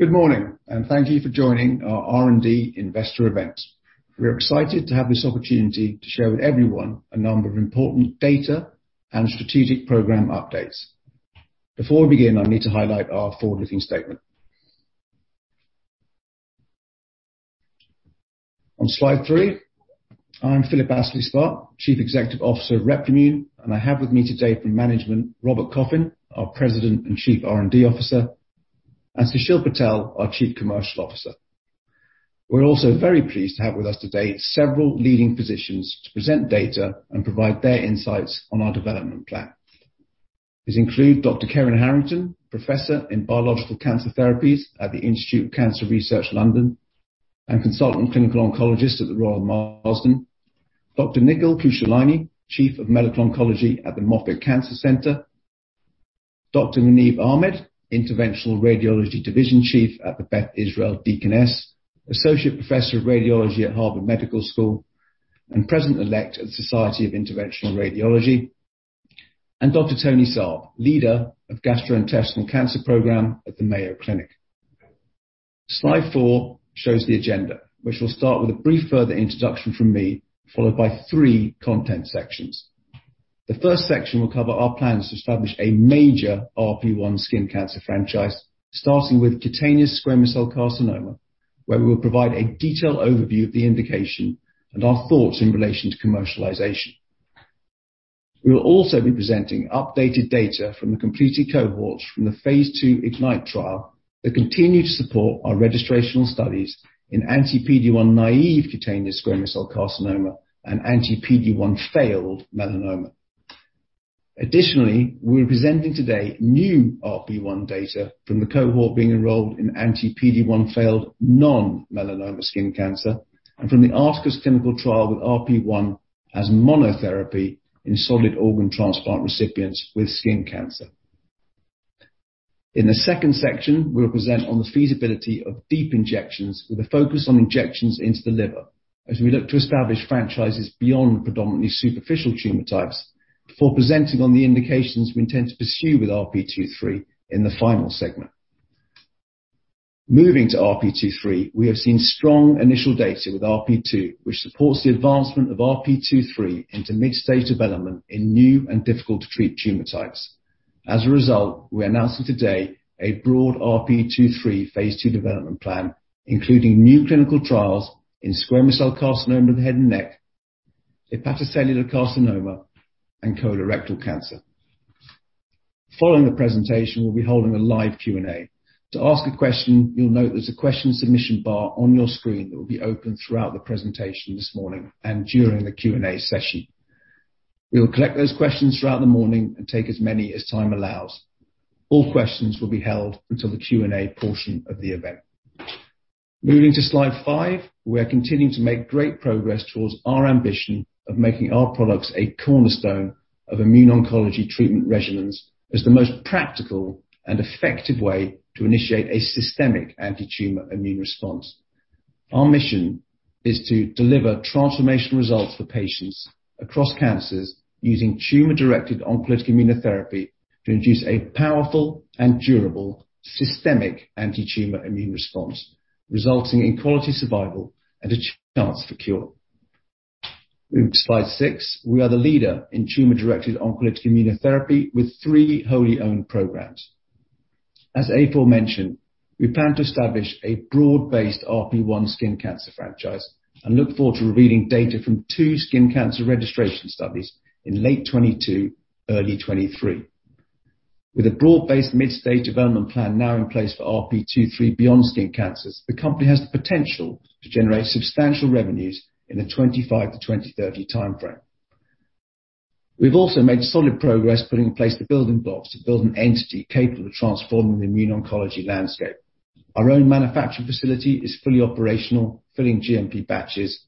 Good morning, and thank you for joining our R&D investor event. We are excited to have this opportunity to share with everyone a number of important data and strategic program updates. Before we begin, I need to highlight our forward-looking statement. On slide three, I'm Philip Astley-Sparke, Chief Executive Officer of Replimune, and I have with me today from management, Robert Coffin, our President and Chief R&D Officer, and Sushil Patel, our Chief Commercial Officer. We're also very pleased to have with us today several leading physicians to present data and provide their insights on our development plan. These include Dr. Kevin Harrington, Professor of Biological Cancer Therapies at The Institute of Cancer Research, London, and Consultant Clinical Oncologist at The Royal Marsden. Dr. Nikhil Khushalani, Chief of Medical Oncology at the Moffitt Cancer Center. Dr. Muneeb Ahmed, Interventional Radiology Division Chief at the Beth Israel Deaconess Medical Center, Associate Professor of Radiology at Harvard Medical School, and president-elect at Society of Interventional Radiology. Dr. Tony Saab, leader of Gastrointestinal Cancer Program at the Mayo Clinic. Slide four shows the agenda, which will start with a brief further introduction from me, followed by three content sections. The first section will cover our plans to establish a major RP1 skin cancer franchise, starting with cutaneous squamous cell carcinoma, where we will provide a detailed overview of the indication and our thoughts in relation to commercialization. We will also be presenting updated data from the completed cohorts from the phase II IGNYTE trial that continue to support our registrational studies in anti-PD-1 naive cutaneous squamous cell carcinoma and anti-PD-1 failed melanoma. Additionally, we're presenting today new RP1 data from the cohort being enrolled in anti-PD-1 failed non-melanoma skin cancer, and from the ARTACUS clinical trial with RP1 as monotherapy in solid organ transplant recipients with skin cancer. In the second section, we'll present on the feasibility of deep injections with a focus on injections into the liver as we look to establish franchises beyond predominantly superficial tumor types before presenting on the indications we intend to pursue with RP2/3 in the final segment. Moving to RP2/3, we have seen strong initial data with RP2, which supports the advancement of RP2/3 into mid-stage development in new and difficult to treat tumor types. As a result, we're announcing today a broad RP2/3 phase II development plan, including new clinical trials in squamous cell carcinoma of the head and neck, hepatocellular carcinoma, and colorectal cancer. Following the presentation, we'll be holding a live Q&A. To ask a question, you'll note there's a question submission bar on your screen that will be open throughout the presentation this morning and during the Q&A session. We will collect those questions throughout the morning and take as many as time allows. All questions will be held until the Q&A portion of the event. Moving to slide five, we are continuing to make great progress towards our ambition of making our products a cornerstone of immuno-oncology treatment regimens as the most practical and effective way to initiate a systemic anti-tumor immune response. Our mission is to deliver transformational results for patients across cancers using tumor-directed oncolytic immunotherapy to induce a powerful and durable systemic anti-tumor immune response, resulting in quality survival and a chance for cure. Moving to slide six, we are the leader in tumor-directed oncolytic immunotherapy with three wholly owned programs. As aforementioned, we plan to establish a broad-based RP1 skin cancer franchise and look forward to revealing data from two skin cancer registration studies in late 2022, early 2023. With a broad-based mid-stage development plan now in place for RP2/3 beyond skin cancers, the company has the potential to generate substantial revenues in the 2025-2030 timeframe. We've also made solid progress putting in place the building blocks to build an entity capable of transforming the immuno-oncology landscape. Our own manufacturing facility is fully operational, filling GMP batches,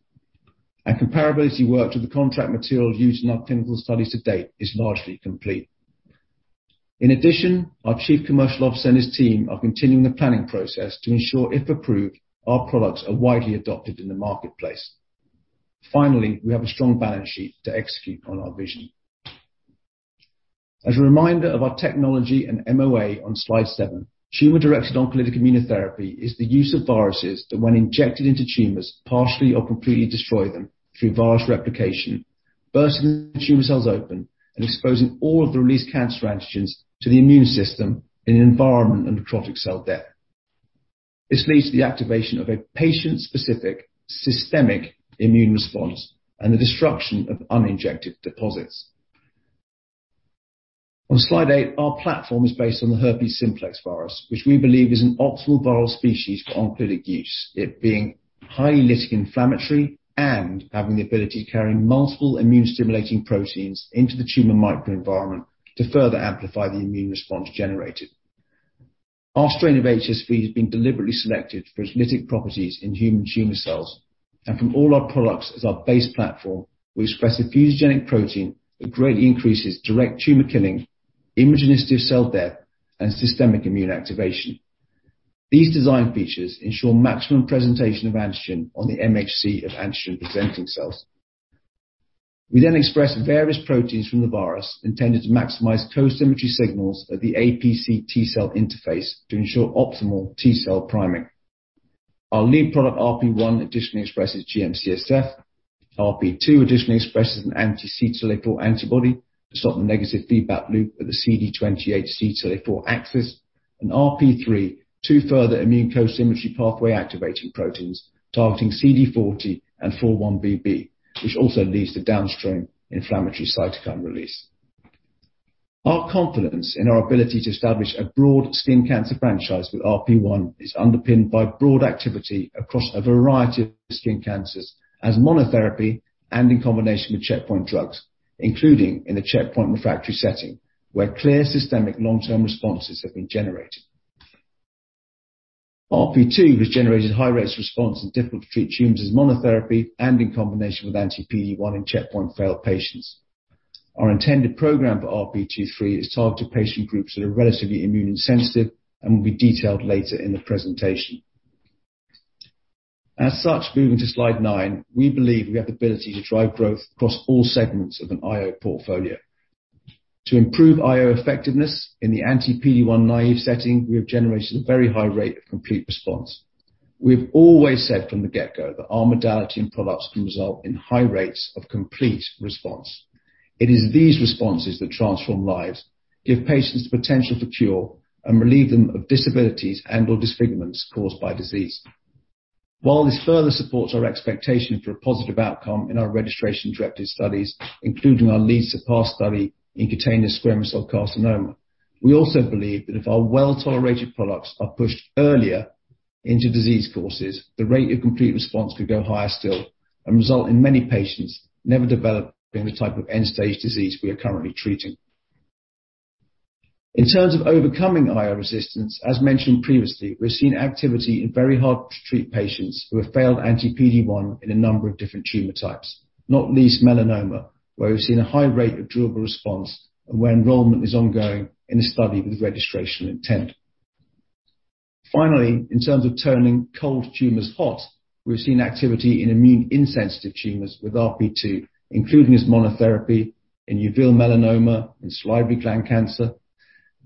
and comparability work to the contract material used in our clinical studies to date is largely complete. In addition, our Chief Commercial Officer and his team are continuing the planning process to ensure, if approved, our products are widely adopted in the marketplace. Finally, we have a strong balance sheet to execute on our vision. As a reminder of our technology and MOA on slide seven, tumor-directed oncolytic immunotherapy is the use of viruses that when injected into tumors, partially or completely destroy them through virus replication, bursting the tumor cells open and exposing all of the released cancer antigens to the immune system in an environment of necrotic cell death. This leads to the activation of a patient-specific systemic immune response and the disruption of uninjected deposits. On slide eight, our platform is based on the herpes simplex virus, which we believe is an optimal viral species for oncolytic use, it being highly lytic inflammatory and having the ability to carry multiple immune-stimulating proteins into the tumor microenvironment to further amplify the immune response generated. Our strain of HSV has been deliberately selected for its lytic properties in human tumor cells, and from all our products as our base platform, we express a fusogenic protein that greatly increases direct tumor killing, immunogenic cell death, and systemic immune activation. These design features ensure maximum presentation of antigen on the MHC of antigen-presenting cells. We then expressed various proteins from the virus intended to maximize co-stimulatory signals at the APC T cell interface to ensure optimal T cell priming. Our lead product, RP1, additionally expresses GM-CSF. RP2 additionally expresses an anti-CTLA-4 antibody to stop the negative feedback loop at the CD28/CTLA-4 axis, and RP3, two further immune co-stimulatory pathway activating proteins targeting CD40 and 4-1BB, which also leads to downstream inflammatory cytokine release. Our confidence in our ability to establish a broad skin cancer franchise with RP1 is underpinned by broad activity across a variety of skin cancers as monotherapy and in combination with checkpoint drugs, including in the checkpoint refractory setting, where clear systemic long-term responses have been generated. RP2 has generated high rates of response in difficult to treat tumors as monotherapy and in combination with anti-PD-1 in checkpoint failed patients. Our intended program for RP2/3 is targeted patient groups that are relatively immune and sensitive and will be detailed later in the presentation. As such, moving to slide nine, we believe we have the ability to drive growth across all segments of an IO portfolio. To improve IO effectiveness in the anti-PD-1 naive setting, we have generated a very high rate of complete response. We've always said from the get-go that our modality and products can result in high rates of complete response. It is these responses that transform lives, give patients the potential for cure, and relieve them of disabilities and/or disfigurements caused by disease. While this further supports our expectation for a positive outcome in our registration-directed studies, including our lead CERPASS study in cutaneous squamous cell carcinoma, we also believe that if our well-tolerated products are pushed earlier into disease courses, the rate of complete response could go higher still and result in many patients never developing the type of end-stage disease we are currently treating. In terms of overcoming IO resistance, as mentioned previously, we're seeing activity in very hard to treat patients who have failed anti-PD-1 in a number of different tumor types, not least melanoma, where we've seen a high rate of durable response and where enrollment is ongoing in a study with registrational intent. Finally, in terms of turning cold tumors hot, we've seen activity in immune-insensitive tumors with RP2, including as monotherapy in uveal melanoma and salivary gland cancer.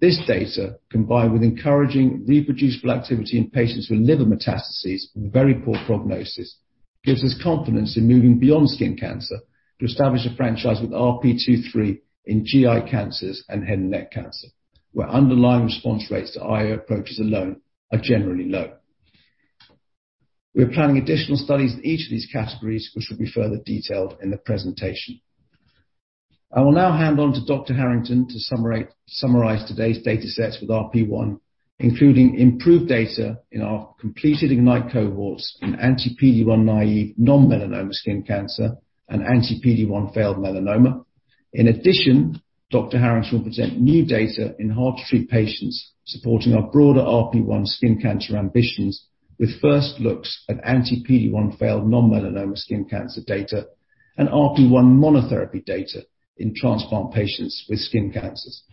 This data, combined with encouraging reproducible activity in patients with liver metastases and very poor prognosis, gives us confidence in moving beyond skin cancer to establish a franchise with RP2/3 in GI cancers and head and neck cancer, where underlying response rates to IO approaches alone are generally low. We are planning additional studies in each of these categories, which will be further detailed in the presentation. I will now hand over to Dr. Harrington to summarize today's datasets with RP1, including improved data in our completed IGNYTE cohorts in anti-PD-1 naive non-melanoma skin cancer and anti-PD-1 failed melanoma. In addition, Dr. Harrington will present new data in hard to treat patients, supporting our broader RP1 skin cancer ambitions with first looks at anti-PD-1 failed non-melanoma skin cancer data and RP1 monotherapy data in transplant patients with skin cancers.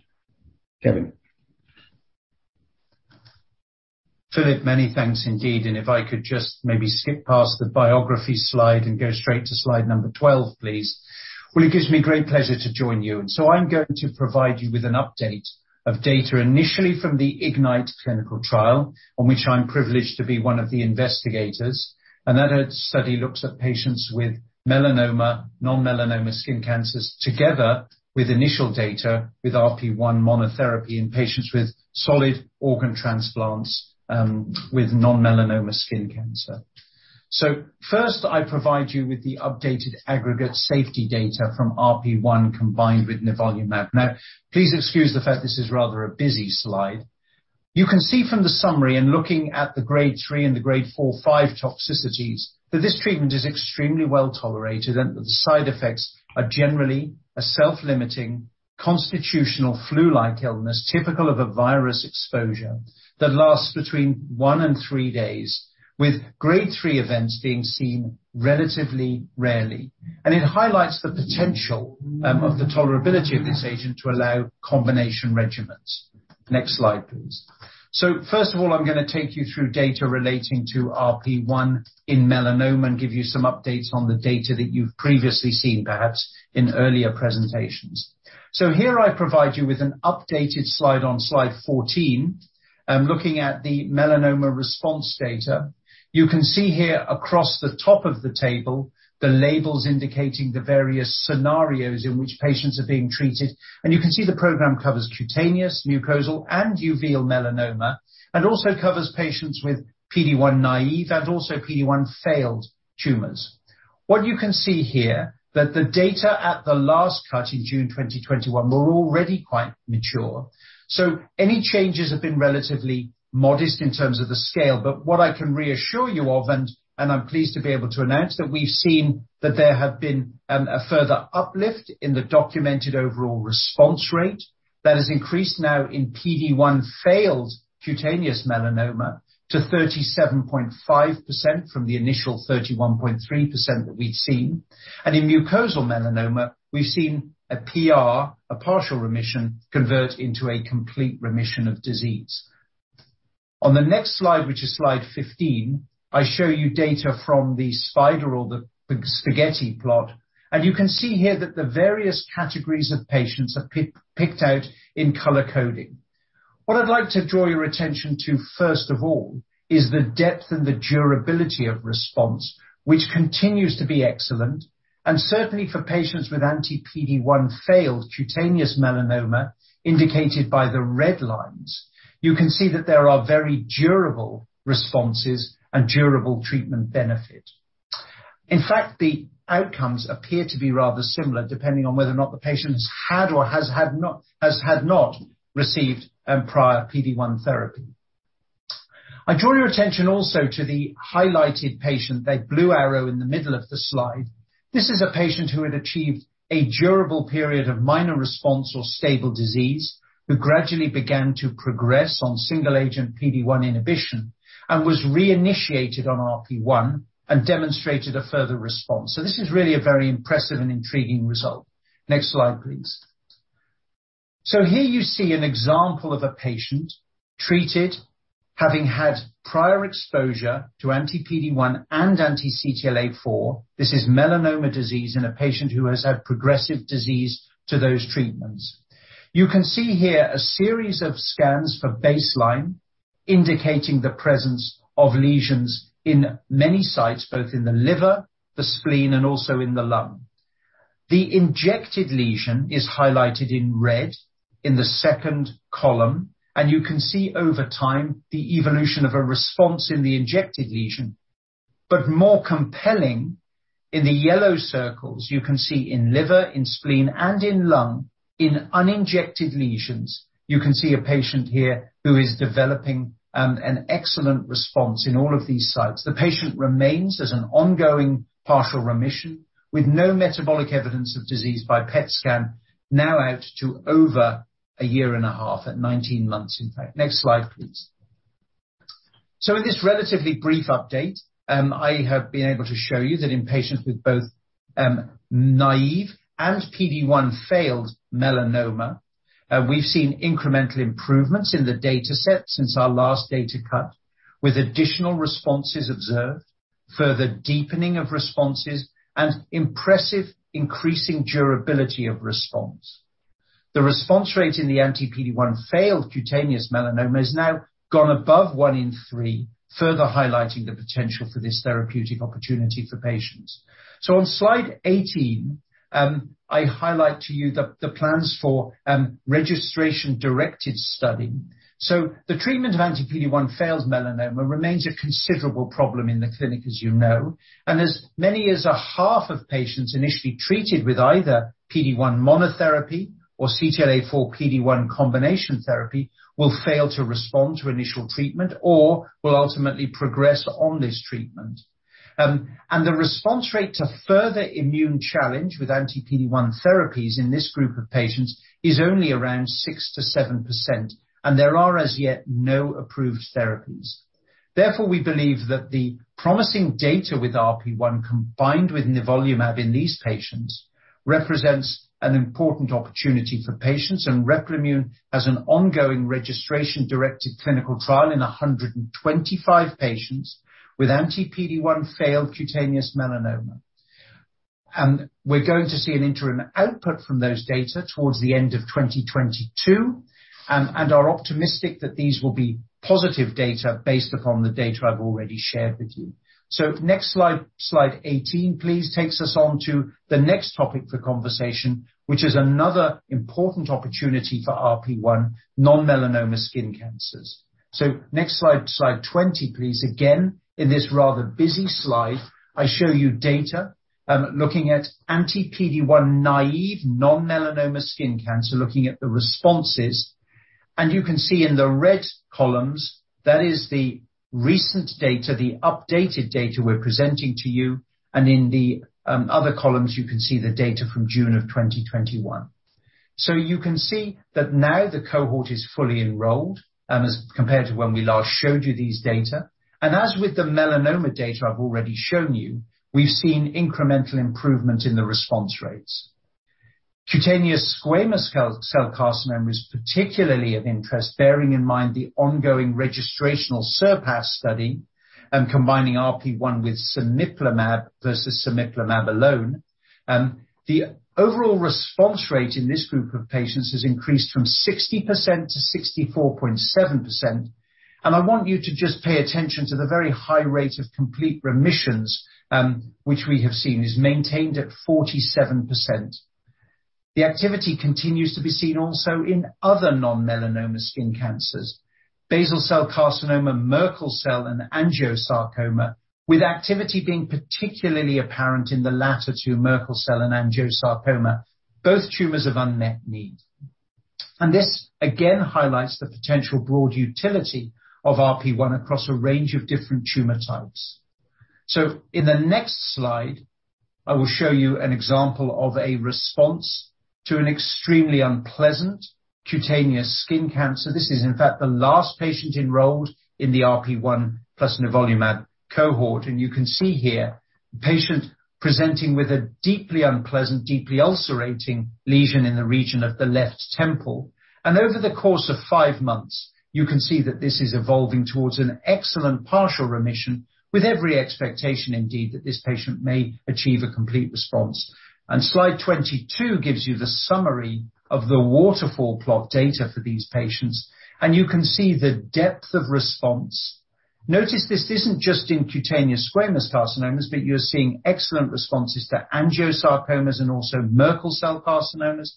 Kevin? Philip, many thanks indeed. If I could just maybe skip past the biography slide and go straight to slide number 12, please. Well, it gives me great pleasure to join you, and so I'm going to provide you with an update of data initially from the IGNYTE clinical trial, on which I'm privileged to be one of the investigators. That study looks at patients with melanoma, non-melanoma skin cancers, together with initial data with RP1 monotherapy in patients with solid organ transplants, with non-melanoma skin cancer. First, I provide you with the updated aggregate safety data from RP1 combined with nivolumab. Now, please excuse the fact this is rather a busy slide. You can see from the summary in looking at the grade 3 and the grade 4/5 toxicities, that this treatment is extremely well-tolerated and that the side effects are generally a self-limiting constitutional flu-like illness, typical of a virus exposure that lasts between one and three days, with grade 3 events being seen relatively rarely. It highlights the potential of the tolerability of this agent to allow combination regimens. Next slide, please. First of all, I'm gonna take you through data relating to RP1 in melanoma and give you some updates on the data that you've previously seen, perhaps in earlier presentations. Here I provide you with an updated slide on slide 14, looking at the melanoma response data. You can see here across the top of the table, the labels indicating the various scenarios in which patients are being treated. You can see the program covers cutaneous, mucosal, and uveal melanoma, and also covers patients with PD-1 naive and also PD-1 failed tumors. What you can see here that the data at the last cut in June 2021 were already quite mature, so any changes have been relatively modest in terms of the scale. But what I can reassure you of and I'm pleased to be able to announce that we've seen that there have been a further uplift in the documented overall response rate that has increased now in PD-1 failed cutaneous melanoma to 37.5% from the initial 31.3% that we've seen. In mucosal melanoma, we've seen a PR, a partial remission, convert into a complete remission of disease. On the next slide, which is slide 15, I show you data from the spider or the spaghetti plot, and you can see here that the various categories of patients are picked out in color coding. What I'd like to draw your attention to first of all, is the depth and the durability of response, which continues to be excellent, and certainly for patients with anti-PD-1 failed cutaneous melanoma indicated by the red lines. You can see that there are very durable responses and durable treatment benefit. In fact, the outcomes appear to be rather similar, depending on whether or not the patient has had or has not received a prior PD-1 therapy. I draw your attention also to the highlighted patient, that blue arrow in the middle of the slide. This is a patient who had achieved a durable period of minor response or stable disease, who gradually began to progress on single-agent PD-1 inhibition and was reinitiated on RP1 and demonstrated a further response. This is really a very impressive and intriguing result. Next slide, please. Here you see an example of a patient treated, having had prior exposure to anti-PD-1 and anti-CTLA-4. This is melanoma disease in a patient who has had progressive disease to those treatments. You can see here a series of scans for baseline, indicating the presence of lesions in many sites, both in the liver, the spleen, and also in the lung. The injected lesion is highlighted in red in the second column, and you can see over time the evolution of a response in the injected lesion. More compelling, in the yellow circles, you can see in liver, in spleen, and in lung, in uninjected lesions, you can see a patient here who is developing an excellent response in all of these sites. The patient remains as an ongoing partial remission with no metabolic evidence of disease by PET scan, now out to over a year and a half, at 19 months, in fact. Next slide, please. In this relatively brief update, I have been able to show you that in patients with both naive and PD-1 failed melanoma, we've seen incremental improvements in the dataset since our last data cut, with additional responses observed, further deepening of responses, and impressive increasing durability of response. The response rate in the anti-PD-1 failed cutaneous melanoma has now gone above one in three, further highlighting the potential for this therapeutic opportunity for patients. On slide 18, I highlight to you the plans for registration-directed study. The treatment of anti-PD-1 failed melanoma remains a considerable problem in the clinic, as you know, and as many as a half of patients initially treated with either PD-1 monotherapy or CTLA-4 PD-1 combination therapy will fail to respond to initial treatment or will ultimately progress on this treatment. The response rate to further immune challenge with anti-PD-1 therapies in this group of patients is only around 6%-7%, and there are as yet no approved therapies. Therefore, we believe that the promising data with RP1 combined with nivolumab in these patients represents an important opportunity for patients, and Replimune has an ongoing registration-directed clinical trial in 125 patients with anti-PD-1 failed cutaneous melanoma. We're going to see an interim output from those data towards the end of 2022, and are optimistic that these will be positive data based upon the data I've already shared with you. Next slide 18, please, takes us on to the next topic for conversation, which is another important opportunity for RP1, non-melanoma skin cancers. Next slide 20, please. Again, in this rather busy slide, I show you data, looking at anti-PD-1 naive non-melanoma skin cancer, looking at the responses. You can see in the red columns, that is the recent data, the updated data we're presenting to you, and in the other columns, you can see the data from June 2021. You can see that now the cohort is fully enrolled, as compared to when we last showed you these data. As with the melanoma data I've already shown you, we've seen incremental improvement in the response rates. Cutaneous squamous cell carcinoma is particularly of interest, bearing in mind the ongoing registrational CERPASS study, combining RP1 with cemiplimab versus cemiplimab alone. The overall response rate in this group of patients has increased from 60% to 64.7%. I want you to just pay attention to the very high rate of complete remissions, which we have seen is maintained at 47%. The activity continues to be seen also in other non-melanoma skin cancers. Basal cell carcinoma, Merkel cell, and angiosarcoma, with activity being particularly apparent in the latter two, Merkel cell and angiosarcoma, both tumors of unmet need. This again highlights the potential broad utility of RP1 across a range of different tumor types. In the next slide, I will show you an example of a response to an extremely unpleasant cutaneous skin cancer. This is in fact the last patient enrolled in the RP1 plus nivolumab cohort, and you can see here. The patient presenting with a deeply unpleasant, deeply ulcerating lesion in the region of the left temple. Over the course of five months, you can see that this is evolving towards an excellent partial remission with every expectation indeed, that this patient may achieve a complete response. Slide 22 gives you the summary of the waterfall plot data for these patients, and you can see the depth of response. Notice this isn't just in cutaneous squamous carcinomas, but you're seeing excellent responses to angiosarcomas and also Merkel cell carcinomas.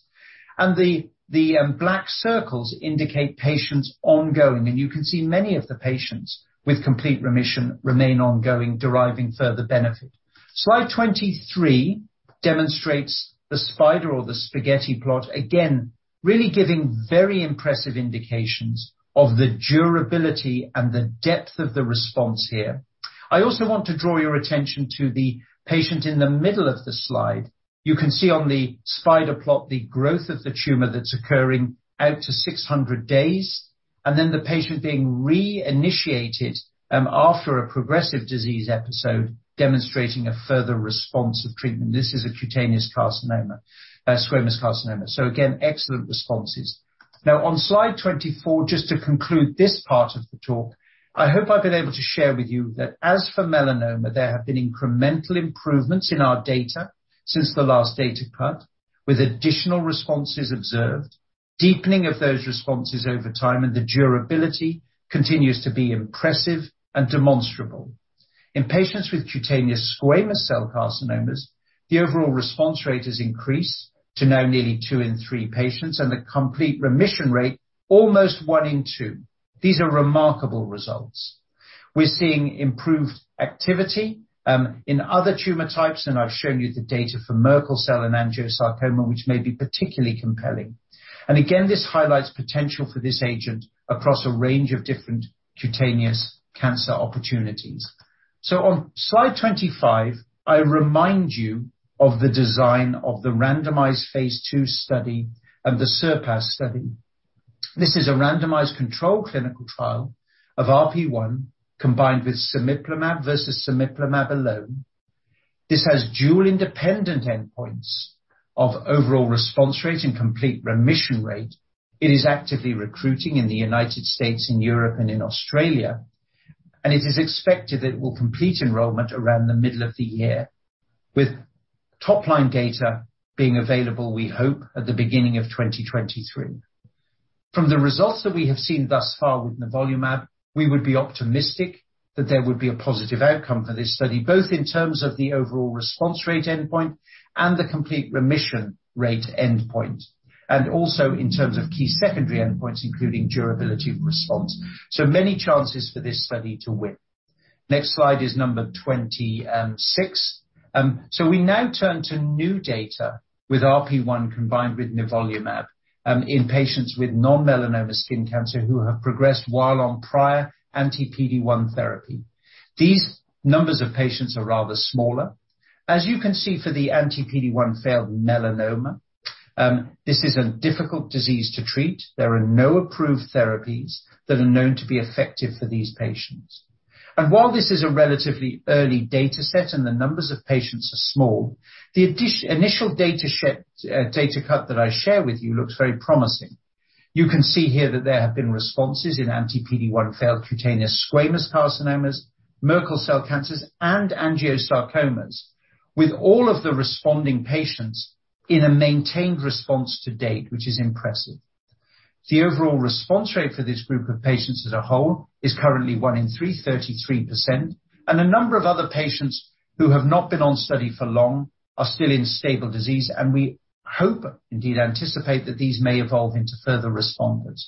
The black circles indicate patients ongoing, and you can see many of the patients with complete remission remain ongoing, deriving further benefit. Slide 23 demonstrates the spider or the spaghetti plot. Again, really giving very impressive indications of the durability and the depth of the response here. I also want to draw your attention to the patient in the middle of the slide. You can see on the spider plot the growth of the tumor that's occurring out to 600 days, and then the patient being re-initiated after a progressive disease episode, demonstrating a further response of treatment. This is a cutaneous carcinoma, squamous carcinoma. Again, excellent responses. Now on Slide 24, just to conclude this part of the talk, I hope I've been able to share with you that as for melanoma, there have been incremental improvements in our data since the last data cut, with additional responses observed, deepening of those responses over time, and the durability continues to be impressive and demonstrable. In patients with cutaneous squamous cell carcinomas, the overall response rate has increased to now nearly two in three patients, and the complete remission rate almost one in two. These are remarkable results. We're seeing improved activity in other tumor types, and I've shown you the data for Merkel cell and angiosarcoma, which may be particularly compelling. Again, this highlights potential for this agent across a range of different cutaneous cancer opportunities. On slide 25, I remind you of the design of the randomized phase II study and the CERPASS study. This is a randomized controlled clinical trial of RP1 combined with cemiplimab versus cemiplimab alone. This has dual independent endpoints of overall response rate and complete remission rate. It is actively recruiting in the United States, in Europe, and in Australia, and it is expected that it will complete enrollment around the middle of the year, with top-line data being available, we hope, at the beginning of 2023. From the results that we have seen thus far with nivolumab, we would be optimistic that there would be a positive outcome for this study, both in terms of the overall response rate endpoint and the complete remission rate endpoint, and also in terms of key secondary endpoints, including durability of response. Many chances for this study to win. Next slide is number 26. We now turn to new data with RP1 combined with nivolumab in patients with non-melanoma skin cancer who have progressed while on prior anti-PD-1 therapy. These numbers of patients are rather smaller. As you can see for the anti-PD-1 failed melanoma, this is a difficult disease to treat. There are no approved therapies that are known to be effective for these patients. While this is a relatively early data set and the numbers of patients are small, the initial data cut that I share with you looks very promising. You can see here that there have been responses in anti-PD-1 failed cutaneous squamous carcinomas, Merkel cell cancers, and angiosarcomas with all of the responding patients in a maintained response to date, which is impressive. The overall response rate for this group of patients as a whole is currently 1/3, 33%, and a number of other patients who have not been on study for long are still in stable disease, and we hope, indeed anticipate that these may evolve into further responders.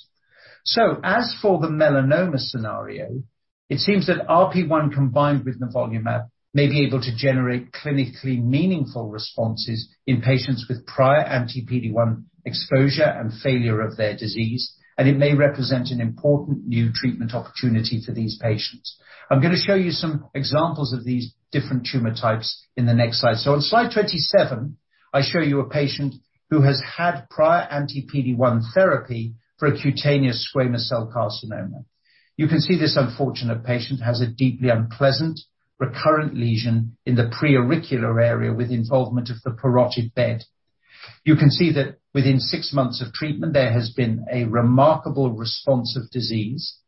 As for the melanoma scenario, it seems that RP1 combined with nivolumab may be able to generate clinically meaningful responses in patients with prior anti-PD-1 exposure and failure of their disease, and it may represent an important new treatment opportunity for these patients. I'm gonna show you some examples of these different tumor types in the next slide. On slide 27, I show you a patient who has had prior anti-PD-1 therapy for a cutaneous squamous cell carcinoma. You can see this unfortunate patient has a deeply unpleasant recurrent lesion in the preauricular area with involvement of the parotid bed. You can see that within six months of treatment, there has been a remarkable response of disease.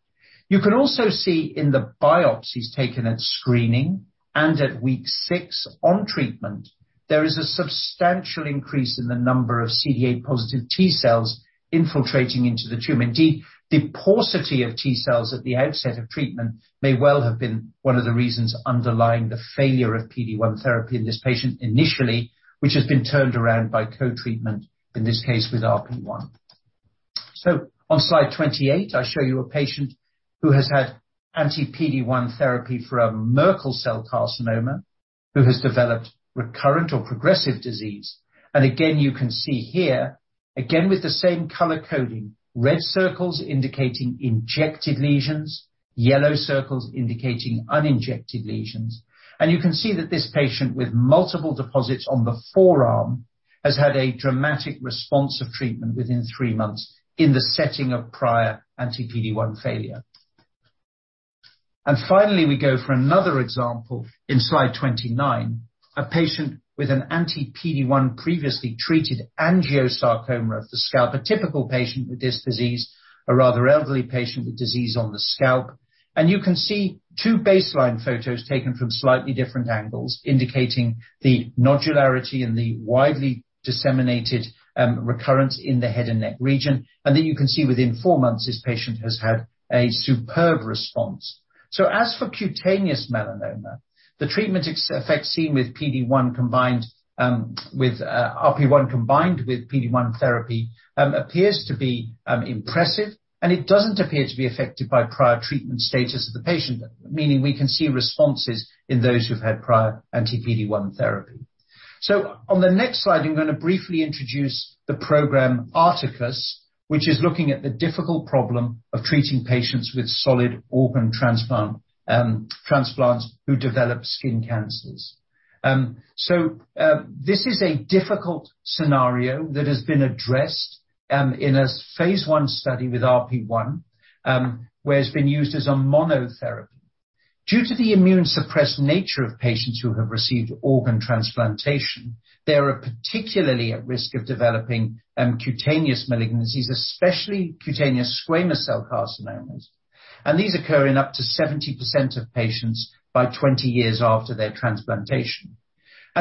You can also see in the biopsies taken at screening and at week six on treatment, there is a substantial increase in the number of CD8+ T cells infiltrating into the tumor. Indeed, the paucity of T cells at the outset of treatment may well have been one of the reasons underlying the failure of PD-1 therapy in this patient initially, which has been turned around by co-treatment, in this case, with RP1. On slide 28, I show you a patient who has had anti-PD-1 therapy for a Merkel cell carcinoma, who has developed recurrent or progressive disease. Again, you can see here, again with the same color coding, red circles indicating injected lesions, yellow circles indicating uninjected lesions. You can see that this patient with multiple deposits on the forearm has had a dramatic response of treatment within three months in the setting of prior anti-PD-1 failure. Finally, we go for another example in slide 29, a patient with an anti-PD-1 previously treated angiosarcoma of the scalp. A typical patient with this disease, a rather elderly patient with disease on the scalp. You can see two baseline photos taken from slightly different angles, indicating the nodularity and the widely disseminated recurrence in the head and neck region. Then you can see, within four months, this patient has had a superb response. As for cutaneous melanoma, the treatment effect seen with PD-1 combined with RP1 combined with PD-1 therapy appears to be impressive, and it doesn't appear to be affected by prior treatment stages of the patient, meaning we can see responses in those who've had prior anti-PD-1 therapy. On the next slide, I'm gonna briefly introduce the program ARTACUS, which is looking at the difficult problem of treating patients with solid organ transplants who develop skin cancers. This is a difficult scenario that has been addressed in a phase I study with RP1, where it's been used as a monotherapy. Due to the immunosuppressed nature of patients who have received organ transplantation, they are particularly at risk of developing cutaneous malignancies, especially cutaneous squamous cell carcinomas, and these occur in up to 70% of patients by 20 years after their transplantation.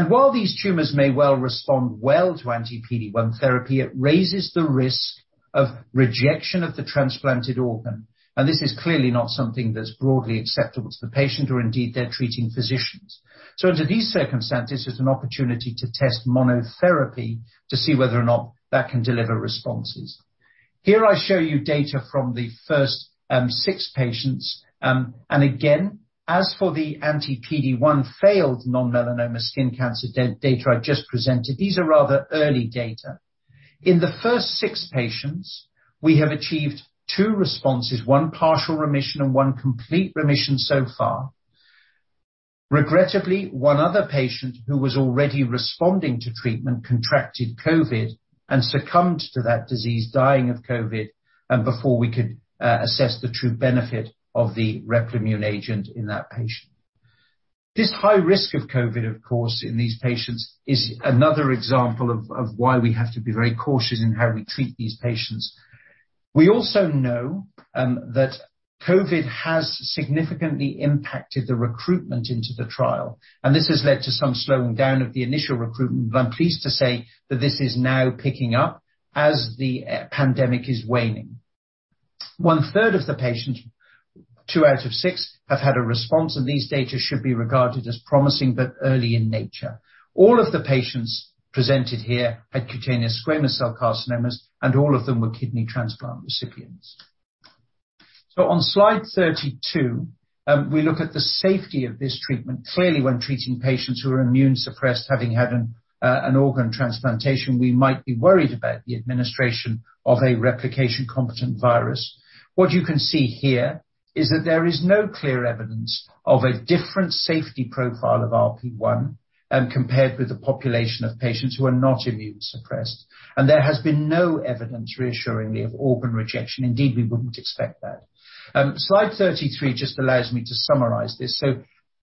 While these tumors may well respond well to anti-PD-1 therapy, it raises the risk of rejection of the transplanted organ. This is clearly not something that's broadly acceptable to the patient or indeed their treating physicians. Under these circumstances, there's an opportunity to test monotherapy to see whether or not that can deliver responses. Here I show you data from the first six patients. Again, as for the anti-PD-1 failed non-melanoma skin cancer data I just presented, these are rather early data. In the first six patients, we have achieved two responses, one partial remission and one complete remission so far. Regrettably, one other patient who was already responding to treatment contracted COVID and succumbed to that disease, dying of COVID, and before we could assess the true benefit of the Replimune agent in that patient. This high risk of COVID, of course, in these patients is another example of why we have to be very cautious in how we treat these patients. We also know that COVID has significantly impacted the recruitment into the trial, and this has led to some slowing down of the initial recruitment. I'm pleased to say that this is now picking up as the pandemic is waning. One-third of the patients, two out of six, have had a response, and these data should be regarded as promising but early in nature. All of the patients presented here had cutaneous squamous cell carcinomas, and all of them were kidney transplant recipients. On Slide 32, we look at the safety of this treatment. Clearly, when treating patients who are immunosuppressed, having had an organ transplantation, we might be worried about the administration of a replication-competent virus. What you can see here is that there is no clear evidence of a different safety profile of RP1 compared with the population of patients who are not immunosuppressed, and there has been no evidence, reassuringly, of organ rejection. Indeed, we wouldn't expect that. Slide 33 just allows me to summarize this.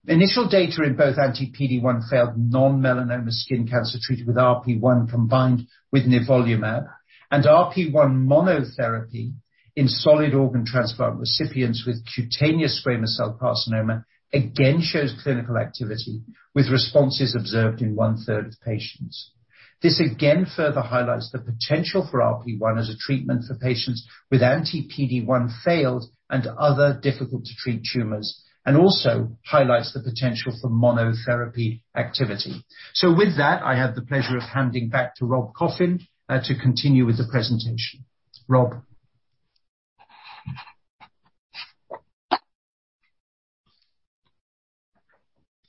Initial data in both anti-PD-1 failed non-melanoma skin cancer treated with RP1 combined with nivolumab and RP1 monotherapy in solid organ transplant recipients with cutaneous squamous cell carcinoma again shows clinical activity with responses observed in 1/3 of patients. This again further highlights the potential for RP1 as a treatment for patients with anti-PD-1 failed and other difficult to treat tumors, and also highlights the potential for monotherapy activity. With that, I have the pleasure of handing back to Rob Coffin, to continue with the presentation. Rob?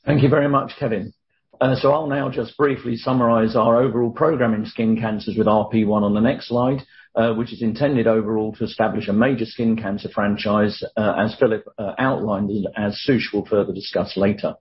Thank you very much, Kevin. I'll now just briefly summarize our overall program in skin cancers with RP1 on the next slide, which is intended overall to establish a major skin cancer franchise, as Philip outlined and as Sush will further discuss later.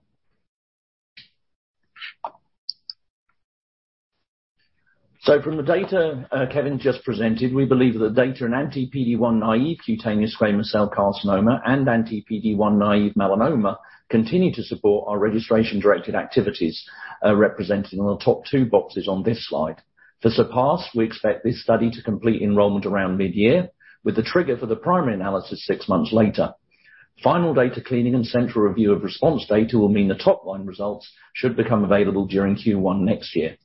From the data Kevin just presented, we believe the data in anti-PD-1 naive cutaneous squamous cell carcinoma and anti-PD-1 naive melanoma continue to support our registration-directed activities, represented in the top two boxes on this slide. For CERPASS, we expect this study to complete enrollment around mid-year, with the trigger for the primary analysis six months later. Final data cleaning and central review of response data will mean the top-line results should become available during Q1 next year.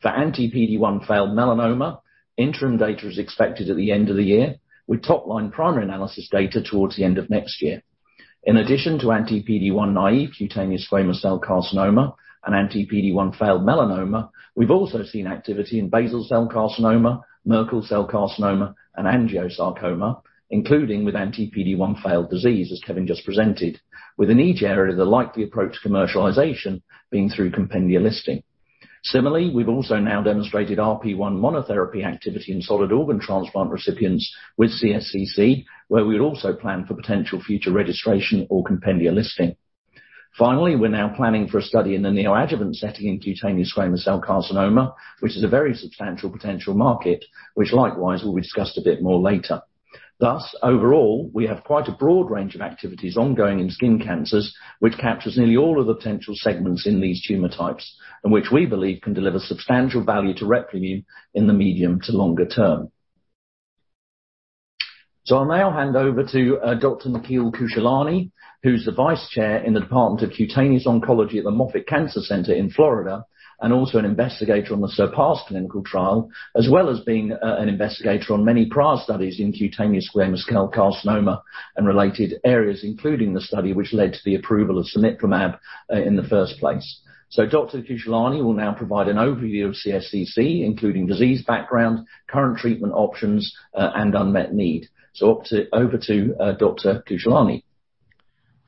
For anti-PD-1 failed melanoma, interim data is expected at the end of the year, with top-line primary analysis data towards the end of next year. In addition to anti-PD-1 naive cutaneous squamous cell carcinoma and anti-PD-1 failed melanoma, we've also seen activity in basal cell carcinoma, Merkel cell carcinoma, and angiosarcoma, including with anti-PD-1 failed disease, as Kevin just presented. Within each area, the likely approach to commercialization being through compendia listing. Similarly, we've also now demonstrated RP1 monotherapy activity in solid organ transplant recipients with CSCC, where we'd also plan for potential future registration or compendia listing. Finally, we're now planning for a study in the neoadjuvant setting in cutaneous squamous cell carcinoma, which is a very substantial potential market, which likewise we'll discuss a bit more later. Thus, overall, we have quite a broad range of activities ongoing in skin cancers, which captures nearly all of the potential segments in these tumor types, and which we believe can deliver substantial value to Replimune in the medium to longer term. I'll now hand over to Dr. Nikhil Khushalani, who's the Vice Chair in the Department of Cutaneous Oncology at the Moffitt Cancer Center in Florida, and also an investigator on the CERPASS clinical trial, as well as being an investigator on many prior studies in cutaneous squamous cell carcinoma and related areas, including the study which led to the approval of cemiplimab in the first place. Dr. Khushalani will now provide an overview of CSCC including disease background, current treatment options, and unmet need. Over to Dr. Khushalani.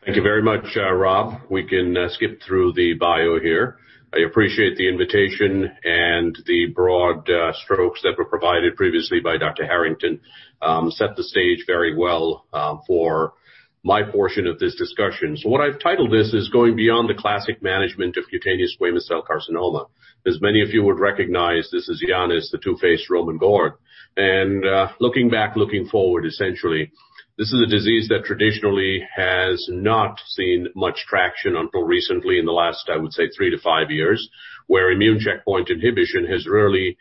Thank you very much, Rob. We can skip through the bio here. I appreciate the invitation and the broad strokes that were provided previously by Dr. Harrington set the stage very well for my portion of this discussion. What I've titled this is Going Beyond the Classic Management of Cutaneous Squamous Cell Carcinoma. As many of you would recognize, this is Janus, the two-faced Roman god, and looking back, looking forward, essentially. This is a disease that traditionally has not seen much traction until recently in the last, I would say, three to five years, where immune checkpoint inhibition has really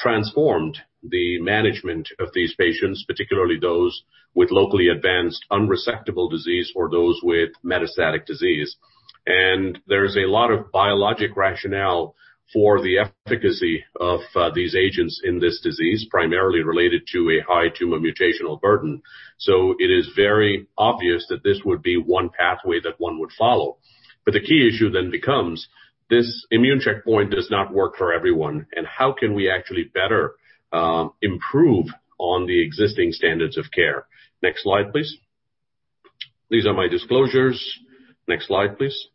transformed the management of these patients, particularly those with locally advanced unresectable disease or those with metastatic disease. There's a lot of biologic rationale for the efficacy of these agents in this disease, primarily related to a high tumor mutational burden. It is very obvious that this would be one pathway that one would follow. The key issue then becomes this immune checkpoint does not work for everyone, and how can we actually better improve on the existing standards of care? Next slide, please. These are my disclosures. Next slide, please.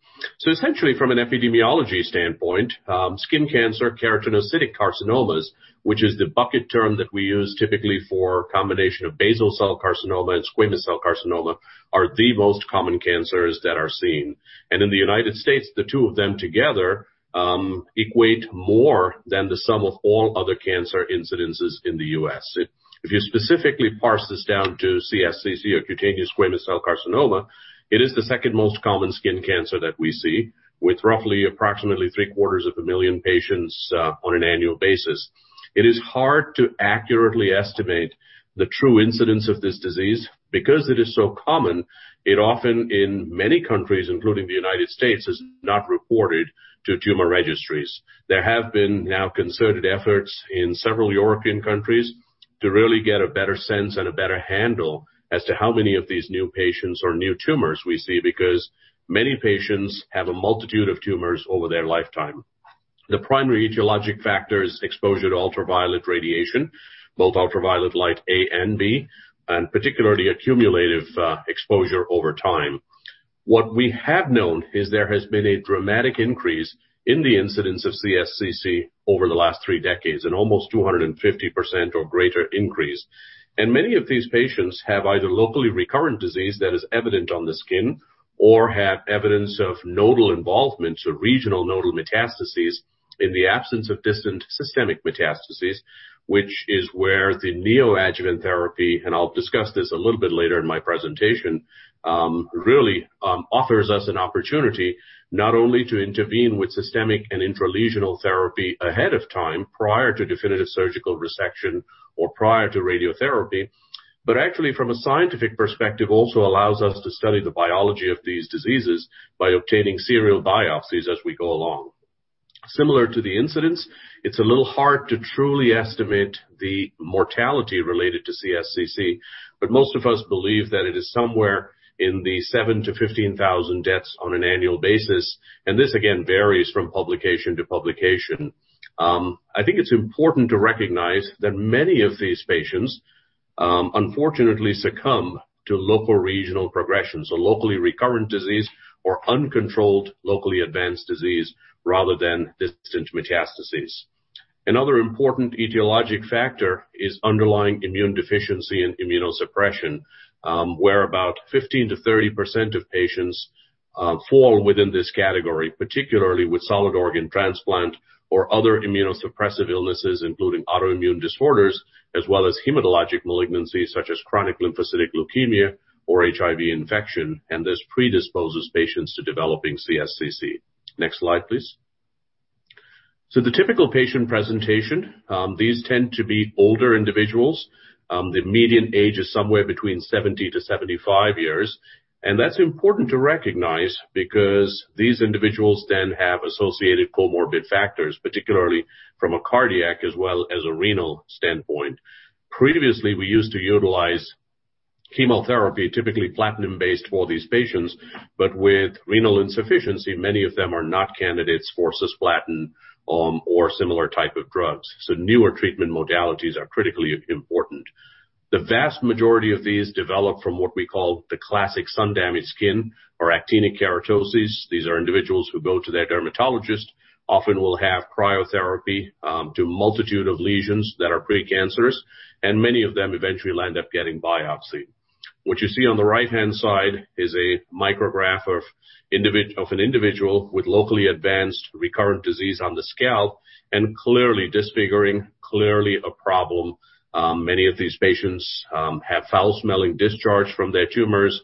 Essentially from an epidemiology standpoint, skin cancer, keratinocyte carcinomas, which is the bucket term that we use typically for combination of basal cell carcinoma and squamous cell carcinoma, are the most common cancers that are seen. In the United States, the two of them together equate more than the sum of all other cancer incidences in the U.S. If you specifically parse this down to CSCC or cutaneous squamous cell carcinoma, it is the second most common skin cancer that we see with roughly approximately three-quarters of a million patients on an annual basis. It is hard to accurately estimate the true incidence of this disease. Because it is so common, it often in many countries, including the United States, is not reported to tumor registries. There have been now concerted efforts in several European countries to really get a better sense and a better handle as to how many of these new patients or new tumors we see because many patients have a multitude of tumors over their lifetime. The primary etiologic factor is exposure to ultraviolet radiation, both ultraviolet light A and B, and particularly accumulative exposure over time. What we have known is there has been a dramatic increase in the incidence of CSCC over the last three decades, an almost 250% or greater increase. Many of these patients have either locally recurrent disease that is evident on the skin or have evidence of nodal involvement, so regional nodal metastases in the absence of distant systemic metastases, which is where the neoadjuvant therapy, and I'll discuss this a little bit later in my presentation, really, offers us an opportunity not only to intervene with systemic and intralesional therapy ahead of time prior to definitive surgical resection or prior to radiotherapy, but actually from a scientific perspective, also allows us to study the biology of these diseases by obtaining serial biopsies as we go along. Similar to the incidence, it's a little hard to truly estimate the mortality related to CSCC, but most of us believe that it is somewhere in the seven to 15,000 deaths on an annual basis. This again varies from publication to publication. I think it's important to recognize that many of these patients, unfortunately succumb to local regional progression, so locally recurrent disease or uncontrolled locally advanced disease rather than distant metastases. Another important etiologic factor is underlying immune deficiency and immunosuppression, where about 15%-30% of patients fall within this category, particularly with solid organ transplant or other immunosuppressive illnesses, including autoimmune disorders as well as hematologic malignancies such as chronic lymphocytic leukemia or HIV infection. This predisposes patients to developing CSCC. Next slide, please. The typical patient presentation, these tend to be older individuals. The median age is somewhere between 70-75 years. That's important to recognize because these individuals then have associated comorbid factors, particularly from a cardiac as well as a renal standpoint. Previously, we used to utilize chemotherapy, typically platinum-based for these patients, but with renal insufficiency, many of them are not candidates for cisplatin, or similar type of drugs. Newer treatment modalities are critically important. The vast majority of these develop from what we call the classic sun-damaged skin or actinic keratosis. These are individuals who go to their dermatologist, often will have cryotherapy, to a multitude of lesions that are precancerous, and many of them eventually will end up getting a biopsy. What you see on the right-hand side is a micrograph of an individual with locally advanced recurrent disease on the scalp and clearly disfiguring, clearly a problem. Many of these patients have foul-smelling discharge from their tumors,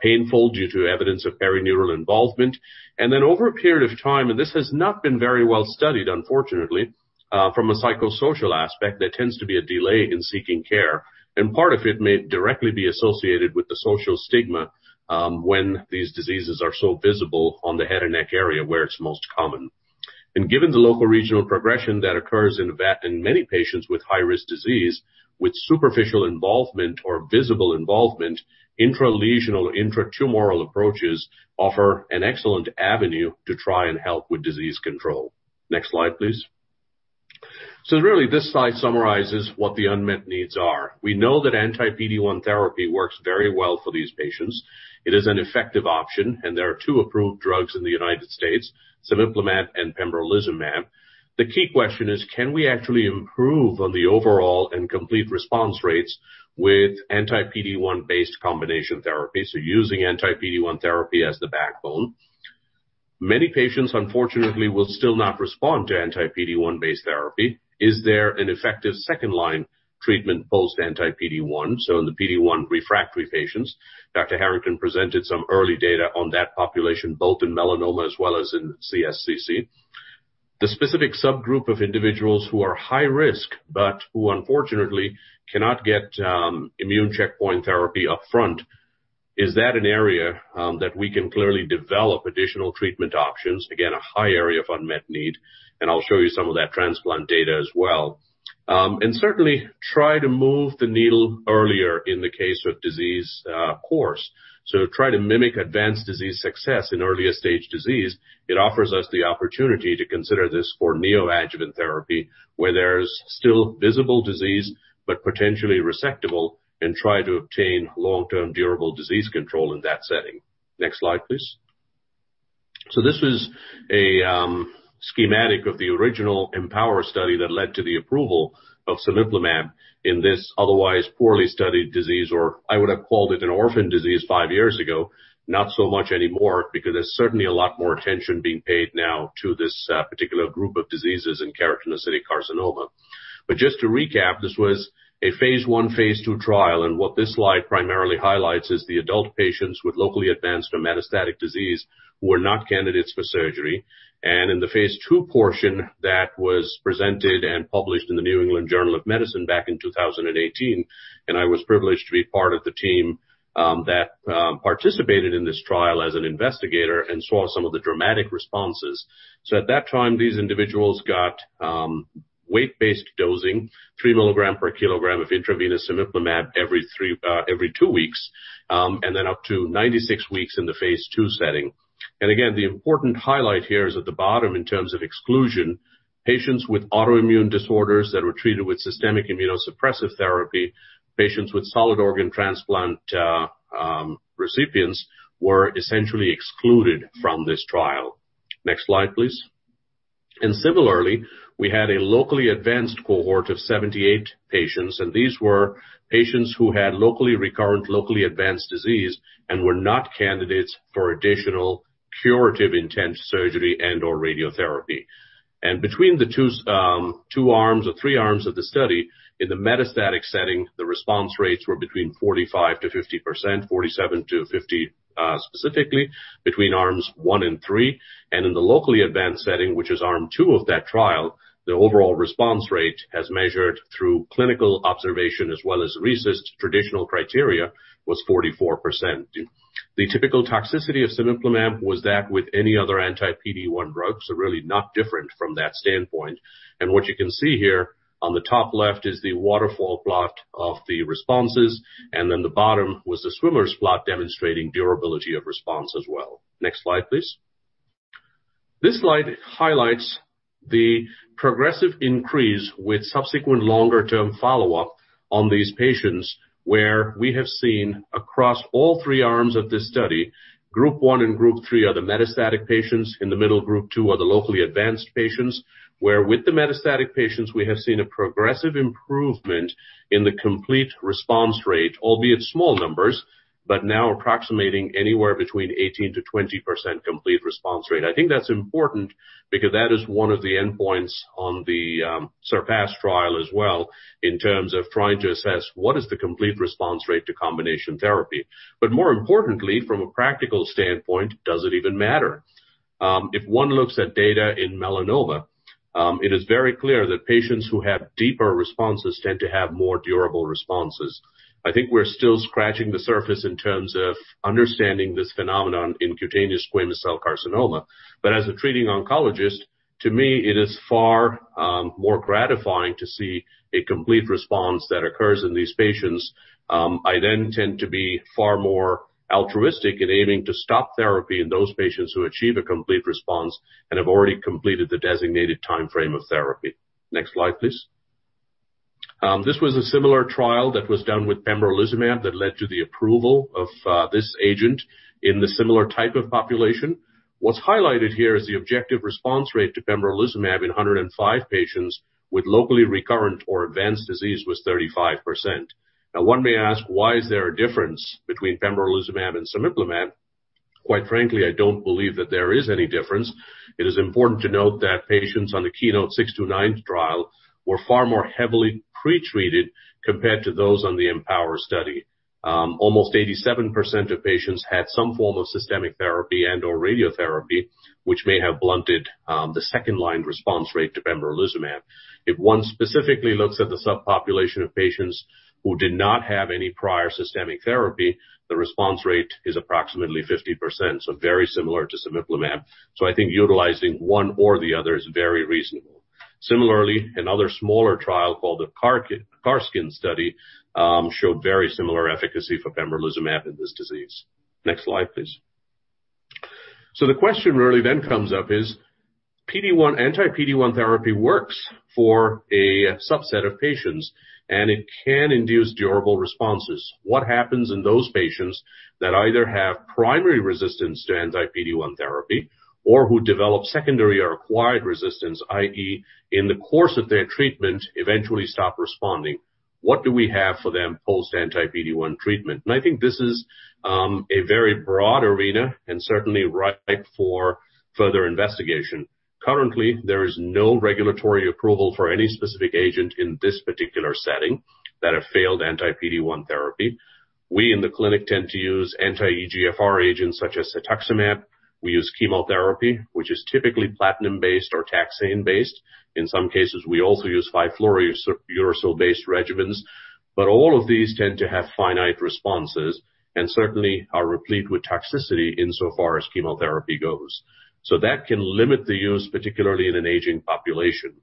painful due to evidence of perineural involvement. Over a period of time, and this has not been very well studied, unfortunately, from a psychosocial aspect, there tends to be a delay in seeking care, and part of it may directly be associated with the social stigma, when these diseases are so visible on the head and neck area where it's most common. Given the local regional progression that occurs in many patients with high-risk disease, with superficial involvement or visible involvement, intralesional, intratumoral approaches offer an excellent avenue to try and help with disease control. Next slide, please. Really, this slide summarizes what the unmet needs are. We know that anti-PD-1 therapy works very well for these patients. It is an effective option, and there are two approved drugs in the United States, cemiplimab and pembrolizumab. The key question is, can we actually improve on the overall and complete response rates with anti-PD-1 based combination therapy, so using anti-PD-1 therapy as the backbone? Many patients, unfortunately, will still not respond to anti-PD-1 based therapy. Is there an effective second line treatment post anti-PD-1, so in the PD-1 refractory patients? Dr. Harrington presented some early data on that population, both in melanoma as well as in CSCC. The specific subgroup of individuals who are high risk, but who unfortunately cannot get immune checkpoint therapy up front, is that an area that we can clearly develop additional treatment options? Again, a high area of unmet need, and I'll show you some of that transplant data as well. Certainly try to move the needle earlier in the case of disease course. Try to mimic advanced disease success in earlier stage disease. It offers us the opportunity to consider this for neoadjuvant therapy, where there's still visible disease, but potentially resectable, and try to obtain long-term durable disease control in that setting. Next slide, please. This was a schematic of the original EMPOWER study that led to the approval of cemiplimab in this otherwise poorly studied disease, or I would have called it an orphan disease five years ago, not so much anymore because there's certainly a lot more attention being paid now to this particular group of diseases in keratinocyte carcinomas. Just to recap, this was a phase I, phase II trial, and what this slide primarily highlights is the adult patients with locally advanced or metastatic disease who are not candidates for surgery. In the phase II portion, that was presented and published in The New England Journal of Medicine back in 2018, and I was privileged to be part of the team that participated in this trial as an investigator and saw some of the dramatic responses. At that time, these individuals got weight-based dosing, 3 mg per kg of intravenous cemiplimab every two weeks, and then up to 96 weeks in the phase II setting. Again, the important highlight here is at the bottom in terms of exclusion, patients with autoimmune disorders that were treated with systemic immunosuppressive therapy, patients with solid organ transplant recipients were essentially excluded from this trial. Next slide, please. Similarly, we had a locally advanced cohort of 78 patients, and these were patients who had locally recurrent, locally advanced disease and were not candidates for additional curative intense surgery and/or radiotherapy. Between the two two arms or three arms of the study, in the metastatic setting, the response rates were between 45%-50%, 47-50%, specifically between arms one and three. In the locally advanced setting, which is arm two of that trial, the overall response rate as measured through clinical observation as well as RECIST traditional criteria was 44%. The typical toxicity of cemiplimab was that with any other anti-PD-1 drugs, so really not different from that standpoint. What you can see here on the top left is the waterfall plot of the responses, and then the bottom was the swimmer's plot demonstrating durability of response as well. Next slide, please. This slide highlights the progressive increase with subsequent longer term follow-up on these patients, where we have seen across all three arms of this study, group one and group three are the metastatic patients. In the middle, group two are the locally advanced patients, where with the metastatic patients, we have seen a progressive improvement in the complete response rate, albeit small numbers, but now approximating anywhere between 18%-20% complete response rate. I think that's important because that is one of the endpoints on the CERPASS trial as well in terms of trying to assess what is the complete response rate to combination therapy. More importantly, from a practical standpoint, does it even matter? If one looks at data in melanoma, it is very clear that patients who have deeper responses tend to have more durable responses. I think we're still scratching the surface in terms of understanding this phenomenon in cutaneous squamous cell carcinoma. As a treating oncologist, to me, it is far more gratifying to see a complete response that occurs in these patients. I then tend to be far more altruistic in aiming to stop therapy in those patients who achieve a complete response and have already completed the designated timeframe of therapy. Next slide, please. This was a similar trial that was done with pembrolizumab that led to the approval of this agent in the similar type of population. What's highlighted here is the objective response rate to pembrolizumab in 105 patients with locally recurrent or advanced disease was 35%. Now, one may ask, why is there a difference between pembrolizumab and cemiplimab? Quite frankly, I don't believe that there is any difference. It is important to note that patients on the KEYNOTE-629 trial were far more heavily pre-treated compared to those on the EMPOWER study. Almost 87% of patients had some form of systemic therapy and/or radiotherapy, which may have blunted the second-line response rate to pembrolizumab. If one specifically looks at the subpopulation of patients who did not have any prior systemic therapy, the response rate is approximately 50%, so very similar to cemiplimab. I think utilizing one or the other is very reasonable. Similarly, another smaller trial called the CARSKIN study showed very similar efficacy for pembrolizumab in this disease. Next slide, please. The question really then comes up is PD-1, anti-PD-1 therapy works for a subset of patients, and it can induce durable responses. What happens in those patients that either have primary resistance to anti-PD-1 therapy or who develop secondary or acquired resistance, i.e., in the course of their treatment, eventually stop responding. What do we have for them post anti-PD-1 treatment? I think this is a very broad arena and certainly ripe for further investigation. Currently, there is no regulatory approval for any specific agent in this particular setting that have failed anti-PD-1 therapy. We in the clinic tend to use anti-EGFR agents such as cetuximab. We use chemotherapy, which is typically platinum-based or taxane-based. In some cases, we also use 5-fluorouracil-based regimens. All of these tend to have finite responses and certainly are replete with toxicity insofar as chemotherapy goes. That can limit the use, particularly in an aging population.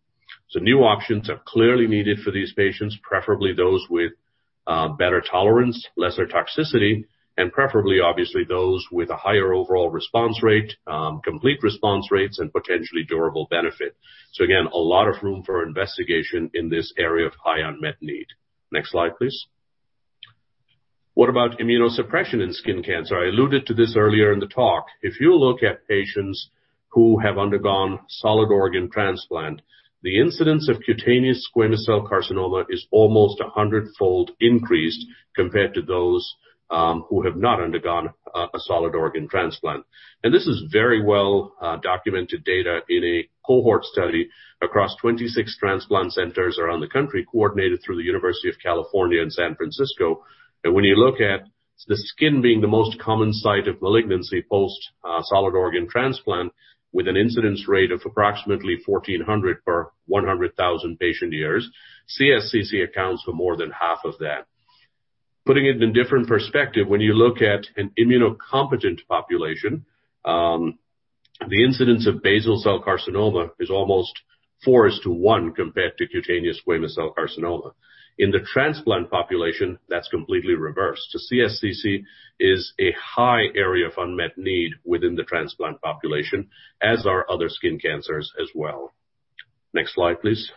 New options are clearly needed for these patients, preferably those with better tolerance, lesser toxicity, and preferably, obviously, those with a higher overall response rate, complete response rates, and potentially durable benefit. Again, a lot of room for investigation in this area of high unmet need. Next slide, please. What about immunosuppression in skin cancer? I alluded to this earlier in the talk. If you look at patients who have undergone solid organ transplant, the incidence of cutaneous squamous cell carcinoma is almost a hundredfold increased compared to those who have not undergone a solid organ transplant. This is very well documented data in a cohort study across 26 transplant centers around the country, coordinated through the University of California, San Francisco. When you look at the skin being the most common site of malignancy post solid organ transplant with an incidence rate of approximately 1,400 per 100,000 patient years, CSCC accounts for more than half of that. Putting it in different perspective, when you look at an immunocompetent population, the incidence of basal cell carcinoma is almost four is to one compared to cutaneous squamous cell carcinoma. In the transplant population, that's completely reversed. The CSCC is a high area of unmet need within the transplant population, as are other skin cancers as well. Next slide, please.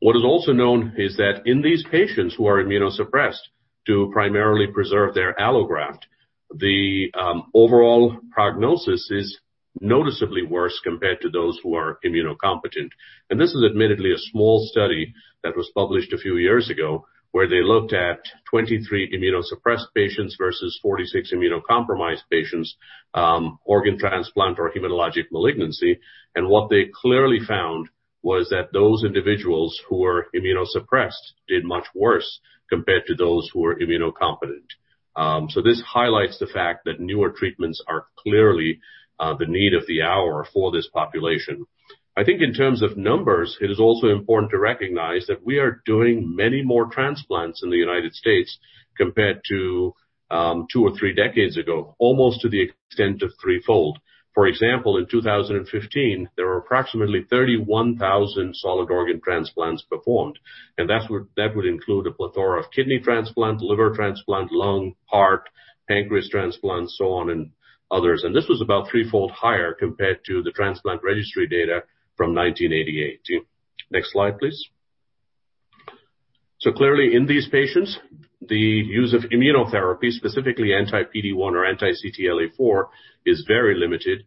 What is also known is that in these patients who are immunosuppressed to primarily preserve their allograft, the overall prognosis is noticeably worse compared to those who are immunocompetent. This is admittedly a small study that was published a few years ago, where they looked at 23 immunosuppressed patients versus 46 immunocompetent patients, organ transplant or hematologic malignancy. What they clearly found was that those individuals who were immunosuppressed did much worse compared to those who were immunocompetent. This highlights the fact that newer treatments are clearly the need of the hour for this population. I think in terms of numbers, it is also important to recognize that we are doing many more transplants in the United States compared to two or three decades ago, almost to the extent of threefold. For example, in 2015, there were approximately 31,000 solid organ transplants performed, and that would include a plethora of kidney transplant, liver transplant, lung, heart, pancreas transplants, so on and others. This was about threefold higher compared to the transplant registry data from 1988. Next slide, please. Clearly, in these patients, the use of immunotherapy, specifically anti-PD-1 or anti-CTLA-4, is very limited.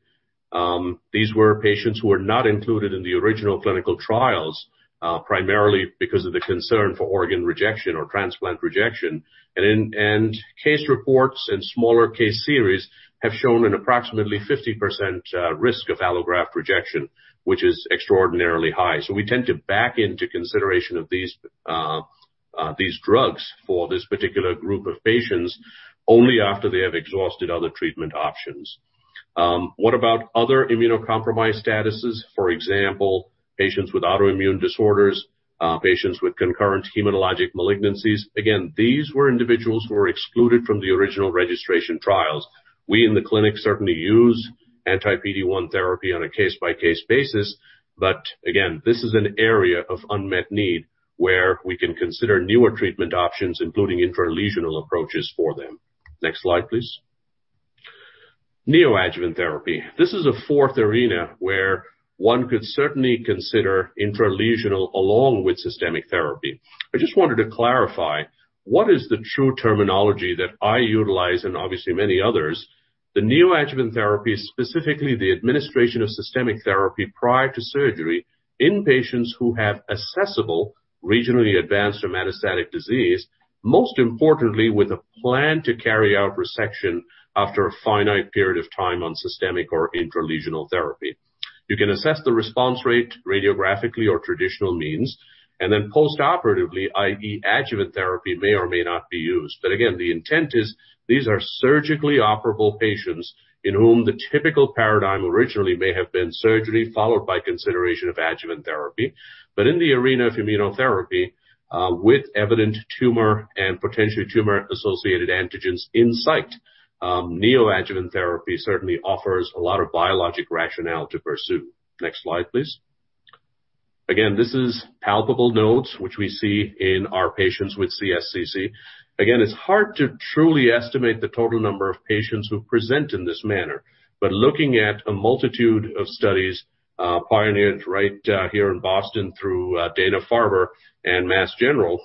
These were patients who were not included in the original clinical trials, primarily because of the concern for organ rejection or transplant rejection. Case reports and smaller case series have shown an approximately 50% risk of allograft rejection, which is extraordinarily high. So we tend to back into consideration of these drugs for this particular group of patients only after they have exhausted other treatment options. What about other immunocompromised statuses? For example, patients with autoimmune disorders, patients with concurrent hematologic malignancies. Again, these were individuals who were excluded from the original registration trials. We in the clinic certainly use anti-PD-1 therapy on a case-by-case basis. But again, this is an area of unmet need where we can consider newer treatment options, including intralesional approaches for them. Next slide, please. Neoadjuvant therapy. This is a fourth arena where one could certainly consider intralesional along with systemic therapy. I just wanted to clarify what is the true terminology that I utilize and obviously many others. The neoadjuvant therapy, specifically the administration of systemic therapy prior to surgery in patients who have accessible regionally advanced or metastatic disease, most importantly, with a plan to carry out resection after a finite period of time on systemic or intralesional therapy. You can assess the response rate radiographically or traditional means, and then postoperatively, i.e., adjuvant therapy may or may not be used. Again, the intent is these are surgically operable patients in whom the typical paradigm originally may have been surgery followed by consideration of adjuvant therapy. In the arena of immunotherapy, with evident tumor and potentially tumor-associated antigens in sight, neoadjuvant therapy certainly offers a lot of biologic rationale to pursue. Next slide, please. Again, this is palpable nodes which we see in our patients with CSCC. Again, it's hard to truly estimate the total number of patients who present in this manner. Looking at a multitude of studies pioneered right here in Boston through Dana-Farber and Mass General,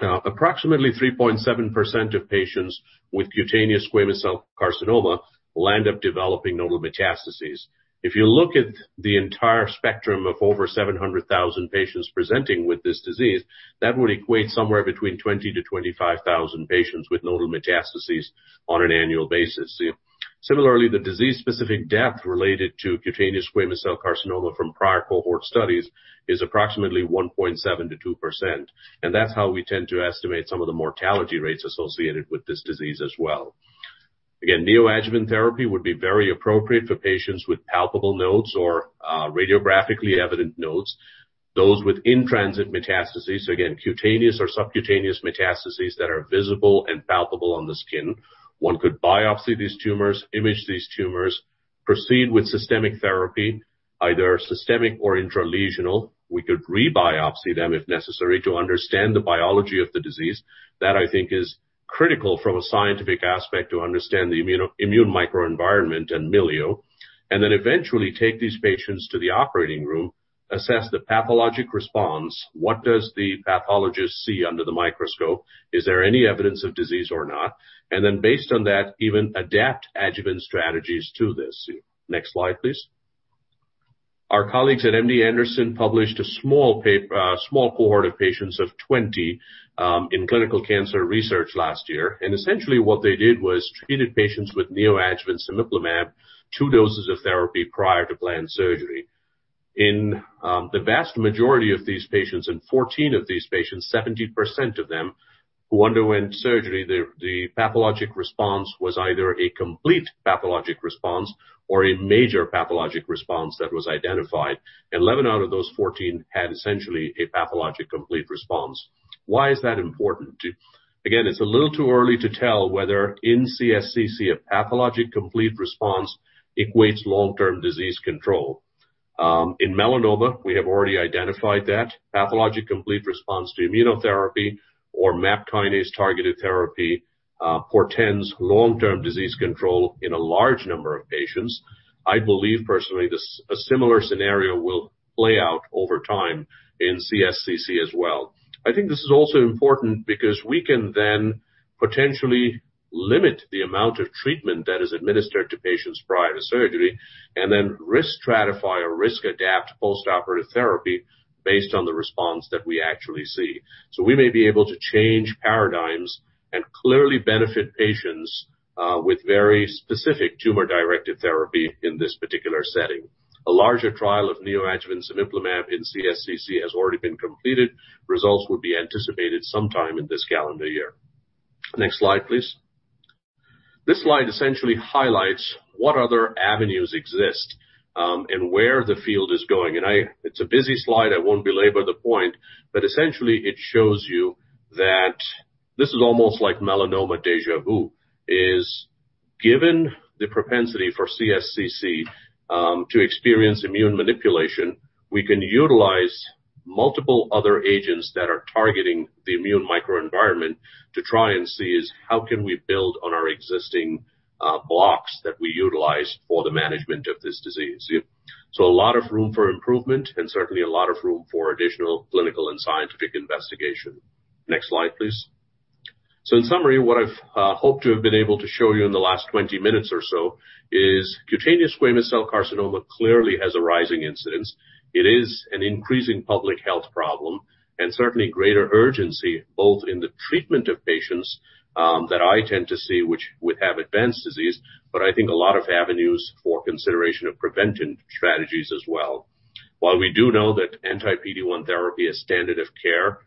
approximately 3.7% of patients with cutaneous squamous cell carcinoma will end up developing nodal metastases. If you look at the entire spectrum of over 700,000 patients presenting with this disease, that would equate somewhere between 20,000-25,000 patients with nodal metastases on an annual basis. Similarly, the disease-specific death related to cutaneous squamous cell carcinoma from prior cohort studies is approximately 1.7%-2%. That's how we tend to estimate some of the mortality rates associated with this disease as well. Again, neoadjuvant therapy would be very appropriate for patients with palpable nodes or radiographically evident nodes. Those with in-transit metastases, again, cutaneous or subcutaneous metastases that are visible and palpable on the skin. One could biopsy these tumors, image these tumors, proceed with systemic therapy, either systemic or intralesional. We could re-biopsy them if necessary, to understand the biology of the disease. That I think is critical from a scientific aspect to understand the immune microenvironment and milieu. Then eventually take these patients to the operating room, assess the pathologic response. What does the pathologist see under the microscope? Is there any evidence of disease or not? Then based on that, even adapt adjuvant strategies to this. Next slide, please. Our colleagues at MD Anderson published a small cohort of patients of 20 in Clinical Cancer Research last year. Essentially what they did was treated patients with neoadjuvant cemiplimab, two doses of therapy prior to planned surgery. In the vast majority of these patients, in 14 of these patients, 70% of them who underwent surgery, the pathologic response was either a complete pathologic response or a major pathologic response that was identified. Eleven out of those 14 had essentially a pathologic complete response. Why is that important? It's a little too early to tell whether in CSCC, a pathologic complete response equates long-term disease control. In melanoma, we have already identified that pathologic complete response to immunotherapy or MAP kinase-targeted therapy portends long-term disease control in a large number of patients. I believe personally this, a similar scenario will play out over time in CSCC as well. I think this is also important because we can then potentially limit the amount of treatment that is administered to patients prior to surgery, and then risk stratify or risk adapt postoperative therapy based on the response that we actually see. We may be able to change paradigms and clearly benefit patients with very specific tumor-directed therapy in this particular setting. A larger trial of neoadjuvant cemiplimab in CSCC has already been completed. Results would be anticipated sometime in this calendar year. Next slide, please. This slide essentially highlights what other avenues exist, and where the field is going. It's a busy slide. I won't belabor the point, but essentially it shows you that this is almost like melanoma déjà vu. Given the propensity for CSCC to experience immune manipulation, we can utilize multiple other agents that are targeting the immune microenvironment to try and see how we can build on our existing blocks that we utilized for the management of this disease. A lot of room for improvement and certainly a lot of room for additional clinical and scientific investigation. Next slide, please. In summary, what I've hoped to have been able to show you in the last 20 minutes or so is cutaneous squamous cell carcinoma clearly has a rising incidence. It is an increasing public health problem and certainly greater urgency both in the treatment of patients that I tend to see which would have advanced disease, but I think a lot of avenues for consideration of prevention strategies as well. While we do know that anti-PD-1 therapy is standard of care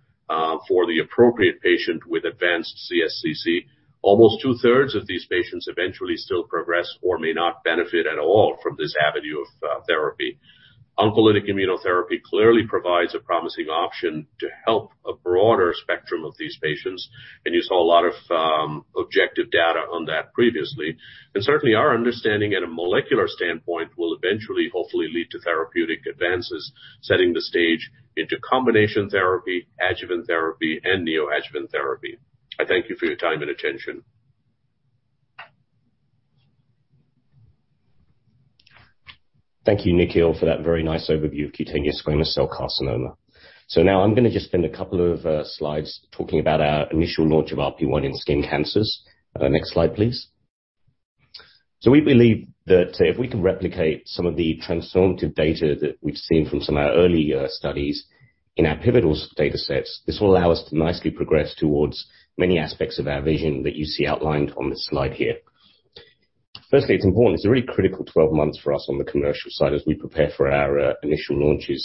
for the appropriate patient with advanced CSCC, almost 2/3 of these patients eventually still progress or may not benefit at all from this avenue of therapy. Oncolytic immunotherapy clearly provides a promising option to help a broader spectrum of these patients, and you saw a lot of objective data on that previously. Certainly our understanding at a molecular standpoint will eventually hopefully lead to therapeutic advances, setting the stage into combination therapy, adjuvant therapy, and neoadjuvant therapy. I thank you for your time and attention. Thank you, Nikhil, for that very nice overview of cutaneous squamous cell carcinoma. Now I'm gonna just spend a couple of slides talking about our initial launch of RP1 in skin cancers. Next slide, please. We believe that if we can replicate some of the transformative data that we've seen from some of our early studies in our pivotal data sets, this will allow us to nicely progress towards many aspects of our vision that you see outlined on this slide here. Firstly, it's important. It's a really critical 12 months for us on the commercial side as we prepare for our initial launches.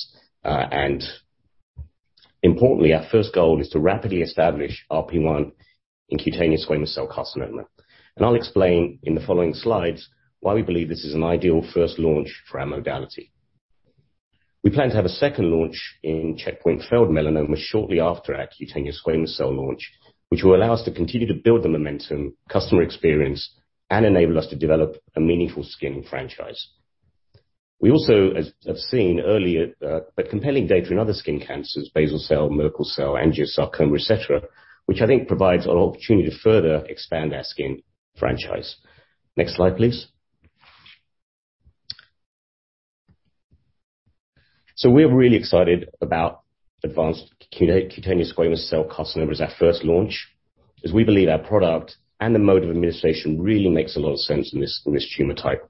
Importantly, our first goal is to rapidly establish RP1 in cutaneous squamous cell carcinoma. I'll explain in the following slides why we believe this is an ideal first launch for our modality. We plan to have a second launch in checkpoint failed melanoma shortly after our cutaneous squamous cell launch, which will allow us to continue to build the momentum, customer experience, and enable us to develop a meaningful skin franchise. We also, as we have seen earlier, with compelling data in other skin cancers, basal cell, Merkel cell, angiosarcoma, et cetera, which I think provides an opportunity to further expand our skin franchise. Next slide, please. We're really excited about advanced cutaneous squamous cell carcinoma as our first launch, as we believe our product and the mode of administration really makes a lot of sense in this tumor type.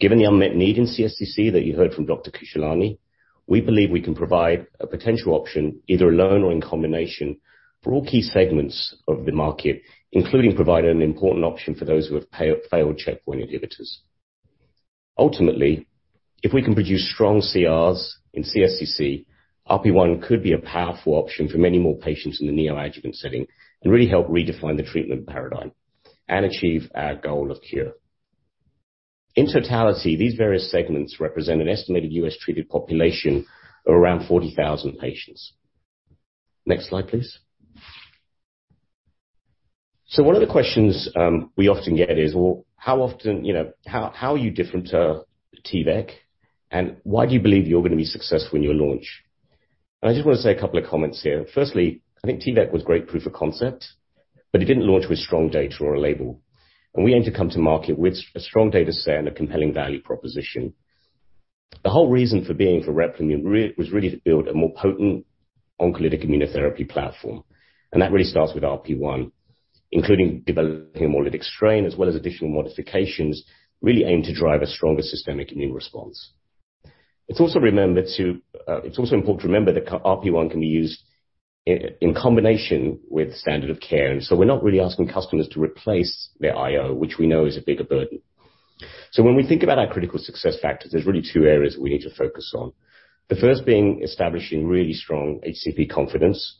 Given the unmet need in CSCC that you heard from Dr. Khushalani, we believe we can provide a potential option, either alone or in combination, for all key segments of the market, including providing an important option for those who have failed checkpoint inhibitors. Ultimately, if we can produce strong CRs in CSCC, RP1 could be a powerful option for many more patients in the neoadjuvant setting and really help redefine the treatment paradigm and achieve our goal of cure. In totality, these various segments represent an estimated U.S. treated population of around 40,000 patients. Next slide, please. One of the questions we often get is, "Well, you know, how are you different to T-VEC, and why do you believe you're gonna be successful in your launch?" I just wanna say a couple of comments here. Firstly, I think T-VEC was great proof of concept, but it didn't launch with strong data or a label. We aim to come to market with strong data set and a compelling value proposition. The whole reason for being for Replimune was really to build a more potent oncolytic immunotherapy platform, and that really starts with RP1, including developing a more lytic strain, as well as additional modifications, really aim to drive a stronger systemic immune response. It's also important to remember that RP1 can be used in combination with standard of care, and so we're not really asking customers to replace their IO, which we know is a bigger burden. When we think about our critical success factors, there's really two areas we need to focus on. The first being establishing really strong HCP confidence.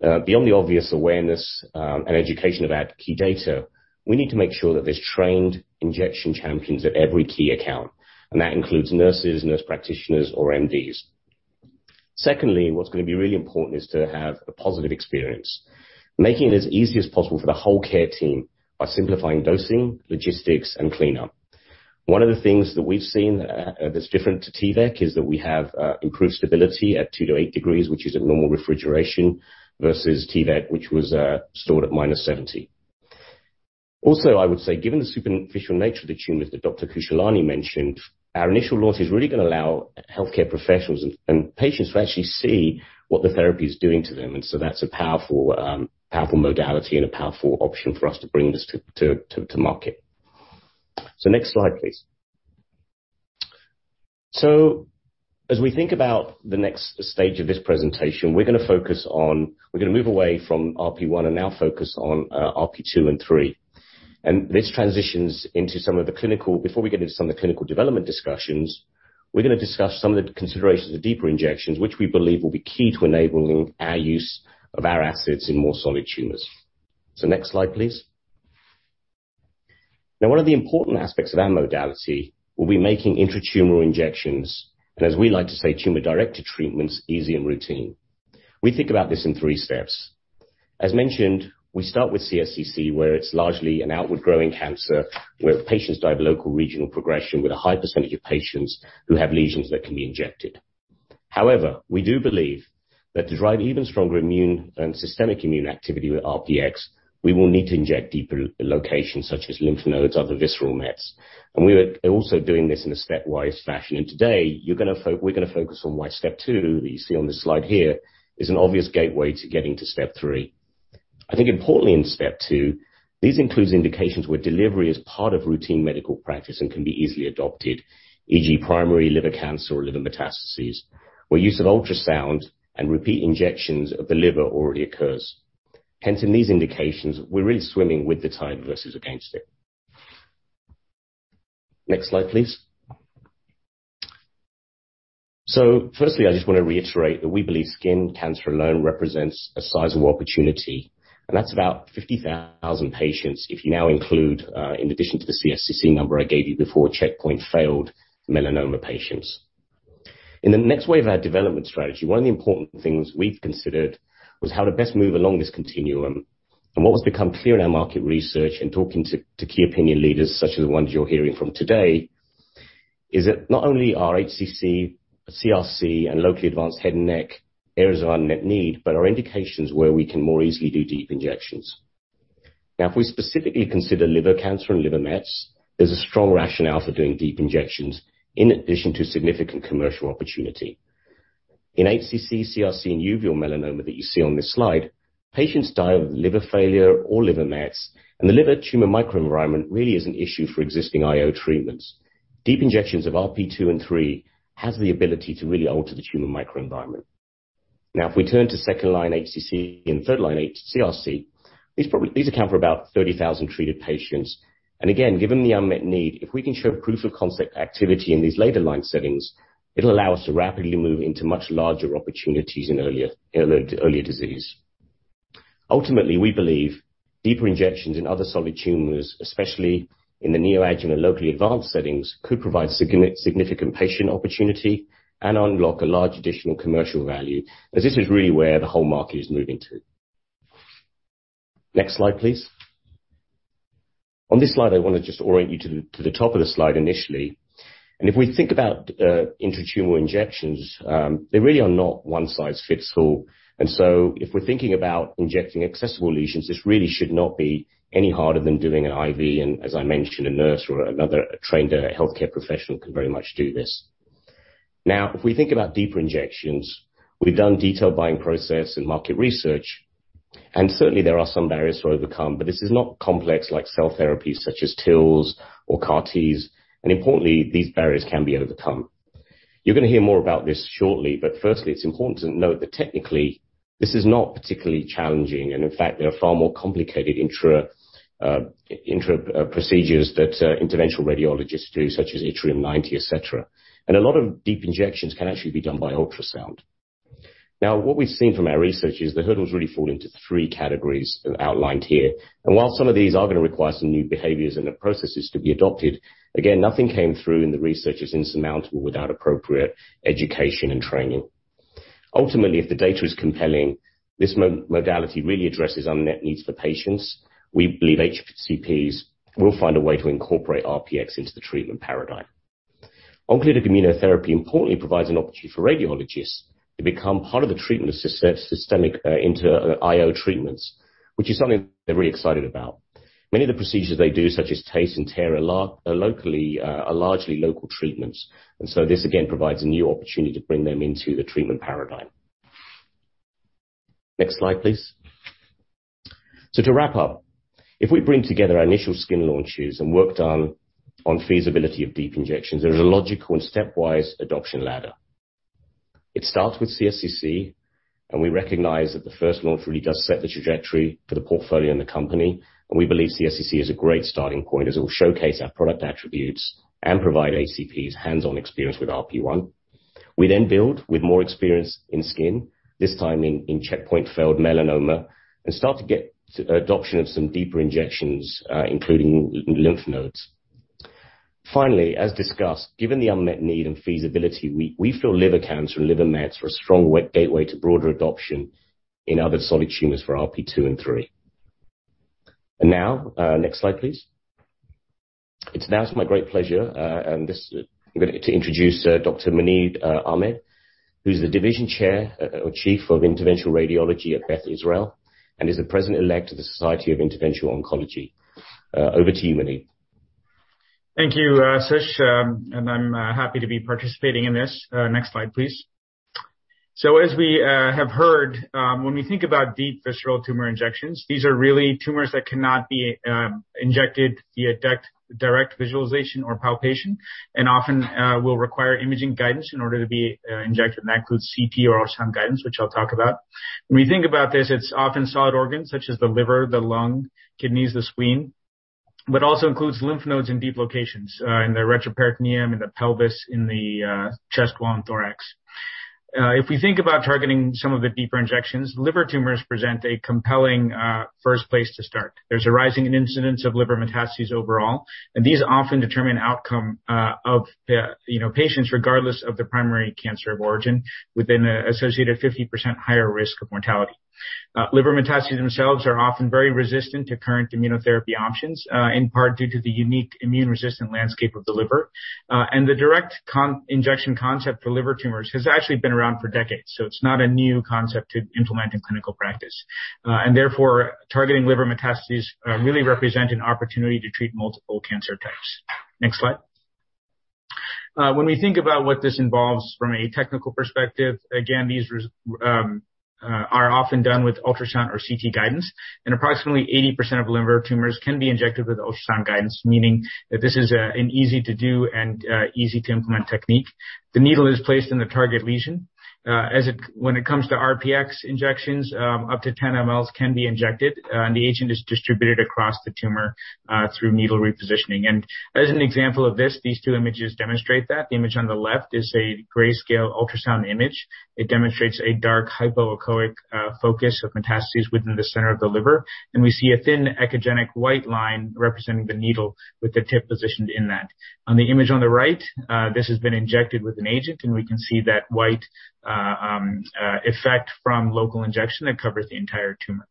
Beyond the obvious awareness and education about key data, we need to make sure that there's trained injection champions at every key account, and that includes nurses, nurse practitioners, or M.D.s. Secondly, what's gonna be really important is to have a positive experience, making it as easy as possible for the whole care team by simplifying dosing, logistics, and cleanup. One of the things that we've seen that's different to T-VEC is that we have improved stability at 2-8 degrees, which is at normal refrigeration, versus T-VEC, which was stored at -70. Also, I would say, given the superficial nature of the tumors that Dr. Khushalani mentioned, our initial launch is really gonna allow healthcare professionals and patients to actually see what the therapy is doing to them, and so that's a powerful modality and a powerful option for us to bring this to market. Next slide, please. As we think about the next stage of this presentation, we're gonna focus on. We're gonna move away from RP1 and now focus on RP2 and RP3. This transitions into some of the clinical development discussions. Before we get into some of the clinical development discussions, we're gonna discuss some of the considerations of deeper injections, which we believe will be key to enabling our use of our assets in more solid tumors. Next slide, please. Now, one of the important aspects of our modality will be making intratumoral injections, and as we like to say, tumor-directed treatments easy and routine. We think about this in three steps. As mentioned, we start with CSCC, where it's largely an outward growing cancer, where patients drive local regional progression with a high percentage of patients who have lesions that can be injected. However, we do believe that to drive even stronger immune and systemic immune activity with RPx, we will need to inject deeper locations such as lymph nodes, other visceral mets. We are also doing this in a stepwise fashion. Today we're gonna focus on why step two, that you see on this slide here, is an obvious gateway to getting to step three. I think importantly in step two, this includes indications where delivery is part of routine medical practice and can be easily adopted, e.g., primary liver cancer or liver metastases, where use of ultrasound and repeat injections of the liver already occurs. Hence, in these indications, we're really swimming with the tide versus against it. Next slide, please. Firstly, I just wanna reiterate that we believe skin cancer alone represents a sizable opportunity, and that's about 50,000 patients if you now include, in addition to the CSCC number I gave you before, checkpoint-failed melanoma patients. In the next wave of our development strategy, one of the important things we've considered was how to best move along this continuum. What has become clear in our market research and talking to key opinion leaders such as the ones you're hearing from today is that not only are HCC, CRC, and locally advanced head and neck areas of unmet need, but are indications where we can more easily do deep injections. Now, if we specifically consider liver cancer and liver mets, there's a strong rationale for doing deep injections in addition to significant commercial opportunity. In HCC, CRC, and uveal melanoma that you see on this slide, patients die of liver failure or liver mets, and the liver tumor microenvironment really is an issue for existing IO treatments. Deep injections of RP2 and RP3 has the ability to really alter the tumor microenvironment. Now, if we turn to second-line HCC and third-line CRC, these account for about 30,000 treated patients. Again, given the unmet need, if we can show proof of concept activity in these later line settings, it'll allow us to rapidly move into much larger opportunities in earlier disease. Ultimately, we believe deeper injections in other solid tumors, especially in the neoadjuvant and locally advanced settings, could provide significant patient opportunity and unlock a large additional commercial value, as this is really where the whole market is moving to. Next slide, please. On this slide, I wanna just orient you to the top of the slide initially. If we think about intra-tumor injections, they really are not one size fits all. So if we're thinking about injecting accessible lesions, this really should not be any harder than doing an IV, and as I mentioned, a nurse or another trained healthcare professional can very much do this. Now, if we think about deeper injections, we've done detailed buying process and market research, and certainly there are some barriers to overcome, but this is not complex like cell therapies such as TILs or CAR-Ts, and importantly, these barriers can be overcome. You're gonna hear more about this shortly, but firstly, it's important to note that technically this is not particularly challenging, and in fact, there are far more complicated intra- procedures that interventional radiologists do, such as yttrium-90, et cetera. A lot of deep injections can actually be done by ultrasound. Now, what we've seen from our research is the hurdles really fall into three categories outlined here. While some of these are gonna require some new behaviors and the processes to be adopted, again, nothing came through in the research as insurmountable without appropriate education and training. Ultimately, if the data is compelling, this modality really addresses unmet needs for patients. We believe HCPs will find a way to incorporate RPx into the treatment paradigm. Oncolytic immunotherapy importantly provides an opportunity for radiologists to become part of the treatment of systemic IO treatments, which is something they're very excited about. Many of the procedures they do, such as TACE, are largely local treatments, and this again provides a new opportunity to bring them into the treatment paradigm. Next slide, please. To wrap up, if we bring together our initial skin launch use and work done on feasibility of deep injections, there is a logical and stepwise adoption ladder. It starts with CSCC, and we recognize that the first launch really does set the trajectory for the portfolio and the company, and we believe CSCC is a great starting point as it will showcase our product attributes and provide HCPs hands-on experience with RP1. We then build with more experience in skin, this time in checkpoint-failed melanoma, and start to get adoption of some deeper injections, including in lymph nodes. Finally, as discussed, given the unmet need and feasibility, we feel liver cancer and liver mets are a strong next gateway to broader adoption in other solid tumors for RP2 and RP3. Now, next slide please. It's now my great pleasure on this to introduce Dr. Muneeb Ahmed, who's the Division Chair, or Chief of Interventional Radiology at Beth Israel and is the President-elect of the Society of Interventional Oncology. Over to you, Muneeb. Thank you, Sush. I'm happy to be participating in this. Next slide please. As we have heard, when we think about deep visceral tumor injections, these are really tumors that cannot be injected via direct visualization or palpation, and often will require imaging guidance in order to be injected, and that includes CT or ultrasound guidance, which I'll talk about. When we think about this, it's often solid organs such as the liver, the lung, kidneys, the spleen, but also includes lymph nodes in deep locations in the retroperitoneum, in the pelvis, in the chest wall and thorax. If we think about targeting some of the deeper injections, liver tumors present a compelling first place to start. There's a rising in incidence of liver metastases overall, and these often determine outcome of the, you know, patients regardless of their primary cancer of origin with an associated 50% higher risk of mortality. Liver metastases themselves are often very resistant to current immunotherapy options, in part due to the unique immune resistant landscape of the liver. The direct injection concept for liver tumors has actually been around for decades, so it's not a new concept to implement in clinical practice. Therefore, targeting liver metastases really represent an opportunity to treat multiple cancer types. Next slide. When we think about what this involves from a technical perspective, again, these are often done with ultrasound or CT guidance, and approximately 80% of liver tumors can be injected with ultrasound guidance, meaning that this is an easy to do and easy to implement technique. The needle is placed in the target lesion. When it comes to RPx injections, up to 10 mL can be injected, and the agent is distributed across the tumor through needle repositioning. As an example of this, these two images demonstrate that. The image on the left is a grayscale ultrasound image. It demonstrates a dark hypoechoic focus of metastases within the center of the liver. Then we see a thin echogenic white line representing the needle with the tip positioned in that. On the image on the right, this has been injected with an agent, and we can see that white effect from local injection that covers the entire tumor.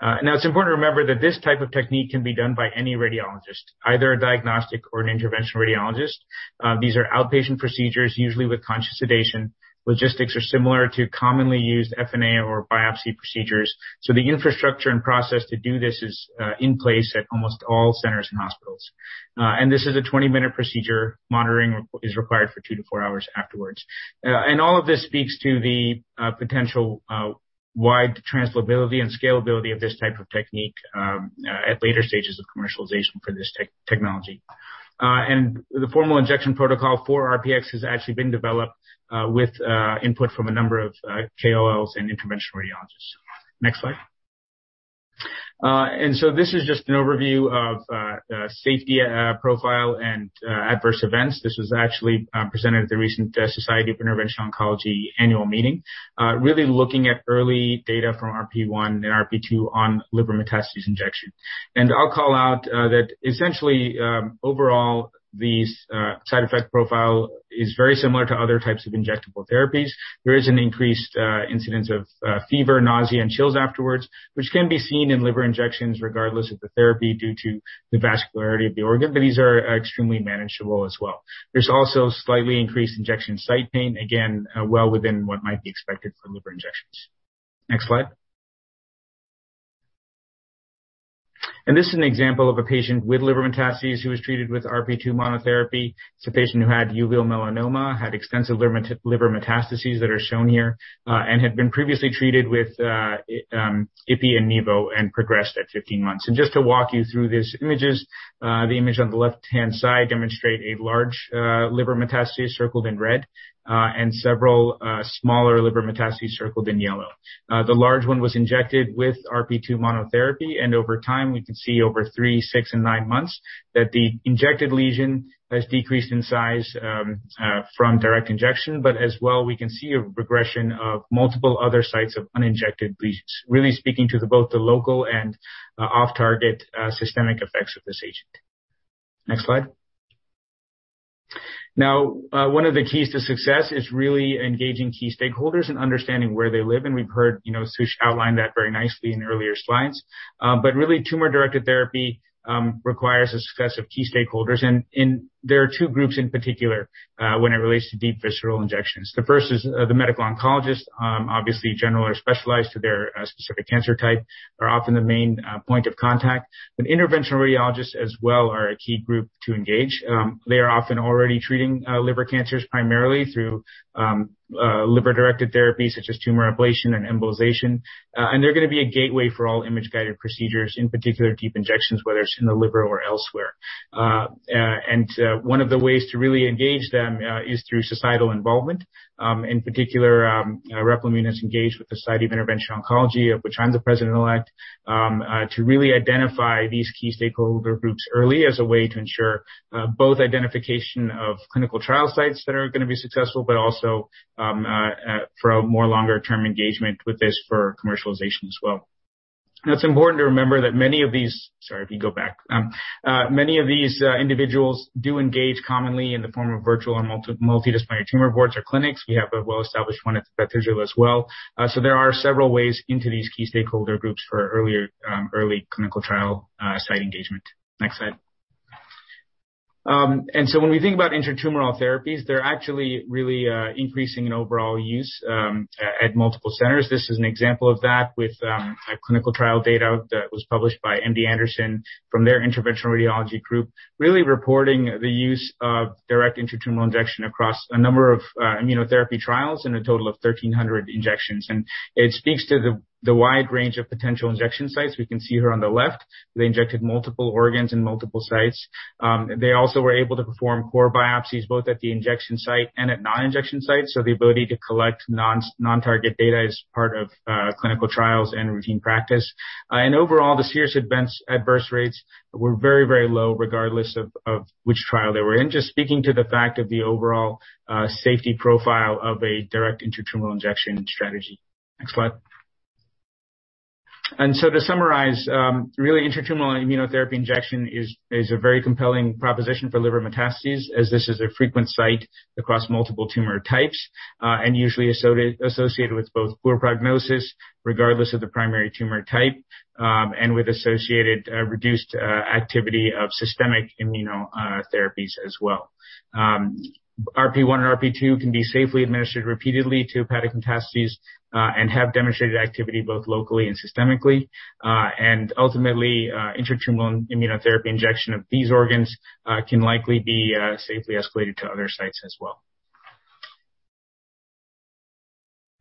Now it's important to remember that this type of technique can be done by any radiologist, either a diagnostic or an interventional radiologist. These are outpatient procedures, usually with conscious sedation. Logistics are similar to commonly used FNA or biopsy procedures. The infrastructure and process to do this is in place at almost all centers and hospitals. This is a 20-minute procedure. Monitoring is required for two to four hours afterwards. All of this speaks to the potential wide translatability and scalability of this type of technique at later stages of commercialization for this technology. The formal injection protocol for RPx has actually been developed with input from a number of KOLs and interventional radiologists. Next slide. This is just an overview of safety profile and adverse events. This was actually presented at the recent Society of Interventional Oncology annual meeting. Really looking at early data from RP1 and RP2 on liver metastases injection. I'll call out that essentially overall these side effect profile is very similar to other types of injectable therapies. There is an increased incidence of fever, nausea, and chills afterwards, which can be seen in liver injections regardless of the therapy due to the vascularity of the organ, but these are extremely manageable as well. There's also slightly increased injection site pain, again, well within what might be expected for liver injections. Next slide. This is an example of a patient with liver metastases who was treated with RP2 monotherapy. It's a patient who had uveal melanoma, had extensive liver metastases that are shown here, and had been previously treated with ipi and nivo and progressed at 15 months. Just to walk you through these images, the image on the left-hand side demonstrate a large liver metastases circled in red, and several smaller liver metastases circled in yellow. The large one was injected with RP2 monotherapy, and over time we can see over three, six and nine months that the injected lesion has decreased in size from direct injection. As well, we can see a regression of multiple other sites of uninjected lesions. Really speaking to both the local and off-target systemic effects of this agent. Next slide. Now, one of the keys to success is really engaging key stakeholders and understanding where they live, and we've heard, you know, Sush outline that very nicely in earlier slides. Really tumor-directed therapy requires a success of key stakeholders. There are two groups in particular when it relates to deep visceral injections. The first is the medical oncologist, obviously general or specialized to their specific cancer type, are often the main point of contact. Interventional radiologists as well are a key group to engage. They are often already treating liver cancers primarily through liver-directed therapies such as tumor ablation and embolization. They're gonna be a gateway for all image-guided procedures, in particular deep injections, whether it's in the liver or elsewhere. One of the ways to really engage them is through societal involvement. In particular, Replimune is engaged with the Society of Interventional Oncology, of which I'm the president-elect, to really identify these key stakeholder groups early as a way to ensure both identification of clinical trial sites that are gonna be successful, but also for a more longer term engagement with this for commercialization as well. It's important to remember that many of these. Many of these individuals do engage commonly in the form of virtual or multidisciplinary tumor boards or clinics. We have a well-established one at Beth Israel as well. So there are several ways into these key stakeholder groups for early clinical trial site engagement. Next slide. When we think about intratumoral therapies, they're actually really increasing in overall use at multiple centers. This is an example of that with a clinical trial data that was published by MD Anderson from their interventional radiology group, really reporting the use of direct intratumoral injection across a number of immunotherapy trials in a total of 1,300 injections. It speaks to the wide range of potential injection sites. We can see here on the left, they injected multiple organs in multiple sites. They also were able to perform core biopsies both at the injection site and at non-injection sites. The ability to collect non-target data is part of clinical trials and routine practice. Overall, the serious adverse rates were very, very low, regardless of which trial they were in, just speaking to the fact of the overall safety profile of a direct intratumoral injection strategy. Next slide. To summarize, really intratumoral immunotherapy injection is a very compelling proposition for liver metastases, as this is a frequent site across multiple tumor types, and usually associated with both poor prognosis regardless of the primary tumor type, and with associated reduced activity of systemic immunotherapies as well. RP1 and RP2 can be safely administered repeatedly to hepatic metastases and have demonstrated activity both locally and systemically. Ultimately, intratumoral immunotherapy injection of these organs can likely be safely escalated to other sites as well.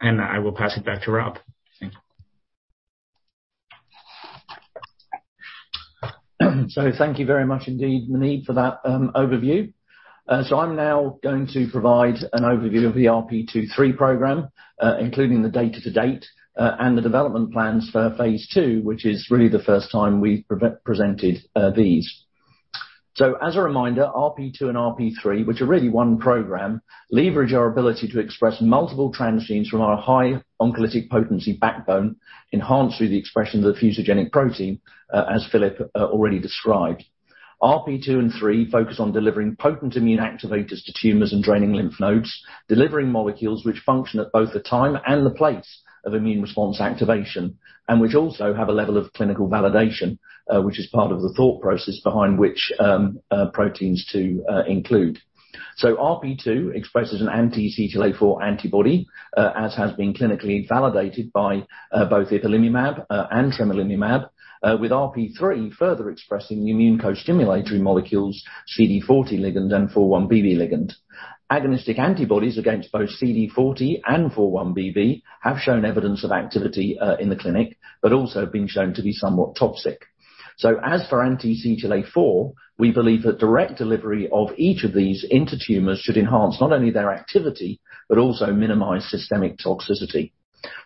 I will pass it back to Rob. Thank you. Thank you very much indeed, Muneeb, for that overview. I'm now going to provide an overview of the RP2/3 program, including the data to date, and the development plans for phase II, which is really the first time we've presented these. As a reminder, RP2 and RP3, which are really one program, leverage our ability to express multiple transgenes from our high oncolytic potency backbone, enhanced through the expression of the fusogenic protein, as Philip already described. RP2 and RP3 focus on delivering potent immune activators to tumors and draining lymph nodes, delivering molecules which function at both the time and the place of immune response activation, and which also have a level of clinical validation, which is part of the thought process behind which proteins to include. RP2 expresses an anti-CTLA-4 antibody, as has been clinically validated by both ipilimumab and tremelimumab, with RP3 further expressing immune co-stimulatory molecules, CD40 ligand and 4-1BB ligand. Agonistic antibodies against both CD40 and 4-1BB have shown evidence of activity in the clinic, but also been shown to be somewhat toxic. As for anti-CTLA-4, we believe that direct delivery of each of these into tumors should enhance not only their activity, but also minimize systemic toxicity.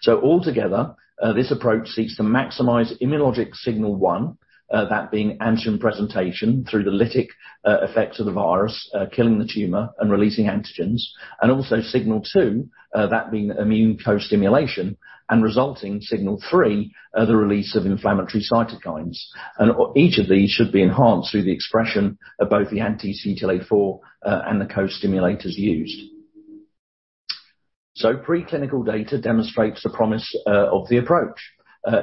Altogether, this approach seeks to maximize immunologic signal one, that being antigen presentation through the lytic effects of the virus killing the tumor and releasing antigens, and also signal two, that being immune co-stimulation, and resulting signal three, the release of inflammatory cytokines. Each of these should be enhanced through the expression of both the anti-CTLA-4 and the co-stimulatory used. Preclinical data demonstrates the promise of the approach.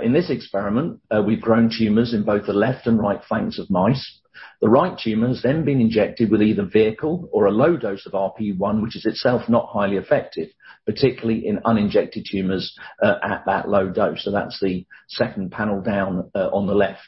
In this experiment, we've grown tumors in both the left and right flanks of mice. The right tumor's then been injected with either vehicle or a low dose of RP1, which is itself not highly effective, particularly in uninjected tumors, at that low dose. That's the second panel down on the left.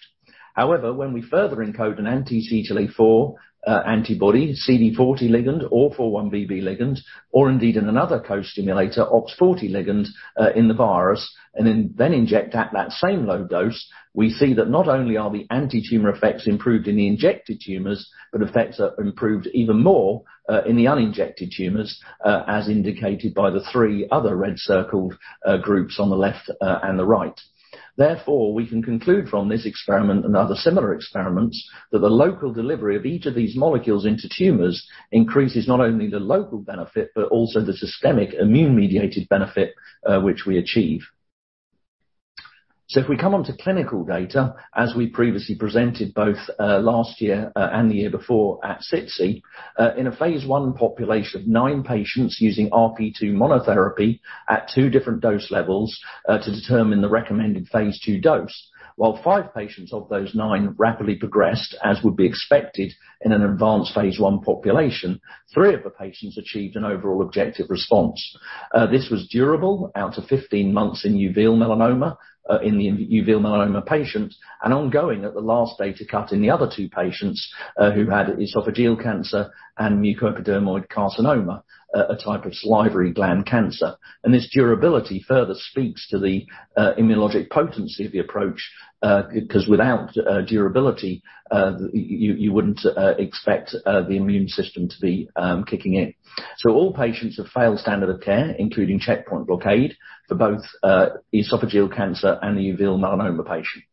However, when we further encode an anti-CTLA-4 antibody, CD40 ligand or 4-1BB ligand, or indeed in another co-stimulator, OX40 ligand, in the virus, and then inject at that same low dose, we see that not only are the anti-tumor effects improved in the injected tumors, but effects are improved even more in the uninjected tumors, as indicated by the three other red-circled groups on the left and the right. Therefore, we can conclude from this experiment and other similar experiments, that the local delivery of each of these molecules into tumors increases not only the local benefit, but also the systemic immune-mediated benefit, which we achieve. If we come on to clinical data, as we previously presented both last year and the year before at SITC in a phase I population of nine patients using RP2 monotherapy at two different dose levels to determine the recommended phase II dose. While five patients of those nine rapidly progressed, as would be expected in an advanced phase I population, three of the patients achieved an overall objective response. This was durable out to 15 months in uveal melanoma in the uveal melanoma patient, and ongoing at the last data cut in the other two patients who had esophageal cancer and mucoepidermoid carcinoma, a type of salivary gland cancer. This durability further speaks to the immunological potency of the approach, 'cause without durability, you wouldn't expect the immune system to be kicking in. All patients have failed standard of care, including checkpoint blockade for both esophageal cancer and the uveal melanoma patient.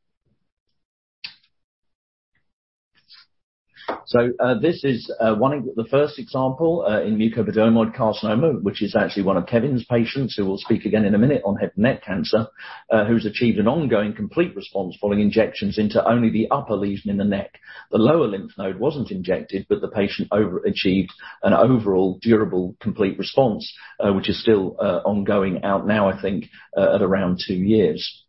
This is one the first example in mucoepidermoid carcinoma, which is actually one of Karen's patients, who will speak again in a minute on head and neck cancer, who's achieved an ongoing complete response following injections into only the upper lesion in the neck. The lower lymph node wasn't injected, but the patient over-achieved an overall durable, complete response, which is still ongoing out now, I think, at around two years.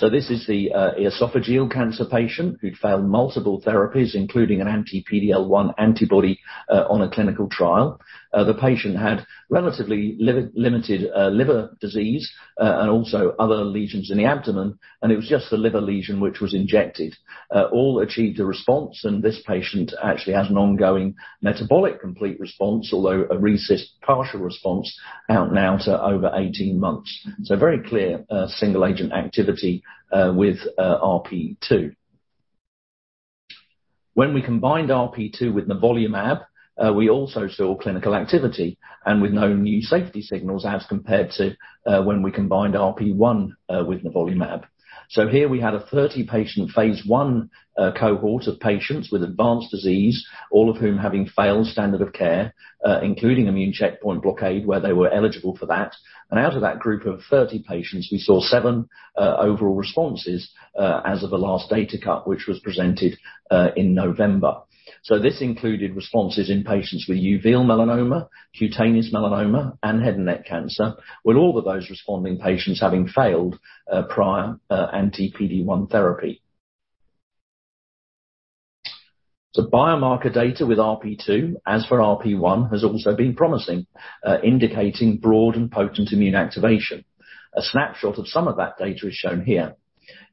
This is the esophageal cancer patient who'd failed multiple therapies, including an anti-PD-L1 antibody, on a clinical trial. The patient had relatively limited liver disease, and also other lesions in the abdomen, and it was just the liver lesion which was injected. All achieved a response, and this patient actually has an ongoing metabolic complete response, although a RECIST partial response out now to over 18 months. Very clear single-agent activity with RP2. When we combined RP2 with nivolumab, we also saw clinical activity and with no new safety signals as compared to when we combined RP1 with nivolumab. Here we had a 30-patient phase I cohort of patients with advanced disease, all of whom having failed standard of care, including immune checkpoint blockade, where they were eligible for that. Out of that group of 30 patients, we saw seven overall responses as of the last data cut, which was presented in November. This included responses in patients with uveal melanoma, cutaneous melanoma, and head and neck cancer, with all of those responding patients having failed prior anti-PD-1 therapy. Biomarker data with RP2, as for RP1, has also been promising, indicating broad and potent immune activation. A snapshot of some of that data is shown here.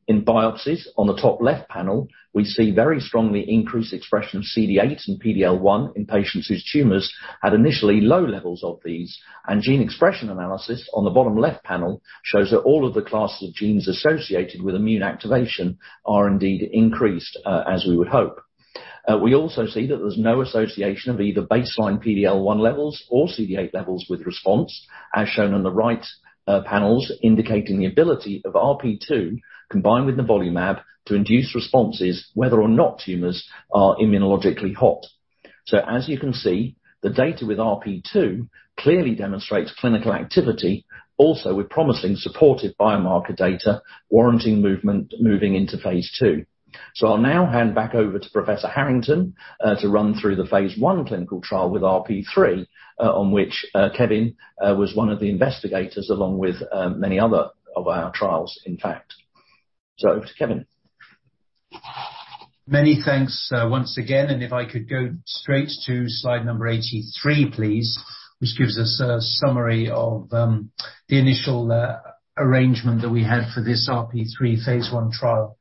In biopsies on the top left panel, we see very strongly increased expression of CD8 and PD-L1 in patients whose tumors had initially low levels of these. Gene expression analysis on the bottom left panel shows that all of the classes of genes associated with immune activation are indeed increased, as we would hope. We also see that there's no association of either baseline PD-L1 levels or CD8 levels with response, as shown on the right panels, indicating the ability of RP2 combined with nivolumab to induce responses, whether or not tumors are immunologically hot. As you can see, the data with RP2 clearly demonstrates clinical activity, also with promising supported biomarker data warranting movement into phase II. I'll now hand back over to Professor Harrington to run through the phase I clinical trial with RP3, on which Kevin was one of the investigators along with many other of our trials, in fact. Over to Kevin. Many thanks, once again, and if I could go straight to slide number 83, please, which gives us a summary of the initial arrangement that we had for this RP3 phase I trial.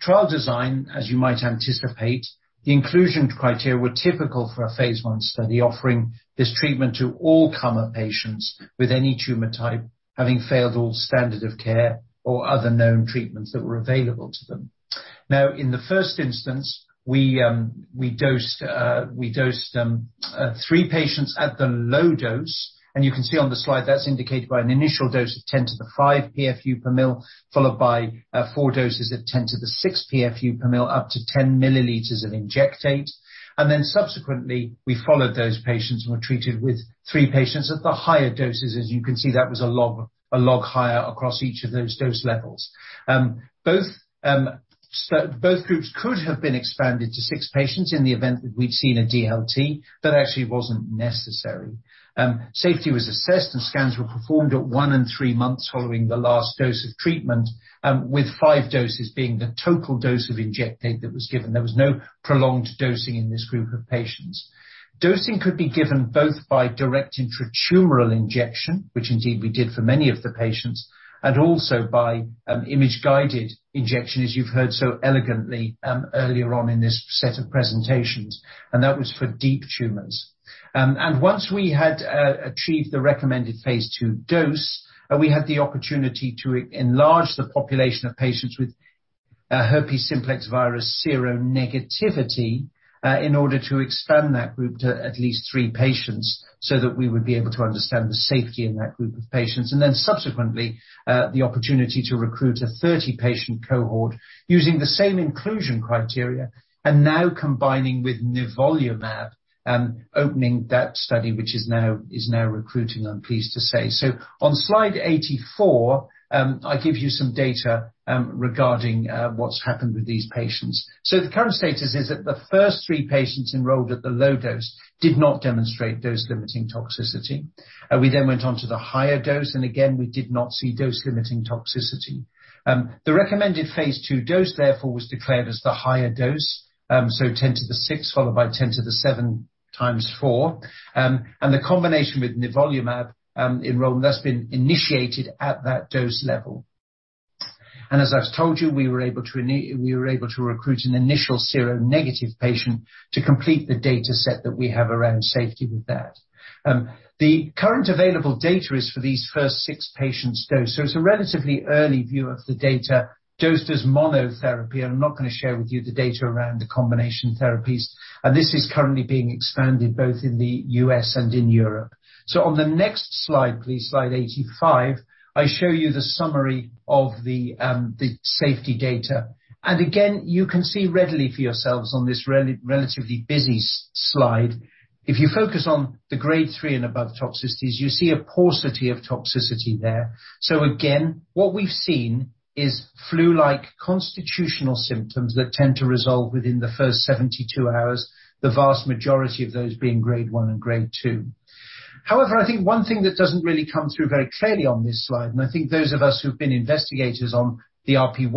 Trial design, as you might anticipate, the inclusion criteria were typical for a phase I study, offering this treatment to all-comers patients with any tumor type, having failed all standard of care or other known treatments that were available to them. Now, in the first instance, we dosed three patients at the low dose, and you can see on the slide that's indicated by an initial dose of 10 to the 5 PFU per mL, followed by four doses at 10 to the 6 PFU per mL, up to 10 mL of injectate. Then subsequently, we followed those patients and were treated with three patients at the higher doses. As you can see, that was a log higher across each of those dose levels. Both groups could have been expanded to six patients in the event that we'd seen a DLT. That actually wasn't necessary. Safety was assessed, and scans were performed at one and three months following the last dose of treatment, with five doses being the total dose of injectate that was given. There was no prolonged dosing in this group of patients. Dosing could be given both by direct intratumoral injection, which indeed we did for many of the patients, and also by an image-guided injection, as you've heard so elegantly earlier on in this set of presentations, and that was for deep tumors. Once we had achieved the recommended phase II dose, we had the opportunity to enlarge the population of patients with herpes simplex virus seronegativity in order to expand that group to at least three patients so that we would be able to understand the safety in that group of patients. Then subsequently, the opportunity to recruit a 30-patient cohort using the same inclusion criteria and now combining with nivolumab, opening that study which is now recruiting, I'm pleased to say. On slide 84, I give you some data regarding what's happened with these patients. The current status is that the first three patients enrolled at the low dose did not demonstrate dose-limiting toxicity. We then went on to the higher dose, and again, we did not see dose-limiting toxicity. The recommended phase II dose therefore was declared as the higher dose, so 10 to the 6 followed by 10 to the 7 times four. The combination with nivolumab enrollment that's been initiated at that dose level. As I've told you, we were able to recruit an initial seronegative patient to complete the dataset that we have around safety with that. The current available data is for these first six patients dose. It's a relatively early view of the data dosed as monotherapy. I'm not gonna share with you the data around the combination therapies. This is currently being expanded both in the U.S. and in Europe. On the next slide, please, slide 85, I show you the summary of the safety data. Again, you can see readily for yourselves on this relatively busy slide. If you focus on the grade 3 and above toxicities, you see a paucity of toxicity there. Again, what we've seen is flu-like constitutional symptoms that tend to resolve within the first 72 hours, the vast majority of those being grade 1 and grade 2. However, I think one thing that doesn't really come through very clearly on this slide, and I think those of us who've been investigators on the RP1,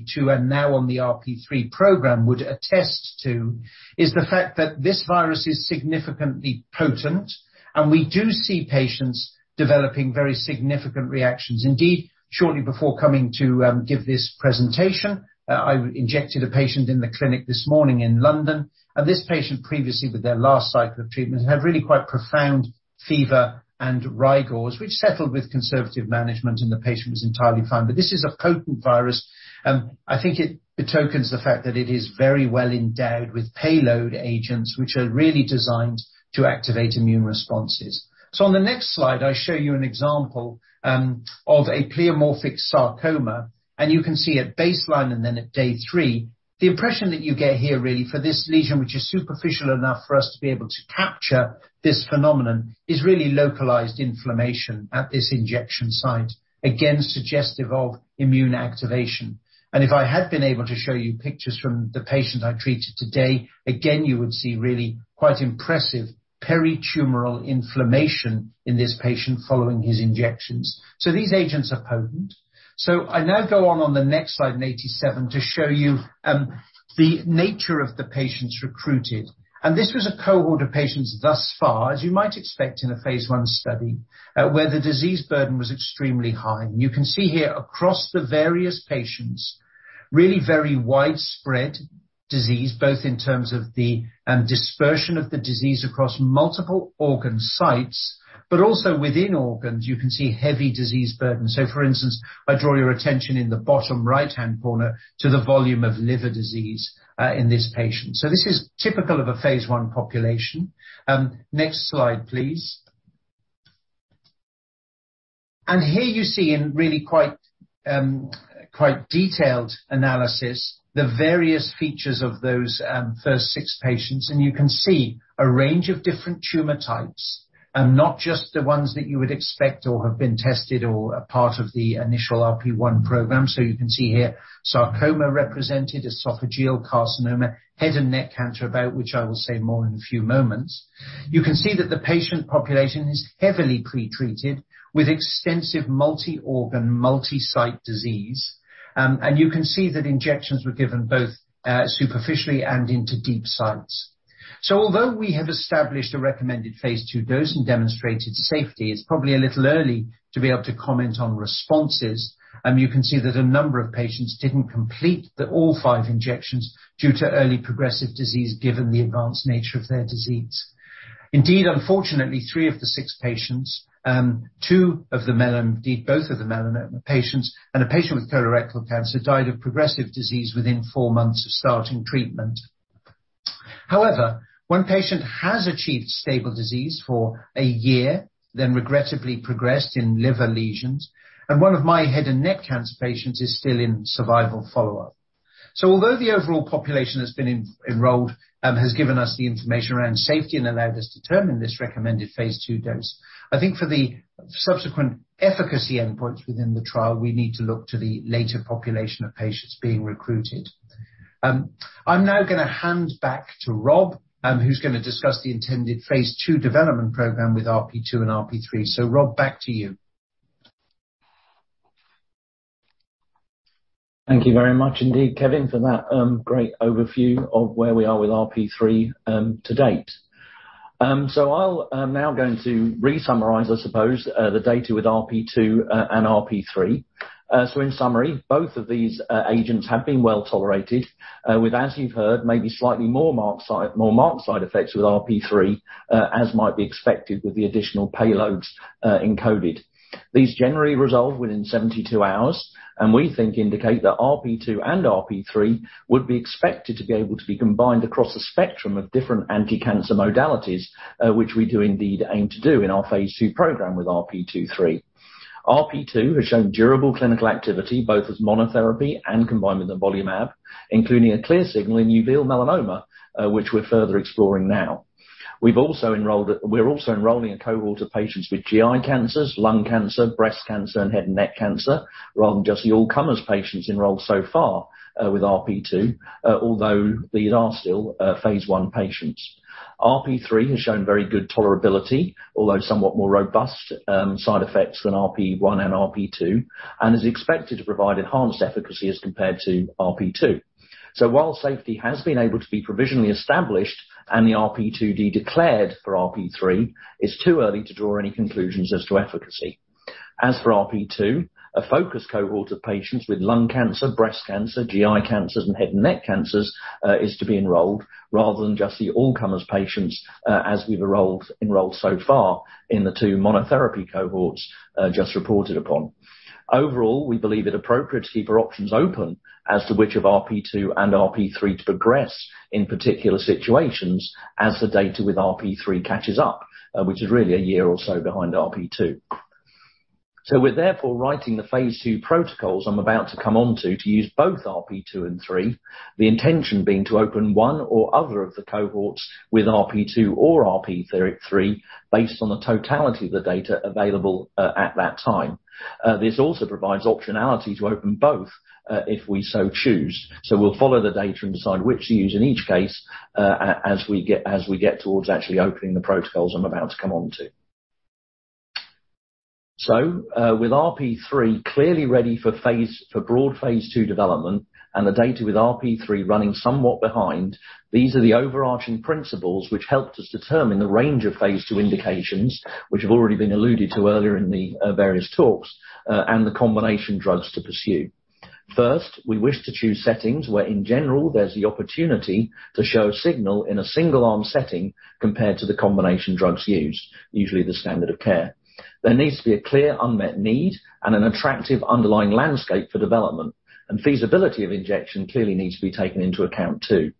RP2, and now on the RP3 program would attest to, is the fact that this virus is significantly potent, and we do see patients developing very significant reactions. Indeed, shortly before coming to give this presentation, I injected a patient in the clinic this morning in London. This patient previously with their last cycle of treatment had really quite profound fever and rigors, which settled with conservative management, and the patient was entirely fine. This is a potent virus. I think it betokens the fact that it is very well endowed with payload agents, which are really designed to activate immune responses. On the next slide, I show you an example of a pleomorphic sarcoma, and you can see at baseline and then at day three, the impression that you get here really for this lesion, which is superficial enough for us to be able to capture this phenomenon, is really localized inflammation at this injection site, again, suggestive of immune activation. If I had been able to show you pictures from the patient I treated today, again, you would see really quite impressive peritumoral inflammation in this patient following his injections. These agents are potent. I now go on the next slide, 87, to show you the nature of the patients recruited. This was a cohort of patients thus far, as you might expect in a phase I study, where the disease burden was extremely high. You can see here across the various patients, really very widespread disease, both in terms of the dispersion of the disease across multiple organ sites, but also within organs, you can see heavy disease burden. For instance, I draw your attention in the bottom right-hand corner to the volume of liver disease in this patient. This is typical of a phase I population. Next slide, please. Here you see in really quite detailed analysis, the various features of those, first six patients, and you can see a range of different tumor types, not just the ones that you would expect or have been tested or are part of the initial RP1 program. You can see here, sarcoma represented, esophageal carcinoma, head and neck cancer, about which I will say more in a few moments. You can see that the patient population is heavily pre-treated with extensive multi-organ, multi-site disease. You can see that injections were given both, superficially and into deep sites. Although we have established a recommended phase II dose and demonstrated safety, it's probably a little early to be able to comment on responses. You can see that a number of patients didn't complete all five injections due to early progressive disease given the advanced nature of their disease. Indeed, unfortunately, three of the six patients, both of the melanoma patients and a patient with colorectal cancer, died of progressive disease within four months of starting treatment. However, one patient has achieved stable disease for a year, then regrettably progressed in liver lesions, and one of my head and neck cancer patients is still in survival follow-up. Although the overall population that's been enrolled has given us the information around safety and allowed us to determine this recommended phase II dose, I think for the subsequent efficacy endpoints within the trial, we need to look to the later population of patients being recruited. I'm now gonna hand back to Rob, who's gonna discuss the intended phase II development program with RP2 and RP3. Rob, back to you. Thank you very much indeed, Kevin, for that, great overview of where we are with RP3 to date. I'm now going to re-summarize, I suppose, the data with RP2 and RP3. In summary, both of these agents have been well-tolerated, with, as you've heard, maybe slightly more marked side effects with RP3, as might be expected with the additional payloads encoded. These generally resolve within 72 hours, and we think indicate that RP2 and RP3 would be expected to be able to be combined across a spectrum of different anticancer modalities, which we do indeed aim to do in our phase II program with RP2/3. RP2 has shown durable clinical activity, both as monotherapy and combined with nivolumab, including a clear signal in uveal melanoma, which we're further exploring now. We're also enrolling a cohort of patients with GI cancers, lung cancer, breast cancer, and head and neck cancer, rather than just the all-comers patients enrolled so far, with RP2, although these are still phase I patients. RP3 has shown very good tolerability, although somewhat more robust side effects than RP1 and RP2, and is expected to provide enhanced efficacy as compared to RP2. While safety has been able to be provisionally established and the RP2D declared for RP3, it's too early to draw any conclusions as to efficacy. As for RP2, a focused cohort of patients with lung cancer, breast cancer, GI cancers, and head and neck cancers is to be enrolled rather than just the all-comers patients, as we've enrolled so far in the two monotherapy cohorts just reported upon. Overall, we believe it appropriate to keep our options open as to which of RP2 and RP3 to progress in particular situations as the data with RP3 catches up, which is really a year or so behind RP2. We're therefore writing the phase II protocols I'm about to come on to use both RP2 and RP3, the intention being to open one or other of the cohorts with RP2 or RP3 based on the totality of the data available at that time. This also provides optionality to open both, if we so choose. We'll follow the data and decide which to use in each case, as we get towards actually opening the protocols I'm about to come onto. With RP3 clearly ready for broad phase II development and the data with RP3 running somewhat behind, these are the overarching principles which helped us determine the range of phase II indications which have already been alluded to earlier in the various talks, and the combination drugs to pursue. First, we wish to choose settings where, in general, there's the opportunity to show a signal in a single arm setting compared to the combination drugs used, usually the standard of care. There needs to be a clear unmet need and an attractive underlying landscape for development, and feasibility of injection clearly needs to be taken into account too.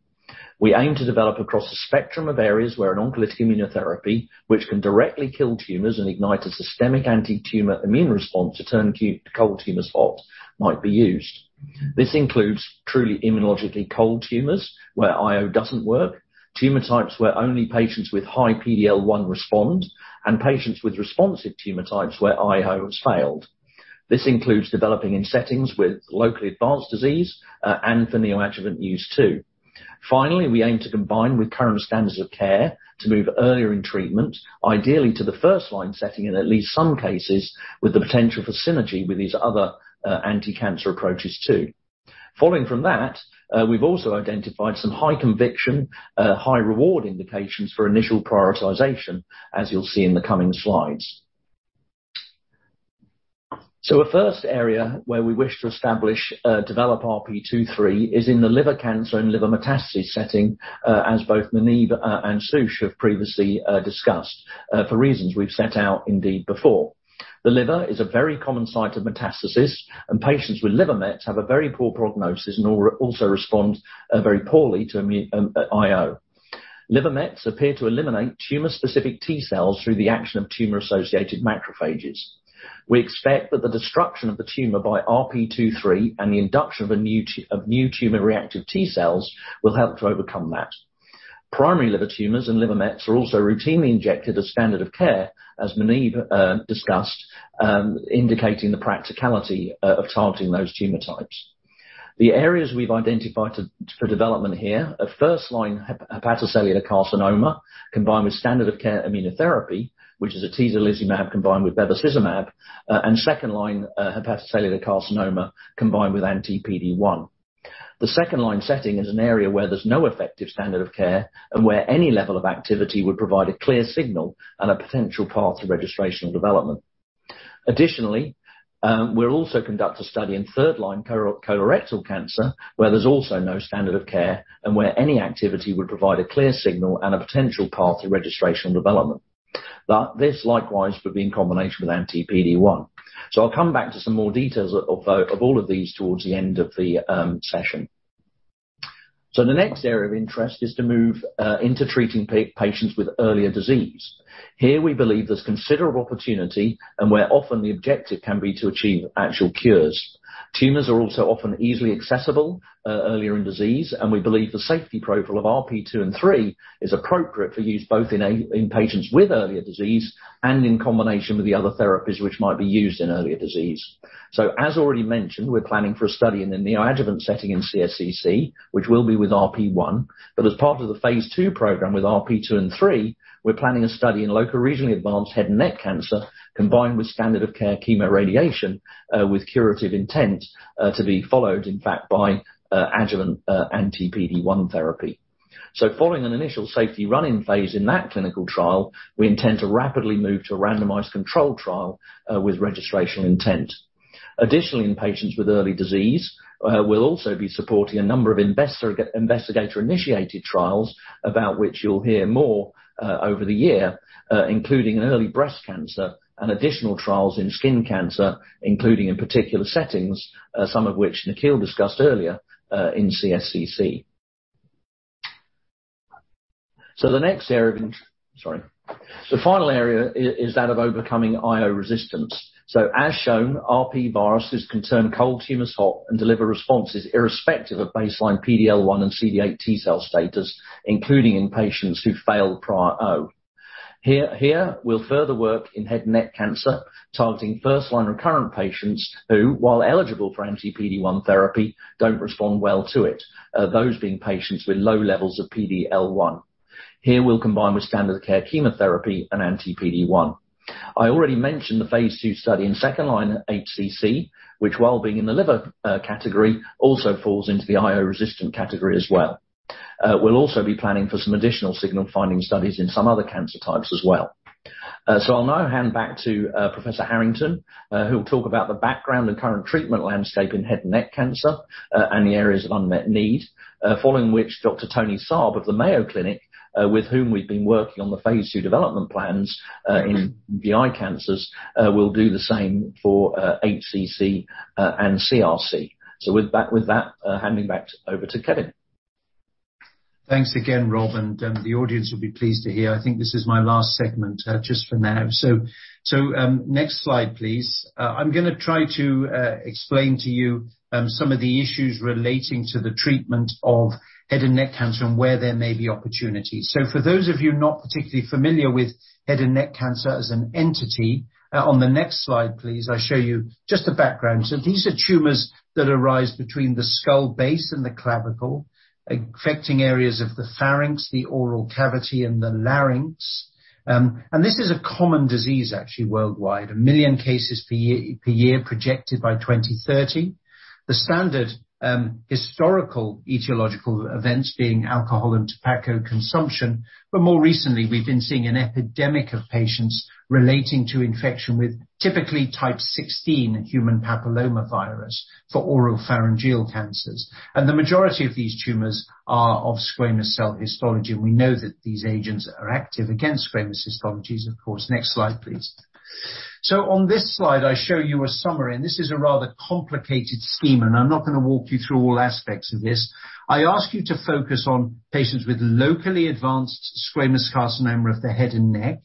We aim to develop across a spectrum of areas where an oncolytic immunotherapy, which can directly kill tumors and ignite a systemic anti-tumor immune response to turn cold tumors hot, might be used. This includes truly immunologically cold tumors, where IO doesn't work, tumor types where only patients with high PD-L1 respond, and patients with responsive tumor types where IO has failed. This includes developing in settings with locally advanced disease, and for neoadjuvant use too. Finally, we aim to combine with current standards of care to move earlier in treatment, ideally to the first line setting in at least some cases with the potential for synergy with these other, anticancer approaches too. Following from that, we've also identified some high conviction, high reward indications for initial prioritization, as you'll see in the coming slides. A first area where we wish to establish, develop RP2/3 is in the liver cancer and liver metastasis setting, as both Muneeb and Sush have previously discussed, for reasons we've set out indeed before. The liver is a very common site of metastasis, and patients with liver mets have a very poor prognosis and also respond very poorly to IO. Liver mets appear to eliminate tumor-specific T cells through the action of tumor-associated macrophages. We expect that the destruction of the tumor by RP2/3 and the induction of new tumor-reactive T cells will help to overcome that. Primary liver tumors and liver mets are also routinely injected as standard of care, as Muneeb discussed, indicating the practicality of targeting those tumor types. The areas we've identified for development here are first-line hepatocellular carcinoma combined with standard of care immunotherapy, which is atezolizumab combined with bevacizumab, and second-line hepatocellular carcinoma combined with anti-PD-1. The second-line setting is an area where there's no effective standard of care and where any level of activity would provide a clear signal and a potential path to registrational development. Additionally, we'll also conduct a study in third-line colorectal cancer, where there's also no standard of care and where any activity would provide a clear signal and a potential path to registrational development. This likewise would be in combination with anti-PD-1. I'll come back to some more details of all of these towards the end of the session. The next area of interest is to move into treating patients with earlier disease. Here we believe there's considerable opportunity and where often the objective can be to achieve actual cures. Tumors are also often easily accessible earlier in disease, and we believe the safety profile of RP2 and RP3 is appropriate for use both in patients with earlier disease and in combination with the other therapies which might be used in earlier disease. As already mentioned, we're planning for a study in the neoadjuvant setting in CSCC, which will be with RP1. As part of the phase II program with RP2 and RP3, we're planning a study in locoregionally advanced head and neck cancer, combined with standard of care chemoradiation, with curative intent, to be followed in fact by, adjuvant, anti-PD-1 therapy. Following an initial safety run-in phase in that clinical trial, we intend to rapidly move to randomized controlled trial, with registrational intent. Additionally, in patients with early disease, we'll also be supporting a number of investigator-initiated trials about which you'll hear more, over the year, including in early breast cancer and additional trials in skin cancer, including in particular settings, some of which Nikhil discussed earlier, in CSCC. The final area is that of overcoming IO resistance. As shown, RP viruses can turn cold tumors hot and deliver responses irrespective of baseline PD-L1 and CD8 T cell status, including in patients who've failed prior IO. Here, we'll further work in head and neck cancer, targeting first-line recurrent patients who, while eligible for anti-PD-1 therapy, don't respond well to it, those being patients with low levels of PD-L1. Here we'll combine with standard of care chemotherapy and anti-PD-1. I already mentioned the phase II study in second-line HCC, which while being in the liver category, also falls into the IO resistant category as well. We'll also be planning for some additional signal finding studies in some other cancer types as well. I'll now hand back to Professor Harrington, who will talk about the background and current treatment landscape in head and neck cancer, and the areas of unmet need, following which Dr. Tony Saab of the Mayo Clinic, with whom we've been working on the phase II development plans, in GI cancers, will do the same for HCC and CRC. With that, handing back over to Kevin. Thanks again, Rob, and the audience will be pleased to hear, I think this is my last segment just for now. Next slide, please. I'm gonna try to explain to you some of the issues relating to the treatment of head and neck cancer and where there may be opportunities. For those of you not particularly familiar with head and neck cancer as an entity, on the next slide, please, I show you just the background. These are tumors that arise between the skull base and the clavicle, affecting areas of the pharynx, the oral cavity and the larynx. This is a common disease actually worldwide. 1 million cases per year projected by 2030. The standard historical etiological events being alcohol and tobacco consumption, but more recently, we've been seeing an epidemic of patients relating to infection with typically type 16 human papillomavirus for oropharyngeal cancers. The majority of these tumors are of squamous cell histology. We know that these agents are active against squamous histologies, of course. Next slide, please. On this slide, I show you a summary, and this is a rather complicated schema, and I'm not gonna walk you through all aspects of this. I ask you to focus on patients with locally advanced squamous carcinoma of the head and neck,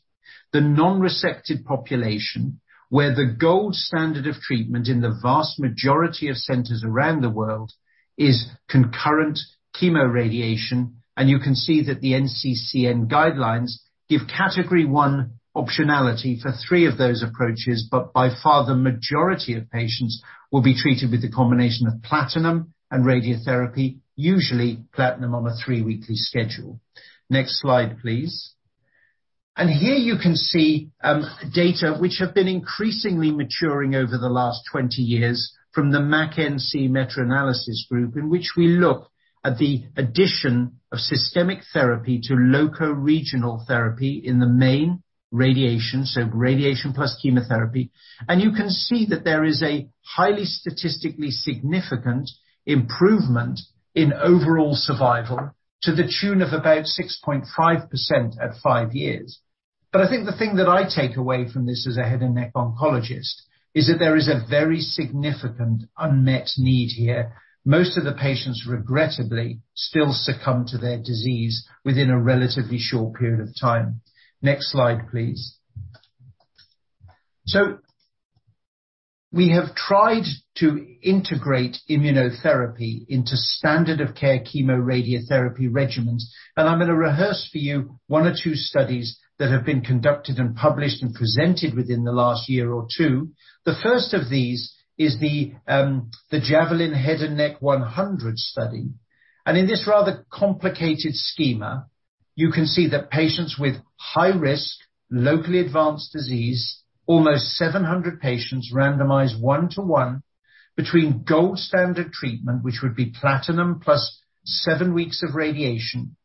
the non-resected population, where the gold standard of treatment in the vast majority of centers around the world is concurrent chemoradiation, and you can see that the NCCN guidelines give Category One optionality for three of those approaches, but by far, the majority of patients will be treated with a combination of platinum and radiotherapy, usually platinum on a three-weekly schedule. Next slide, please. Here you can see data which have been increasingly maturing over the last 20 years from the MACH-NC meta-analysis group, in which we look at the addition of systemic therapy to loco-regional therapy mainly radiation, so radiation plus chemotherapy. You can see that there is a highly statistically significant improvement in overall survival to the tune of about 6.5% at five years. I think the thing that I take away from this as a head and neck oncologist is that there is a very significant unmet need here. Most of the patients, regrettably, still succumb to their disease within a relatively short period of time. Next slide, please. We have tried to integrate immunotherapy into standard of care chemoradiotherapy regimens, and I'm gonna rehearse for you one or two studies that have been conducted and published and presented within the last year or two. The first of these is the JAVELIN Head and Neck 100 study. In this rather complicated schema, you can see that patients with high risk, locally advanced disease, almost 700 patients randomized one to one between gold standard treatment, which would be platinum plus seven weeks of radiation,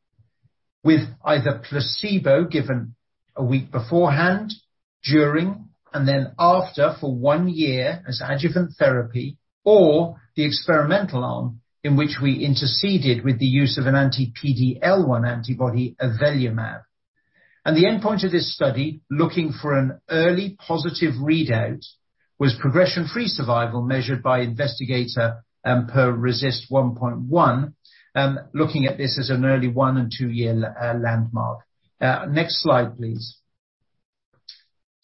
with either placebo given 1 week beforehand, during and then after for one year as adjuvant therapy or the experimental arm, in which we interceded with the use of an anti-PD-L1 antibody avelumab. The endpoint of this study, looking for an early positive readout, was progression-free survival measured by investigator per RECIST 1.1, looking at this as an early one and two-year landmark. Next slide, please.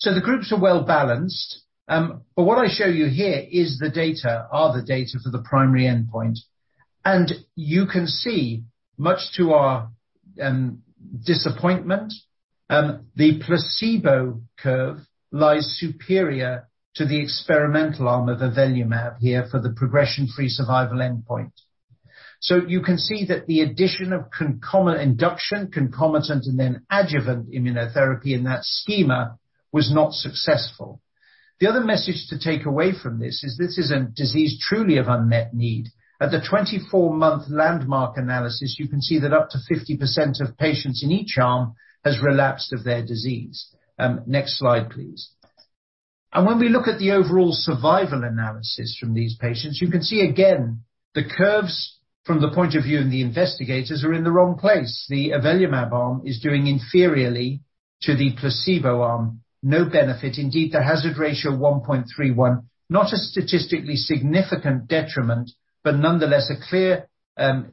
The groups are well-balanced, but what I show you here is the data for the primary endpoint. You can see, much to our disappointment, the placebo curve lies superior to the experimental arm of avelumab here for the progression-free survival endpoint. You can see that the addition of concomitant induction, concomitant and then adjuvant immunotherapy in that schema was not successful. The other message to take away from this is, this is a disease truly of unmet need. At the 24-month landmark analysis, you can see that up to 50% of patients in each arm has relapsed of their disease. Next slide, please. When we look at the overall survival analysis from these patients, you can see again, the curves from the point of view of the investigators are in the wrong place. The avelumab arm is doing inferiorly to the placebo arm. No benefit. Indeed, the hazard ratio 1.31. Not a statistically significant detriment, but nonetheless a clear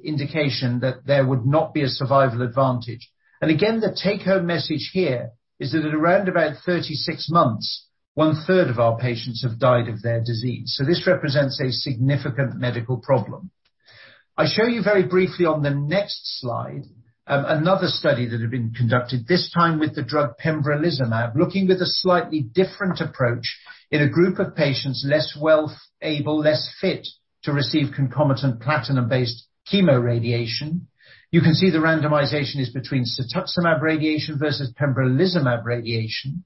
indication that there would not be a survival advantage. Again, the take home message here is that at around about 36 months, 1/3 of our patients have died of their disease. This represents a significant medical problem. I show you very briefly on the next slide, another study that had been conducted this time with the drug pembrolizumab, looking with a slightly different approach in a group of patients less well able, less fit, to receive concomitant platinum-based chemoradiation. You can see the randomization is between cetuximab radiation versus pembrolizumab radiation.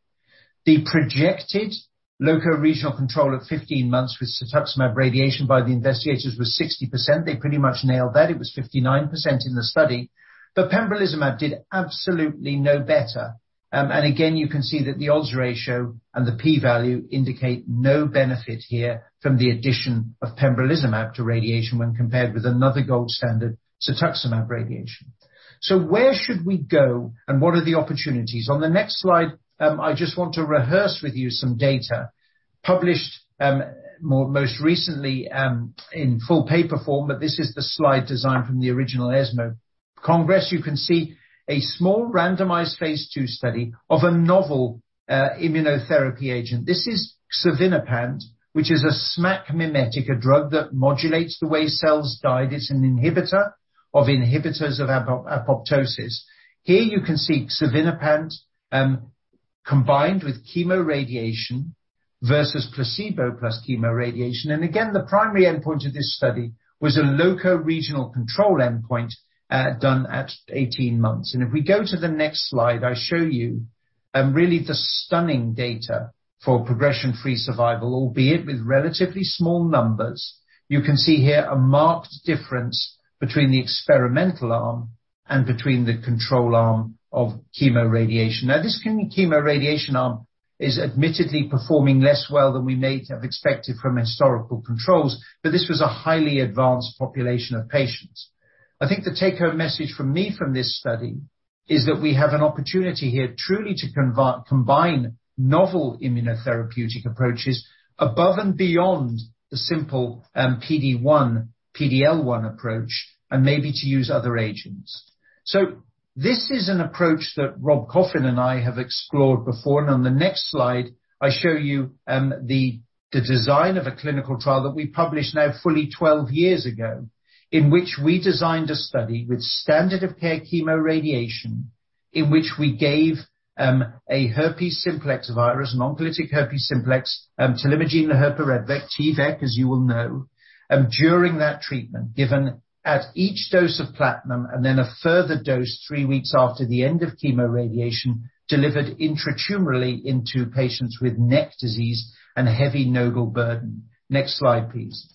The projected locoregional control at 15 months with cetuximab radiation by the investigators was 60%. They pretty much nailed that. It was 59% in the study. Pembrolizumab did absolutely no better. Again, you can see that the odds ratio and the P value indicate no benefit here from the addition of pembrolizumab to radiation when compared with another gold standard, cetuximab radiation. Where should we go, and what are the opportunities? On the next slide, I just want to rehearse with you some data published most recently in full paper form, but this is the slide design from the original ESMO Congress. You can see a small randomized phase II study of a novel immunotherapy agent. This is xevinapant, which is a SMAC mimetic, a drug that modulates the way cells die. It's an inhibitor of inhibitors of apoptosis. Here you can see xevinapant combined with chemoradiation versus placebo plus chemoradiation. The primary endpoint of this study was a locoregional control endpoint done at 18 months. If we go to the next slide, I show you really the stunning data for progression-free survival, albeit with relatively small numbers. You can see here a marked difference between the experimental arm and between the control arm of chemoradiation. Now, this chemoradiation arm is admittedly performing less well than we may have expected from historical controls, but this was a highly advanced population of patients. I think the take home message from me from this study is that we have an opportunity here truly to combine novel immunotherapeutic approaches above and beyond the simple PD-1, PD-L1 approach, and maybe to use other agents. This is an approach that Rob Coffin and I have explored before. On the next slide I show you, the design of a clinical trial that we published now fully 12 years ago, in which we designed a study with standard of care chemoradiation in which we gave a herpes simplex virus, an oncolytic herpes simplex, talimogene laherparepvec, T-VEC, as you will know, during that treatment, given at each dose of platinum and then a further dose three weeks after the end of chemoradiation, delivered intratumorally into patients with neck disease and a heavy nodal burden. Next slide, please.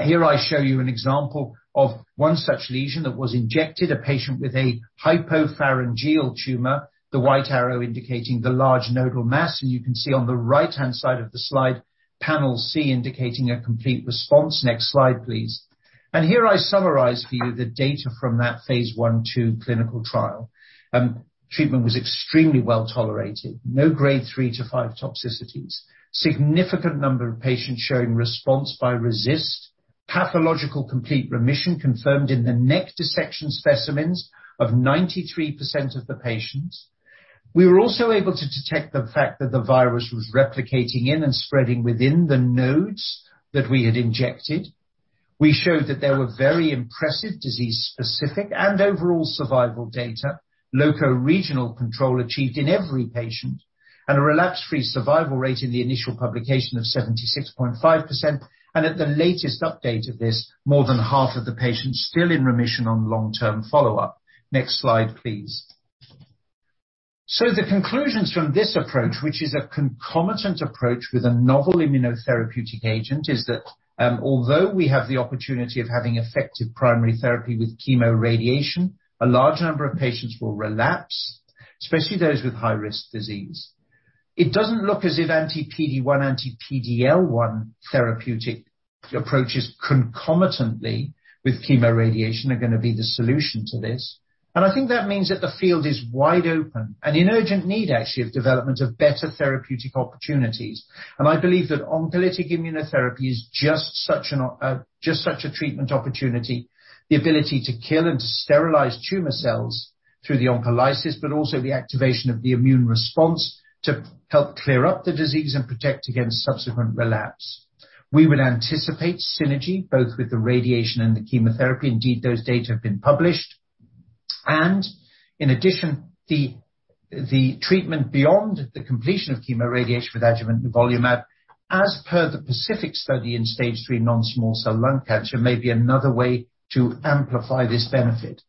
Here I show you an example of one such lesion that was injected, a patient with a hypopharyngeal tumor, the white arrow indicating the large nodal mass. You can see on the right-hand side of the slide, panel C indicating a complete response. Next slide, please. Here I summarize for you the data from that phase I/II clinical trial. Treatment was extremely well tolerated. No grade 3-5 toxicities. Significant number of patients showing response by RECIST. Pathological complete remission confirmed in the neck dissection specimens of 93% of the patients. We were also able to detect the fact that the virus was replicating in and spreading within the nodes that we had injected. We showed that there were very impressive disease-specific and overall survival data. Locoregional control achieved in every patient and a relapse-free survival rate in the initial publication of 76.5% and at the latest update of this, more than half of the patients still in remission on long-term follow-up. Next slide, please. The conclusions from this approach, which is a concomitant approach with a novel immunotherapeutic agent, is that although we have the opportunity of having effective primary therapy with chemoradiation, a large number of patients will relapse, especially those with high risk disease. It doesn't look as if anti-PD-1, anti-PD-L1 therapeutic approaches concomitantly with chemoradiation are gonna be the solution to this. I think that means that the field is wide open and in urgent need actually of development of better therapeutic opportunities. I believe that oncolytic immunotherapy is just such a treatment opportunity, the ability to kill and sterilize tumor cells through the oncolysis, but also the activation of the immune response to help clear up the disease and protect against subsequent relapse. We will anticipate synergy both with the radiation and the chemotherapy. Indeed, those data have been published. In addition, the treatment beyond the completion of chemoradiation with adjuvant nivolumab, as per the PACIFIC study in stage III non-small cell lung cancer, may be another way to amplify this benefit.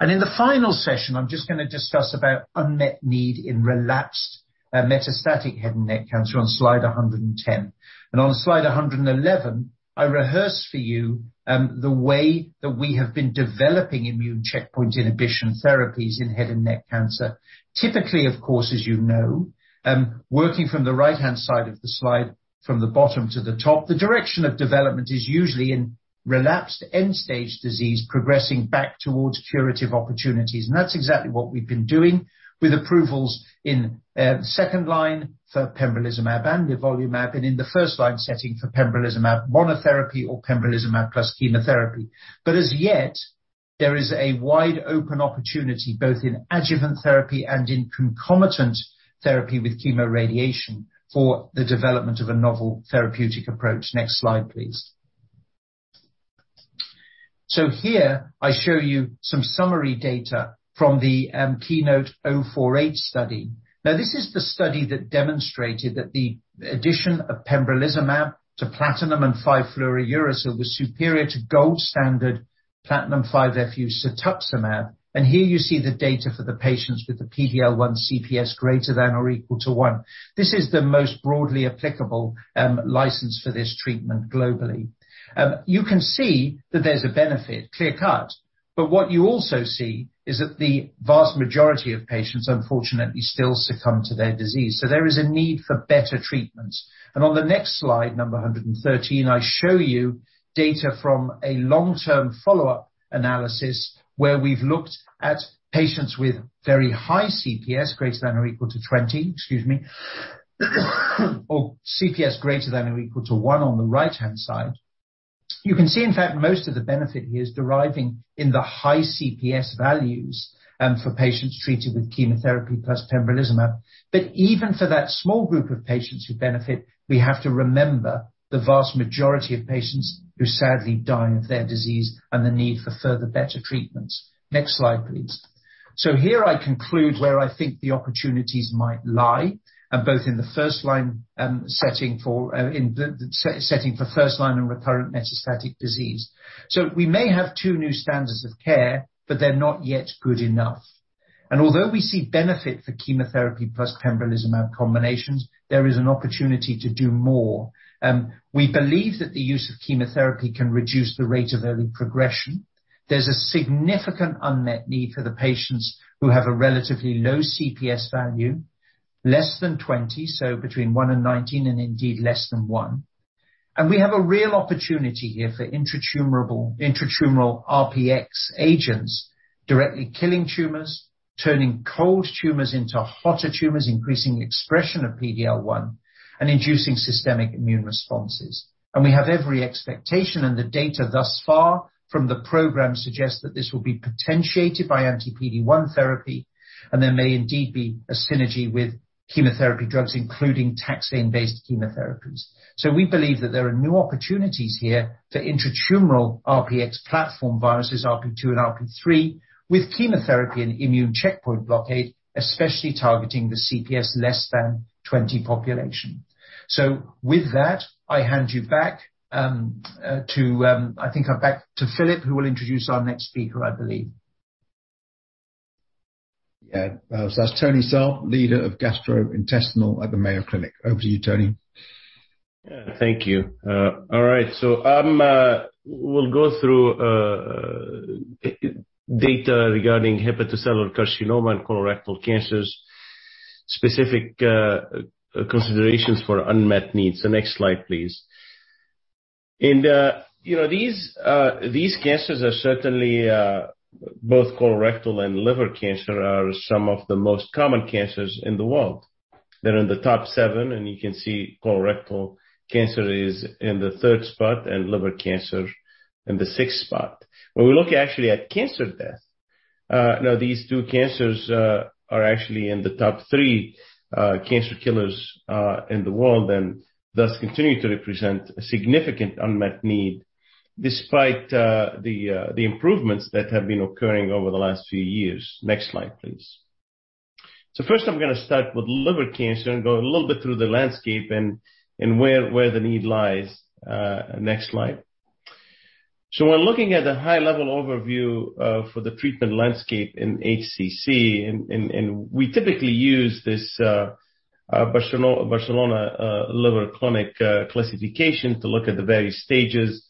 In the final session, I'm just gonna discuss about unmet need in relapsed metastatic head and neck cancer on slide 110. On slide 111, I rehearse for you the way that we have been developing immune checkpoint inhibition therapies in head and neck cancer. Typically, of course, as you know, working from the right-hand side of the slide, from the bottom to the top, the direction of development is usually in relapsed end-stage disease progressing back towards curative opportunities. That's exactly what we've been doing with approvals in second line for pembrolizumab and nivolumab, and in the first-line setting for pembrolizumab monotherapy or pembrolizumab plus chemotherapy. As yet, there is a wide open opportunity, both in adjuvant therapy and in concomitant therapy with chemoradiation for the development of a novel therapeutic approach. Next slide, please. Here I show you some summary data from the KEYNOTE-048 study. This is the study that demonstrated that the addition of pembrolizumab to platinum and 5-fluorouracil was superior to gold standard platinum 5-FU cetuximab. Here you see the data for the patients with the PD-L1 CPS greater than or equal to one. This is the most broadly applicable license for this treatment globally. You can see that there's a benefit, clear cut, but what you also see is that the vast majority of patients, unfortunately, still succumb to their disease. There is a need for better treatments. On the next slide, number 113, I show you data from a long-term follow-up analysis where we've looked at patients with very high CPS greater than or equal to 20, excuse me, or CPS greater than or equal to one on the right-hand side. You can see, in fact, most of the benefit here is deriving in the high CPS values, for patients treated with chemotherapy plus pembrolizumab. Even for that small group of patients who benefit, we have to remember the vast majority of patients who sadly die of their disease and the need for further better treatments. Next slide, please. Here I conclude where I think the opportunities might lie, both in the first-line setting for in the setting for first line and recurrent metastatic disease. We may have two new standards of care, but they're not yet good enough. Although we see benefit for chemotherapy plus pembrolizumab combinations, there is an opportunity to do more. We believe that the use of chemotherapy can reduce the rate of early progression. There's a significant unmet need for the patients who have a relatively low CPS value, less than 20, so between one and 19, and indeed less than one. We have a real opportunity here for intratumoral RPx agents directly killing tumors, turning cold tumors into hotter tumors, increasing expression of PD-L1, and inducing systemic immune responses. We have every expectation, and the data thus far from the program suggests that this will be potentiated by anti-PD-1 therapy, and there may indeed be a synergy with chemotherapy drugs, including taxane-based chemotherapies. We believe that there are new opportunities here for intratumoral RPx platform viruses, RP2 and RP3, with chemotherapy and immune checkpoint blockade, especially targeting the CPS less than 20 population. With that, I hand you back to, I think, Philip, who will introduce our next speaker, I believe. That's Tony Saab, Leader of Gastrointestinal at the Mayo Clinic. Over to you, Tony. Thank you. All right. We'll go through data regarding hepatocellular carcinoma and colorectal cancers, specific considerations for unmet needs. The next slide, please. You know, these cancers are certainly both colorectal and liver cancer are some of the most common cancers in the world. They're in the top seven, and you can see colorectal cancer is in the third spot and liver cancer in the sixth spot. When we look actually at cancer death, now these two cancers are actually in the top three cancer killers in the world, and thus continue to represent a significant unmet need despite the improvements that have been occurring over the last few years. Next slide, please. First, I'm gonna start with liver cancer and go a little bit through the landscape and where the need lies. Next slide. When looking at the high-level overview for the treatment landscape in HCC, and we typically use this Barcelona Liver Clinic classification to look at the various stages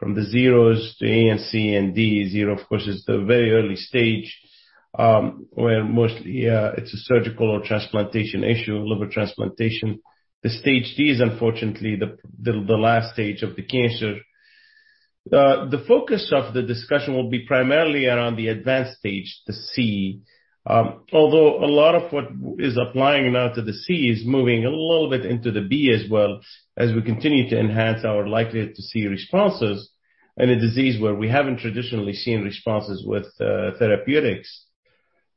from the zeros to A and C and D. Zero, of course, is the very early stage, where mostly it's a surgical or transplantation issue, liver transplantation. The stage D is unfortunately the last stage of the cancer. The focus of the discussion will be primarily around the advanced stage, the C. Although a lot of what is applying now to the C is moving a little bit into the B as well, as we continue to enhance our likelihood to see responses in a disease where we haven't traditionally seen responses with therapeutics.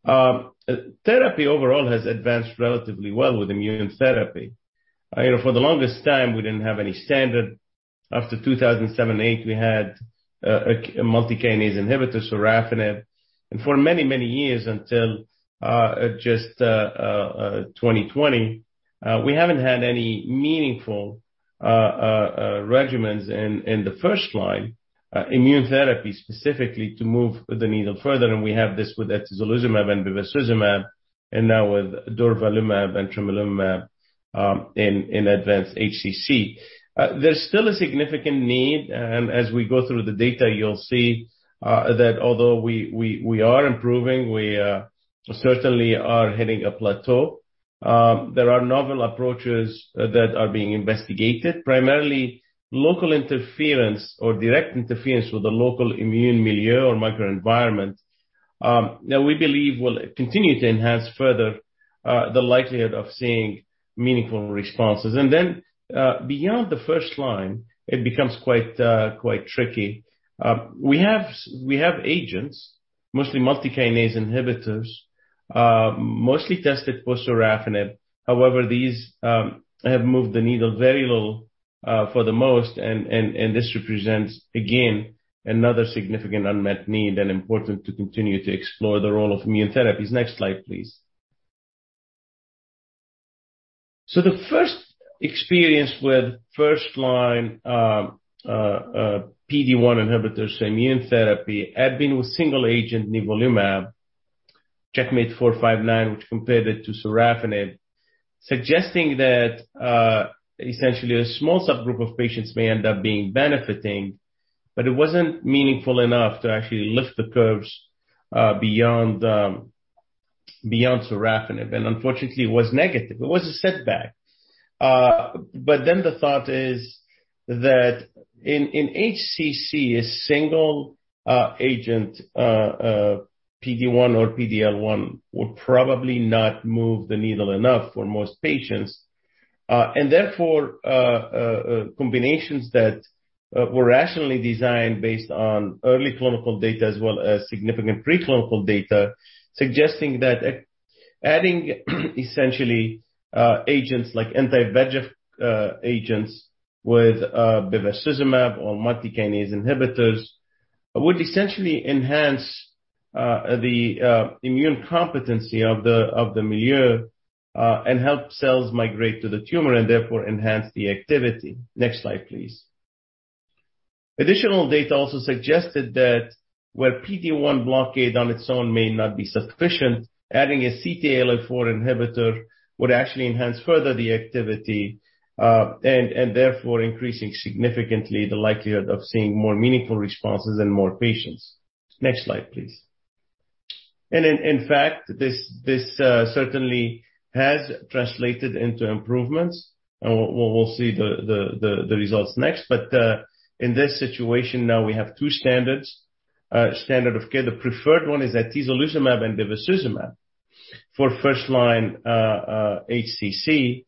Therapy overall has advanced relatively well with immune therapy. You know, for the longest time, we didn't have any standard. After 2007-2008, we had a multi-kinase inhibitor, sorafenib. For many, many years until just 2020, we haven't had any meaningful regimens in the first line, immune therapy specifically to move the needle further, and we have this with atezolizumab and bevacizumab and now with durvalumab and tremelimumab in advanced HCC. There's still a significant need, and as we go through the data, you'll see that although we are improving, we certainly are hitting a plateau. There are novel approaches that are being investigated, primarily local interference or direct interference with the local immune milieu or microenvironment, that we believe will continue to enhance further the likelihood of seeing meaningful responses. Then, beyond the first line, it becomes quite tricky. We have agents, mostly multi-kinase inhibitors, mostly tested for sorafenib. However, these have moved the needle very little for the most part. This represents, again, another significant unmet need and important to continue to explore the role of immune therapies. Next slide, please. The first experience with first-line PD-1 inhibitors immune therapy had been with single-agent nivolumab, CheckMate 459, which compared it to sorafenib, suggesting that essentially a small subgroup of patients may end up benefiting, but it wasn't meaningful enough to actually lift the curves beyond sorafenib. Unfortunately, it was negative. It was a setback. The thought is that in HCC, a single agent PD-1 or PD-L1 would probably not move the needle enough for most patients. Therefore, combinations that were rationally designed based on early clinical data as well as significant preclinical data suggesting that adding essentially agents like anti-VEGF agents with bevacizumab or multi-kinase inhibitors would essentially enhance the immune competency of the milieu and help cells migrate to the tumor and therefore enhance the activity. Next slide, please. Additional data also suggested that where PD-1 blockade on its own may not be sufficient, adding a CTLA-4 inhibitor would actually enhance further the activity, and therefore increasing significantly the likelihood of seeing more meaningful responses in more patients. Next slide, please. In fact, this certainly has translated into improvements. We'll see the results next. In this situation now we have two standards of care. The preferred one is atezolizumab and bevacizumab for first-line HCC.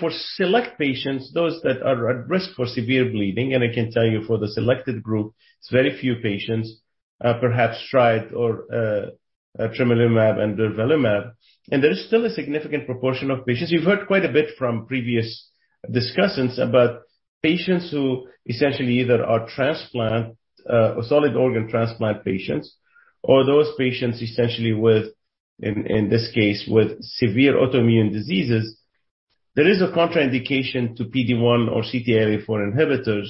For select patients, those that are at risk for severe bleeding, and I can tell you for the selected group, it's very few patients, perhaps tremelimumab and durvalumab. There is still a significant proportion of patients. We've heard quite a bit from previous discussants about patients who essentially either are transplant or solid organ transplant patients or those patients essentially with, in this case, with severe autoimmune diseases. There is a contraindication to PD-1 or CTLA-4 inhibitors.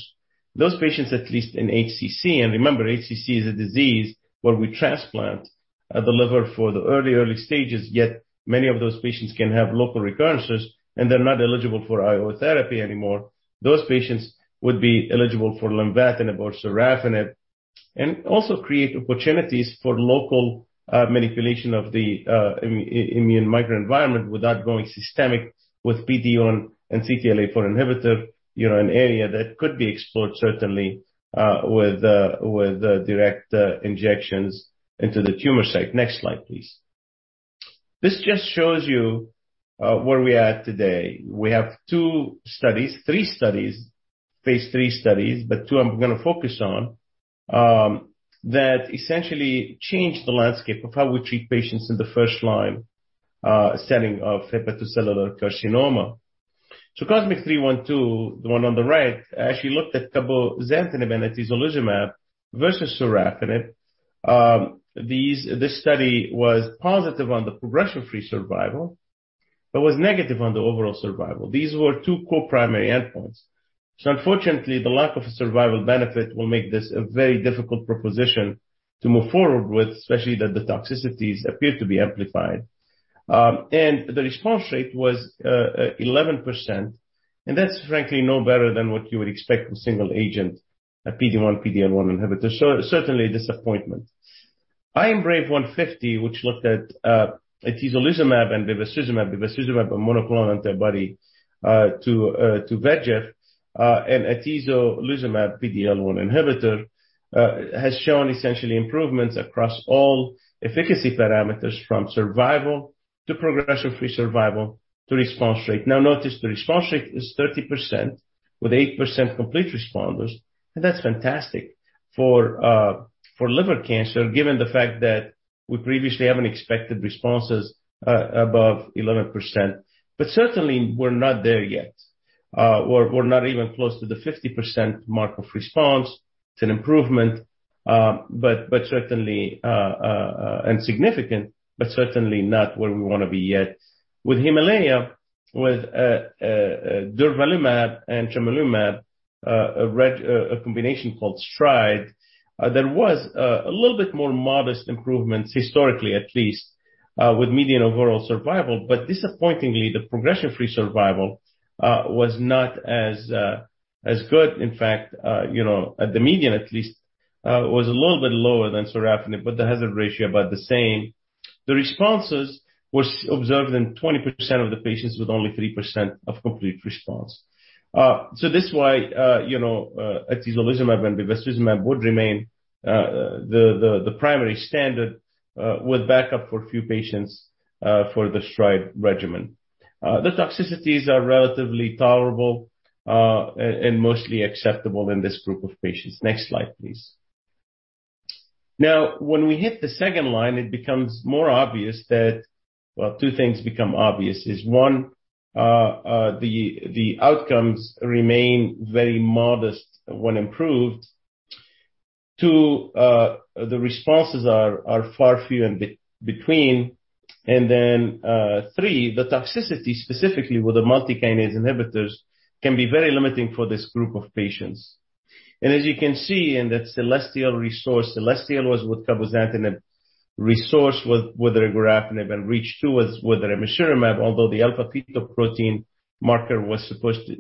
Those patients, at least in HCC, and remember, HCC is a disease where we transplant the liver for the early stages, yet many of those patients can have local recurrences, and they're not eligible for IO therapy anymore. Those patients would be eligible for lenvatinib or sorafenib and also create opportunities for local manipulation of the immune microenvironment without going systemic with PD-1 and CTLA-4 inhibitor. You know, an area that could be explored certainly with direct injections into the tumor site. Next slide, please. This just shows you where we are at today. We have three phase III studies, but two I'm gonna focus on that essentially change the landscape of how we treat patients in the first-line setting of hepatocellular carcinoma. COSMIC-312, the one on the right, actually looked at cabozantinib and atezolizumab versus sorafenib. This study was positive on the progression-free survival, but was negative on the overall survival. These were two co-primary endpoints. Unfortunately, the lack of a survival benefit will make this a very difficult proposition to move forward with, especially that the toxicities appear to be amplified. The response rate was 11%, and that's frankly no better than what you would expect from single agent, a PD-1, PD-L1 inhibitor. Certainly a disappointment. IMbrave150, which looked at atezolizumab and bevacizumab. Bevacizumab, a monoclonal antibody, to VEGF, and atezolizumab, PD-L1 inhibitor, has shown essentially improvements across all efficacy parameters from survival to progression-free survival to response rate. Now notice the response rate is 30% with 8% complete responders, and that's fantastic for liver cancer, given the fact that we previously haven't expected responses above 11%. Certainly we're not there yet. We're not even close to the 50% mark of response. It's an improvement, but certainly significant, but certainly not where we wanna be yet. With HIMALAYA, with durvalumab and tremelimumab, a combination called STRIDE, there was a little bit more modest improvements historically, at least, with median overall survival. Disappointingly, the progression-free survival was not as good. In fact, you know, at the median at least, was a little bit lower than sorafenib, but the hazard ratio about the same. The responses was observed in 20% of the patients with only 3% of complete response. This is why, you know, atezolizumab and bevacizumab would remain the primary standard with backup for a few patients for the STRIDE regimen. The toxicities are relatively tolerable and mostly acceptable in this group of patients. Next slide, please. Now, when we hit the second line, it becomes more obvious that two things become obvious. One, the outcomes remain very modest when improved. Two, the responses are few and far between. Three, the toxicity specifically with the multi-kinase inhibitors can be very limiting for this group of patients. As you can see in the CELESTIAL/RESORCE, CELESTIAL was with cabozantinib, RESORCE with regorafenib, and REACH-2 was with ramucirumab. Although the alpha-fetoprotein marker was supposed to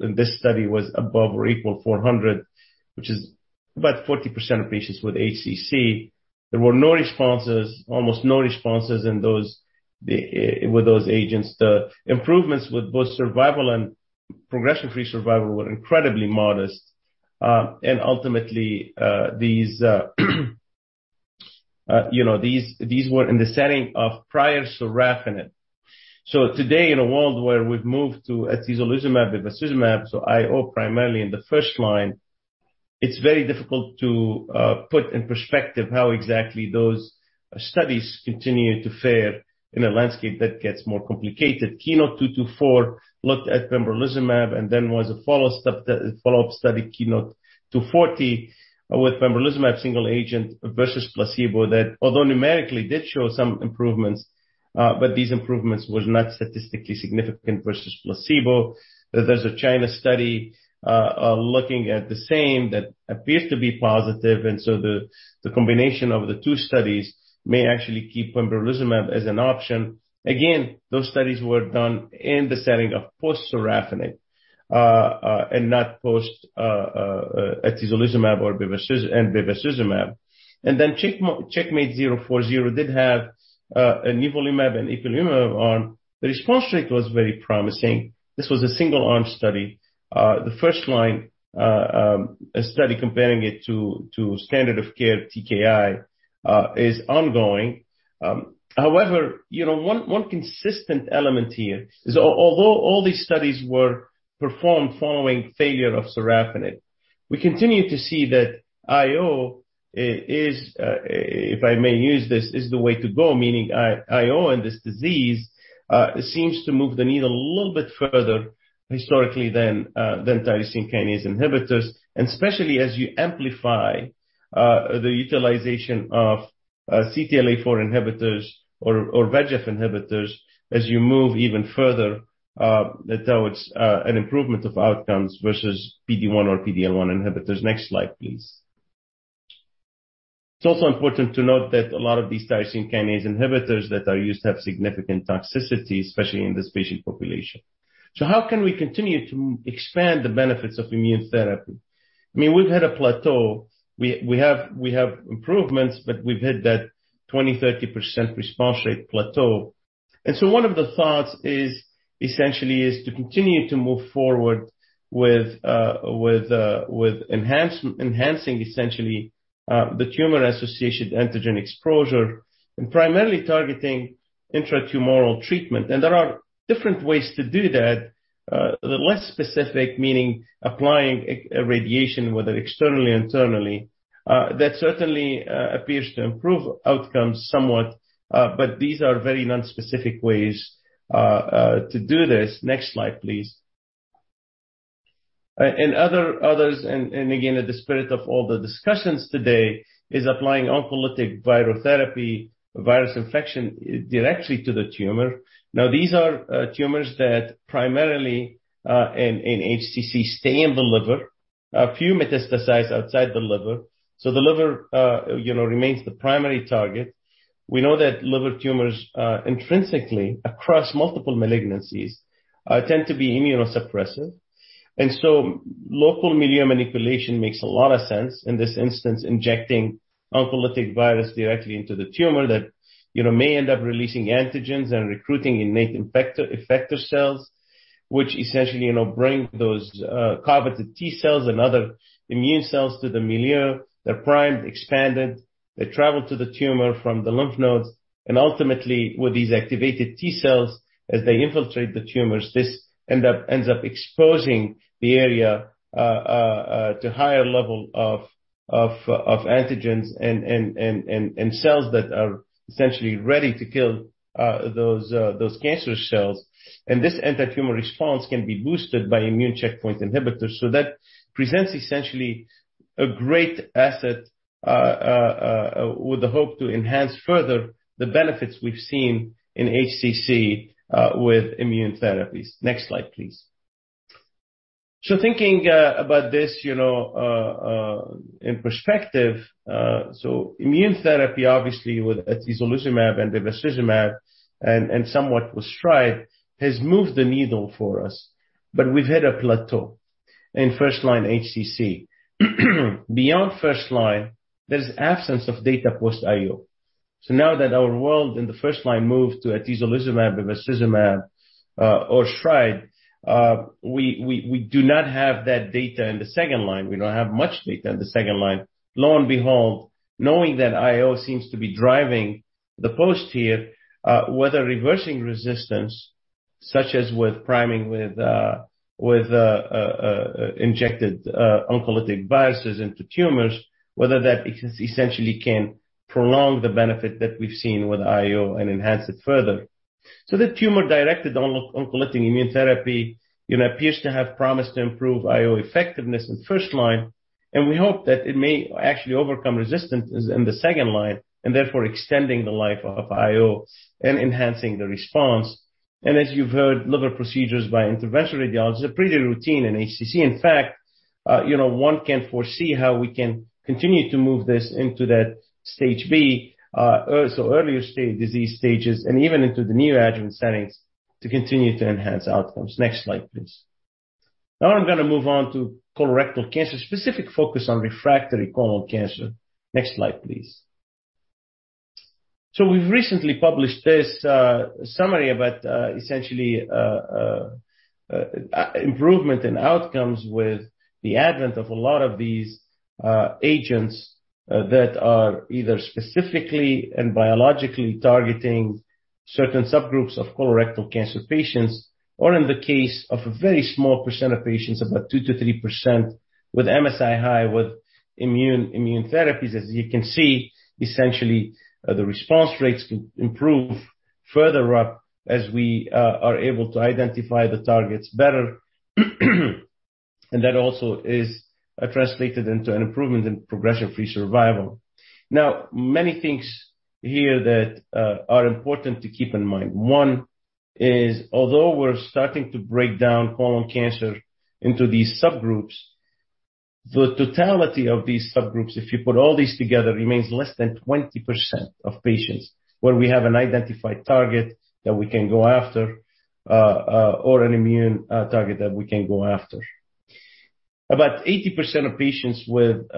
In this study was above or equal to 400, which is about 40% of patients with HCC. There were almost no responses in those with those agents. The improvements with both survival and progression-free survival were incredibly modest. Ultimately, these were in the setting of prior sorafenib. Today, in a world where we've moved to atezolizumab, bevacizumab, so IO primarily in the first line, it's very difficult to put in perspective how exactly those studies continue to fare in a landscape that gets more complicated. KEYNOTE-224 looked at pembrolizumab and then was a follow-up study, KEYNOTE-240, with pembrolizumab single agent versus placebo that, although numerically did show some improvements, but these improvements was not statistically significant versus placebo. There's a China study looking at the same that appears to be positive, and so the combination of the two studies may actually keep pembrolizumab as an option. Again, those studies were done in the setting of post-sorafenib, and not post atezolizumab or bevacizumab. CheckMate 040 did have a nivolumab and ipilimumab arm. The response rate was very promising. This was a single-arm study. The first-line study comparing it to standard of care TKI is ongoing. However, you know, one consistent element here is although all these studies were performed following failure of sorafenib, we continue to see that IO is, if I may use this, the way to go. Meaning IO in this disease seems to move the needle a little bit further historically than tyrosine kinase inhibitors. Especially as you amplify the utilization of CTLA-4 inhibitors or VEGF inhibitors as you move even further towards an improvement of outcomes versus PD-1 or PD-L1 inhibitors. Next slide, please. It's also important to note that a lot of these tyrosine kinase inhibitors that are used have significant toxicity, especially in this patient population. How can we continue to expand the benefits of immune therapy? I mean, we've hit a plateau. We have improvements, but we've hit that 20%-30% response rate plateau. One of the thoughts is essentially to continue to move forward with enhancing essentially the tumor-associated antigen exposure and primarily targeting intratumoral treatment. There are different ways to do that. The less specific, meaning applying a radiation, whether externally or internally, that certainly appears to improve outcomes somewhat. These are very nonspecific ways to do this. Next slide, please. Again, in the spirit of all the discussions today, is applying oncolytic virotherapy, virus infection directly to the tumor. Now, these are tumors that primarily, in HCC, stay in the liver. A few metastasize outside the liver. The liver, you know, remains the primary target. We know that liver tumors intrinsically across multiple malignancies tend to be immunosuppressive. Local milieu manipulation makes a lot of sense. In this instance, injecting oncolytic virus directly into the tumor that, you know, may end up releasing antigens and recruiting innate effector cells, which essentially, you know, bring those coveted T cells and other immune cells to the milieu. They're primed, expanded, they travel to the tumor from the lymph nodes. Ultimately, with these activated T cells, as they infiltrate the tumors, this ends up exposing the area to higher level of antigens and cells that are essentially ready to kill those cancer cells. This antitumor response can be boosted by immune checkpoint inhibitors. That presents essentially a great asset with the hope to enhance further the benefits we've seen in HCC with immune therapies. Next slide, please. Thinking about this, you know, in perspective, immune therapy obviously with atezolizumab and bevacizumab and somewhat with STRIDE has moved the needle for us. We've hit a plateau in first-line HCC. Beyond first line, there's absence of data post-IO. Now that our world in the first line moved to atezolizumab, bevacizumab, or STRIDE, we do not have that data in the second line. We don't have much data in the second line. Lo and behold, knowing that IO seems to be driving the post-IO, whether reversing resistance, such as with priming with injected oncolytic viruses into tumors, whether that essentially can prolong the benefit that we've seen with IO and enhance it further. The tumor-directed oncolytic immune therapy, you know, appears to have promised to improve IO effectiveness in first line, and we hope that it may actually overcome resistance in the second line and therefore extending the life of IO and enhancing the response. As you've heard, liver procedures by interventional radiology are pretty routine in HCC. In fact, you know, one can foresee how we can continue to move this into that stage B, so earlier stage disease stages and even into the neoadjuvant settings to continue to enhance outcomes. Next slide, please. Now I'm gonna move on to colorectal cancer, specific focus on refractory colon cancer. Next slide, please. We've recently published this summary about essentially improvement in outcomes with the advent of a lot of these agents that are either specifically and biologically targeting certain subgroups of colorectal cancer patients or in the case of a very small percent of patients, about 2%-3% with MSI-High, with immune therapies. As you can see, essentially, the response rates can improve further up as we are able to identify the targets better. That also is translated into an improvement in progression-free survival. Many things here that are important to keep in mind. One is, although we're starting to break down colon cancer into these subgroups, the totality of these subgroups, if you put all these together, remains less than 20% of patients where we have an identified target that we can go after, or an immune target that we can go after. About 80% of patients with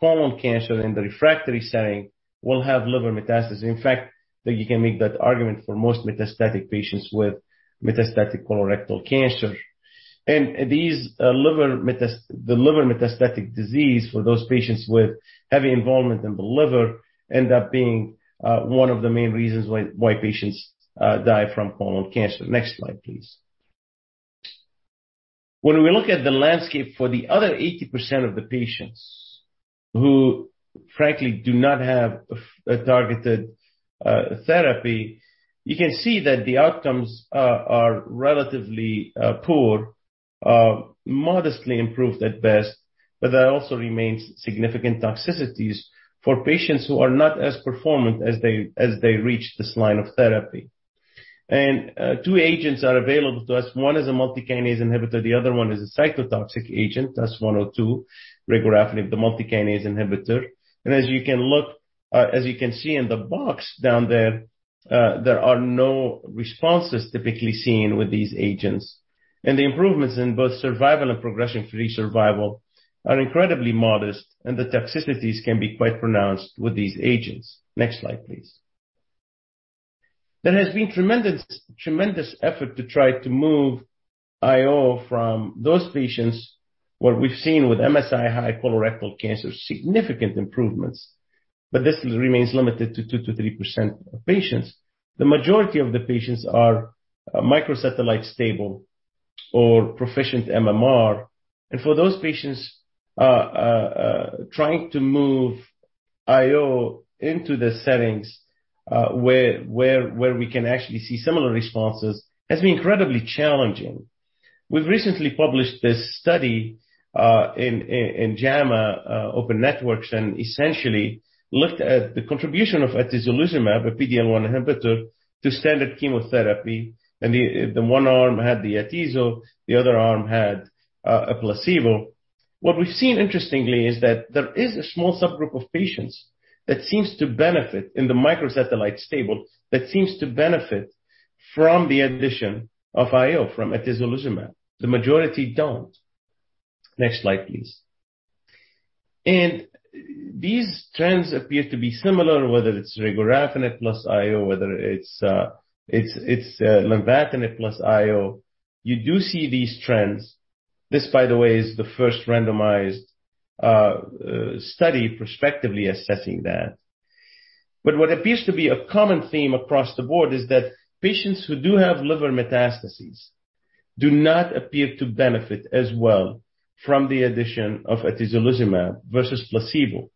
colon cancer in the refractory setting will have liver metastasis. In fact, you can make that argument for most metastatic patients with metastatic colorectal cancer. These the liver metastatic disease for those patients with heavy involvement in the liver end up being one of the main reasons why patients die from colon cancer. Next slide, please. When we look at the landscape for the other 80% of the patients who frankly do not have a targeted therapy, you can see that the outcomes are relatively poor, modestly improved at best, but there also remains significant toxicities for patients who are not as performant as they reach this line of therapy. Two agents are available to us. One is a multikinase inhibitor, the other one is a cytotoxic agent, that's TAS-102, regorafenib, the multikinase inhibitor. As you can see in the box down there are no responses typically seen with these agents. The improvements in both survival and progression-free survival are incredibly modest, and the toxicities can be quite pronounced with these agents. Next slide, please. There has been tremendous effort to try to move IO from those patients, what we've seen with MSI-High colorectal cancer, significant improvements, but this remains limited to 2%-3% of patients. The majority of the patients are microsatellite stable or proficient MMR. For those patients, trying to move IO into the settings where we can actually see similar responses has been incredibly challenging. We've recently published this study in JAMA Network Open and essentially looked at the contribution of atezolizumab, a PD-L1 inhibitor, to standard chemotherapy. One arm had atezolizumab, the other arm had a placebo. What we've seen interestingly is that there is a small subgroup of patients that seems to benefit in the microsatellite stable from the addition of IO from atezolizumab. The majority don't. Next slide, please. These trends appear to be similar, whether it's regorafenib plus IO, whether it's lenvatinib plus IO. You do see these trends. This, by the way, is the first randomized study prospectively assessing that. But what appears to be a common theme across the board is that patients who do have liver metastases do not appear to benefit as well from the addition of atezolizumab versus placebo,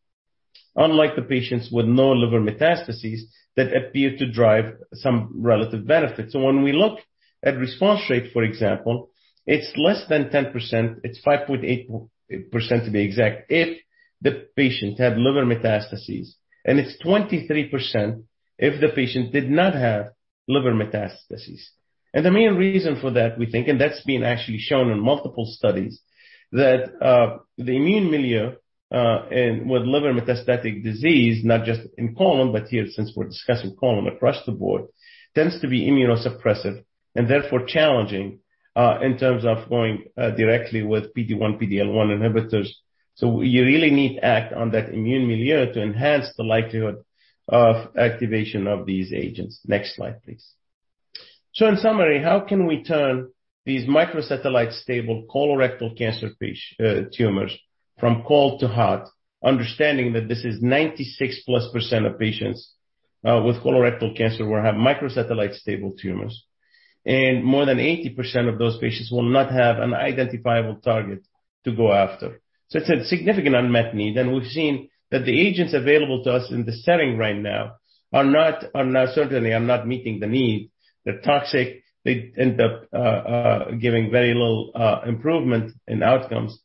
unlike the patients with no liver metastases that appear to drive some relative benefit. When we look at response rate, for example, it's less than 10%, it's 5.8% to be exact, if the patient had liver metastases, and it's 23% if the patient did not have liver metastases. The main reason for that, we think, and that's been actually shown in multiple studies, that, the immune milieu with liver metastatic disease, not just in colon, but here, since we're discussing colon across the board, tends to be immunosuppressive and therefore challenging, in terms of going directly with PD-1, PD-L1 inhibitors. You really need to act on that immune milieu to enhance the likelihood of activation of these agents. Next slide, please. In summary, how can we turn these microsatellite stable colorectal cancer tumors from cold to hot, understanding that this is 96%+ of patients with colorectal cancer will have microsatellite stable tumors, and more than 80% of those patients will not have an identifiable target to go after. It's a significant unmet need, and we've seen that the agents available to us in the setting right now certainly are not meeting the need. They're toxic. They end up giving very little improvement in outcomes.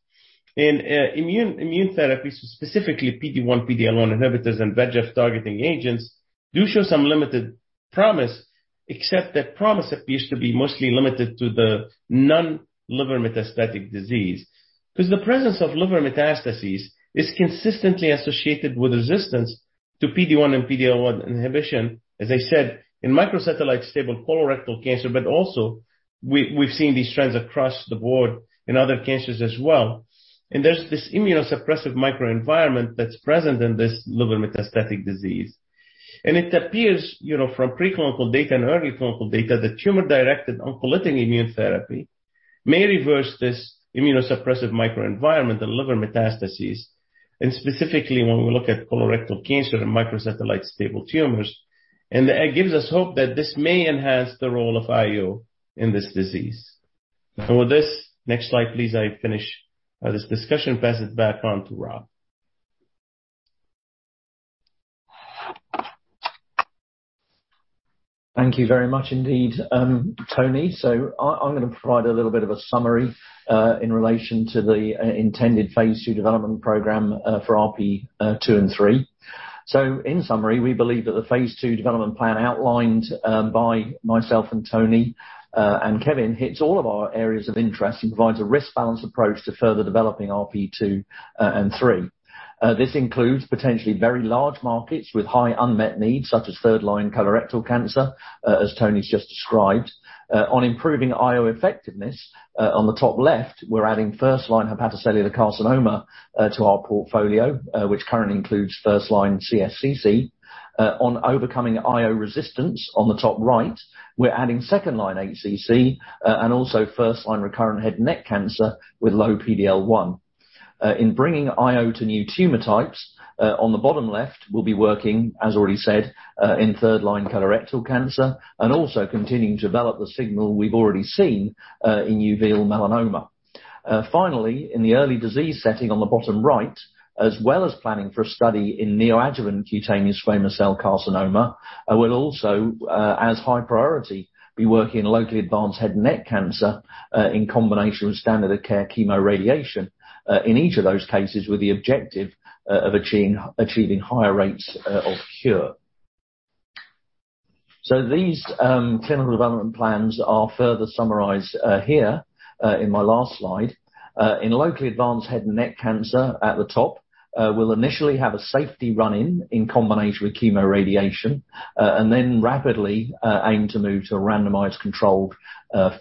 In immune therapy, specifically PD-1, PD-L1 inhibitors and VEGF targeting agents do show some limited promise, except that promise appears to be mostly limited to the non-liver metastatic disease. 'Cause the presence of liver metastases is consistently associated with resistance to PD-1 and PD-L1 inhibition, as I said, in microsatellite stable colorectal cancer. Also we've seen these trends across the board in other cancers as well. There's this immunosuppressive microenvironment that's present in this liver metastatic disease. It appears, you know, from preclinical data and early clinical data that tumor-directed oncolytic immune therapy may reverse this immunosuppressive microenvironment in liver metastases, and specifically when we look at colorectal cancer in microsatellite stable tumors. It gives us hope that this may enhance the role of IO in this disease. With this, next slide, please, I finish this discussion and pass it back on to Rob. Thank you very much indeed, Tony. I'm gonna provide a little bit of a summary in relation to the intended phase II development program for RP2 and RP3. In summary, we believe that the phase II development plan outlined by myself and Tony and Kevin hits all of our areas of interest and provides a risk-balanced approach to further developing RP2 and RP3. This includes potentially very large markets with high unmet needs, such as third-line colorectal cancer, as Tony's just described. On improving IO effectiveness on the top left, we're adding first-line hepatocellular carcinoma to our portfolio, which currently includes first-line CSCC. On overcoming IO resistance on the top right, we're adding second-line HCC and also first-line recurrent head and neck cancer with low PD-L1. In bringing IO to new tumor types, on the bottom left, we'll be working, as already said, in third line colorectal cancer and also continuing to develop the signal we've already seen in uveal melanoma. Finally, in the early disease setting on the bottom right, as well as planning for a study in neoadjuvant cutaneous squamous cell carcinoma, we'll also, as high priority, be working in locally advanced head and neck cancer in combination with standard of care chemoradiation, in each of those cases with the objective of achieving higher rates of cure. These clinical development plans are further summarized here in my last slide. In locally advanced head and neck cancer at the top, we'll initially have a safety run-in in combination with chemoradiation, and then rapidly aim to move to a randomized controlled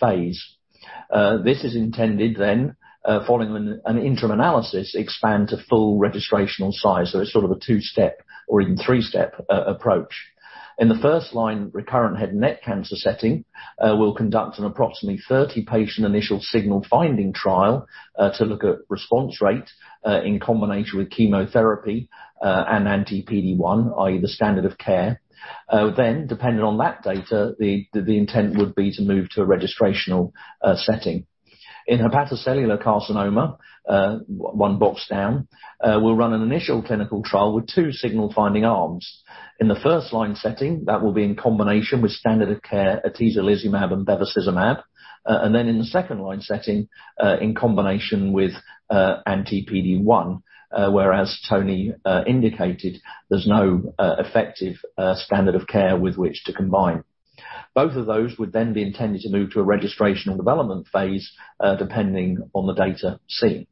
phase. This is intended, then, following an interim analysis, to expand to full registrational size. It's sort of a two-step or even three-step approach. In the first-line recurrent head and neck cancer setting, we'll conduct an approximately 30-patient initial signal finding trial to look at response rate in combination with chemotherapy and anti-PD-1, i.e. the standard of care. Then depending on that data, the intent would be to move to a registrational setting. In hepatocellular carcinoma, one box down, we'll run an initial clinical trial with two signal finding arms. In the first line setting, that will be in combination with standard of care atezolizumab and bevacizumab. In the second line setting, in combination with anti-PD-1, whereas Tony indicated there's no effective standard of care with which to combine. Both of those would then be intended to move to a registrational development phase, depending on the data seen.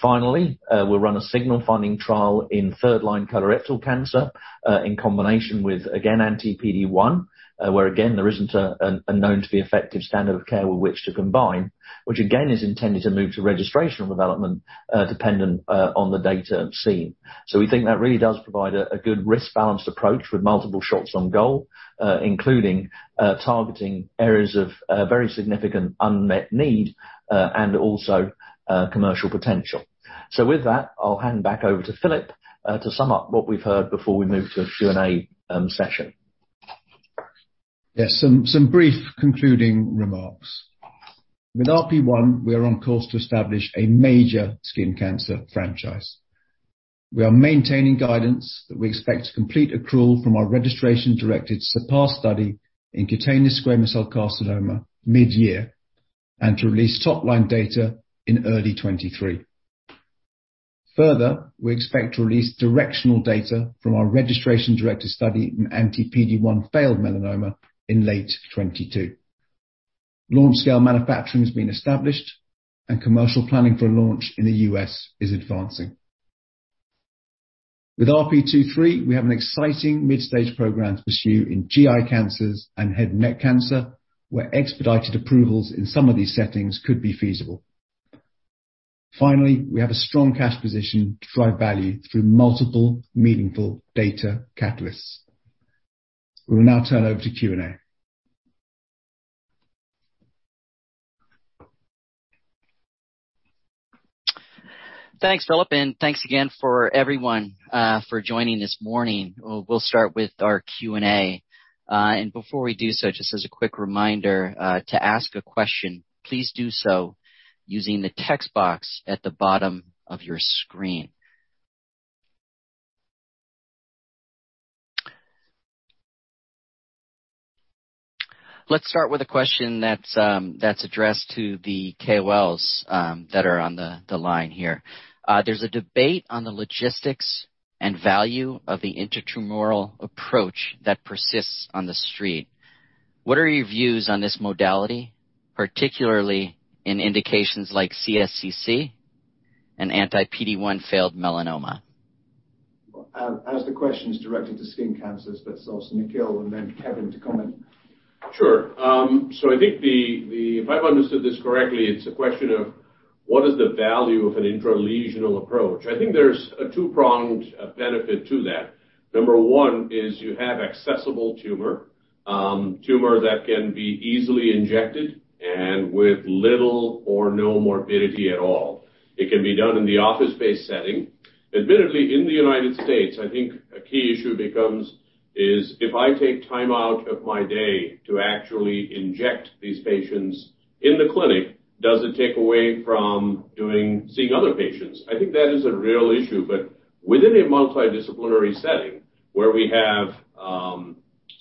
Finally, we'll run a signal finding trial in third line colorectal cancer, in combination with, again, anti-PD-1, where again, there isn't a known to be effective standard of care with which to combine, which again, is intended to move to registrational development, dependent on the data seen. We think that really does provide a good risk-balanced approach with multiple shots on goal, including targeting areas of very significant unmet need, and also commercial potential. With that, I'll hand back over to Philip, to sum up what we've heard before we move to a Q&A session. Yes, some brief concluding remarks. With RP1, we are on course to establish a major skin cancer franchise. We are maintaining guidance that we expect to complete accrual from our registration-directed CERPASS study in cutaneous squamous cell carcinoma mid-year, and to release top line data in early 2023. Further, we expect to release directional data from our registration-directed study in anti-PD-1 failed melanoma in late 2022. Large-scale manufacturing has been established and commercial planning for launch in the U.S. is advancing. With RP2/3, we have an exciting mid-stage program to pursue in GI cancers and head and neck cancer, where expedited approvals in some of these settings could be feasible. Finally, we have a strong cash position to drive value through multiple meaningful data catalysts. We will now turn over to Q&A. Thanks, Philip, and thanks again for everyone for joining this morning. We'll start with our Q&A. Before we do so, just as a quick reminder, to ask a question, please do so using the text box at the bottom of your screen. Let's start with a question that's addressed to the KOLs that are on the line here. There's a debate on the logistics and value of the intralesional approach that persists on the street. What are your views on this modality, particularly in indications like CSCC and anti-PD-1 failed melanoma? As the question is directed to skin cancers, let's ask Nikhil and then Kevin to comment. Sure. I think if I've understood this correctly, it's a question of what is the value of an intralesional approach. I think there's a two-pronged benefit to that. Number one is you have accessible tumor that can be easily injected and with little or no morbidity at all. It can be done in the office-based setting. Admittedly, in the United States, I think a key issue becomes is, if I take time out of my day to actually inject these patients in the clinic, does it take away from seeing other patients? I think that is a real issue. But within a multidisciplinary setting, where we have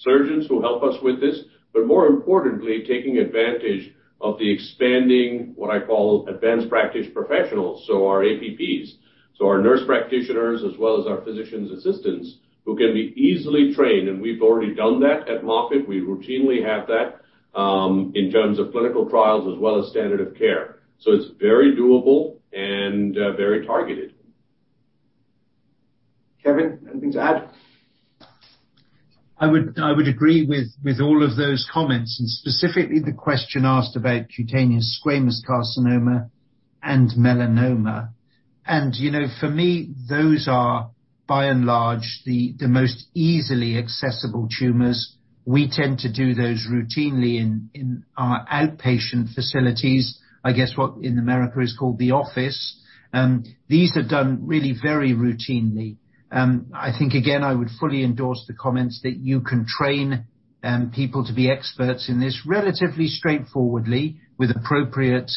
surgeons who help us with this, but more importantly, taking advantage of the expanding, what I call advanced practice professionals, so our APPs. Our nurse practitioners as well as our physician assistants, who can be easily trained, and we've already done that at Moffitt. We routinely have that in terms of clinical trials as well as standard of care. It's very doable and very targeted. Kevin, anything to add? I would agree with all of those comments, and specifically the question asked about cutaneous squamous carcinoma and melanoma. You know, for me, those are by and large the most easily accessible tumors. We tend to do those routinely in our outpatient facilities, I guess what in America is called the office. These are done really very routinely. I think again, I would fully endorse the comments that you can train people to be experts in this relatively straightforwardly with appropriate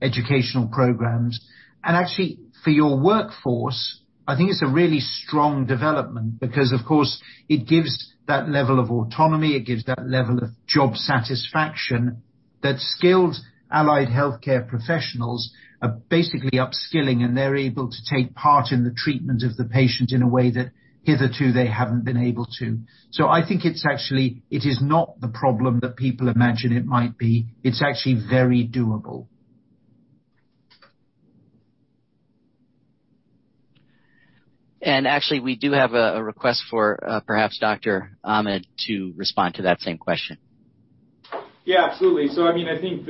educational programs. Actually, for your workforce, I think it's a really strong development because of course it gives that level of autonomy, it gives that level of job satisfaction that skilled allied healthcare professionals are basically upskilling, and they're able to take part in the treatment of the patient in a way that hitherto they haven't been able to. I think it's actually not the problem that people imagine it might be. It's actually very doable. Actually, we do have a request for perhaps Dr. Ahmed to respond to that same question. Yeah, absolutely. I mean, I think,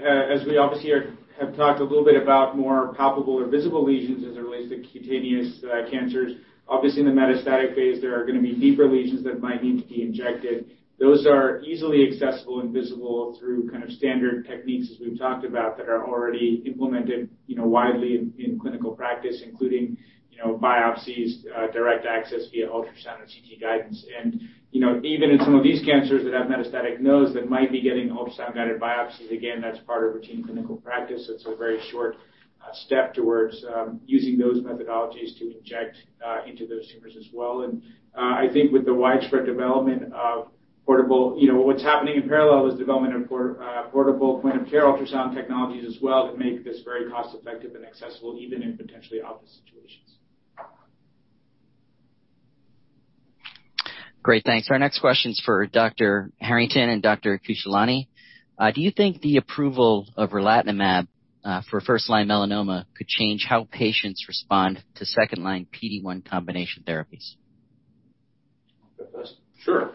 as we have talked a little bit about more palpable or visible lesions as it relates to cutaneous cancers. Obviously in the metastatic phase, there are gonna be deeper lesions that might need to be injected. Those are easily accessible and visible through kind of standard techniques, as we've talked about, that are already implemented, you know, widely in clinical practice, including, you know, biopsies, direct access via ultrasound or CT guidance. You know, even in some of these cancers that have metastatic nodes that might be getting ultrasound-guided biopsies, again, that's part of routine clinical practice. It's a very short step towards using those methodologies to inject into those tumors as well. I think with the widespread development of portable. You know, what's happening in parallel is development of portable point-of-care ultrasound technologies as well that make this very cost-effective and accessible even in potentially office situations. Great. Thanks. Our next question is for Dr. Harrington and Dr. Khushalani. Do you think the approval of relatlimab for first line melanoma could change how patients respond to second line PD1 combination therapies? Sure.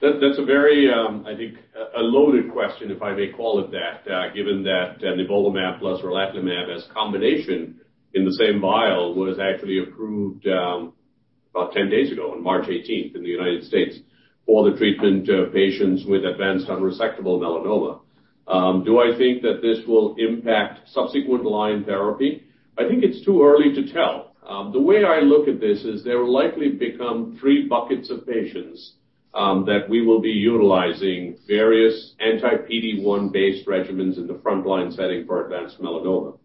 That's a very, I think, a loaded question, if I may call it that, given that nivolumab plus relatlimab as combination in the same vial was actually approved, about 10 days ago on March 18th in the United States for the treatment of patients with advanced unresectable melanoma. Do I think that this will impact subsequent line therapy? I think it's too early to tell. The way I look at this is there will likely become three buckets of patients that we will be utilizing various anti-PD-1 based regimens in the frontline setting for advanced melanoma.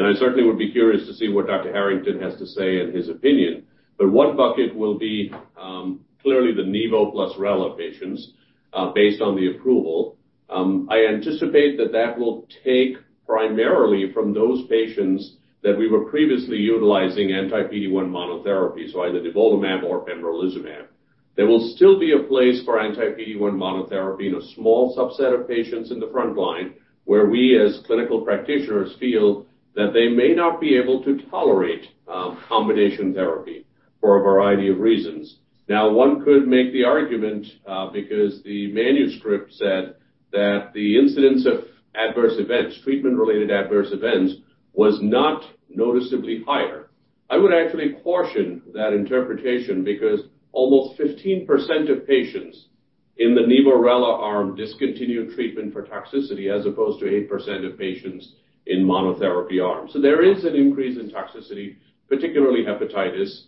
I certainly would be curious to see what Dr. Harrington has to say in his opinion. One bucket will be clearly the nivo plus rela patients based on the approval. I anticipate that that will take primarily from those patients that we were previously utilizing anti-PD-1 monotherapy, so either nivolumab or pembrolizumab. There will still be a place for anti-PD-1 monotherapy in a small subset of patients in the front line, where we, as clinical practitioners, feel that they may not be able to tolerate combination therapy for a variety of reasons. Now, one could make the argument because the manuscript said that the incidence of adverse events, treatment-related adverse events, was not noticeably higher. I would actually caution that interpretation because almost 15% of patients in the nivo-rela arm discontinued treatment for toxicity as opposed to 8% of patients in monotherapy arms. There is an increase in toxicity, particularly hepatitis,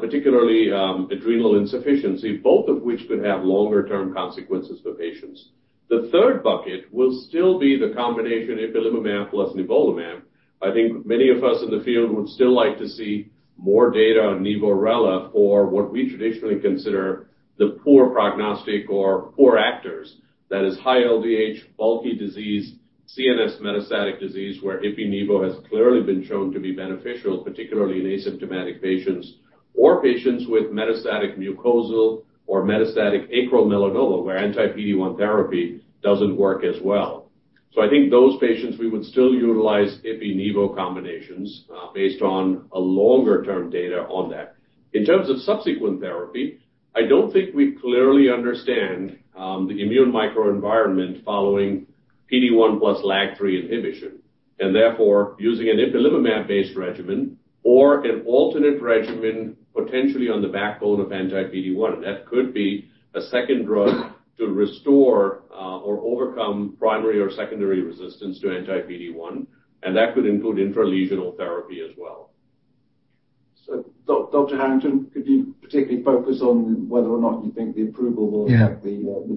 particularly adrenal insufficiency, both of which could have longer term consequences for patients. The third bucket will still be the combination ipilimumab plus nivolumab. I think many of us in the field would still like to see more data on nivo-rela for what we traditionally consider the poor prognostic or poor actors. That is high LDH, bulky disease, CNS metastatic disease, where ipi/nivo has clearly been shown to be beneficial, particularly in asymptomatic patients or patients with metastatic mucosal or metastatic acro melanoma, where anti-PD-1 therapy doesn't work as well. I think those patients, we would still utilize ipi/nivo combinations, based on a longer-term data on that. In terms of subsequent therapy, I don't think we clearly understand the immune microenvironment following PD-1 plus LAG-3 inhibition, and therefore, using an ipilimumab-based regimen or an alternate regimen potentially on the backbone of anti-PD-1. That could be a second drug to restore, or overcome primary or secondary resistance to anti-PD-1, and that could include intralesional therapy as well. Dr. Harrington, could you particularly focus on whether or not you think the approval will? Yeah. affect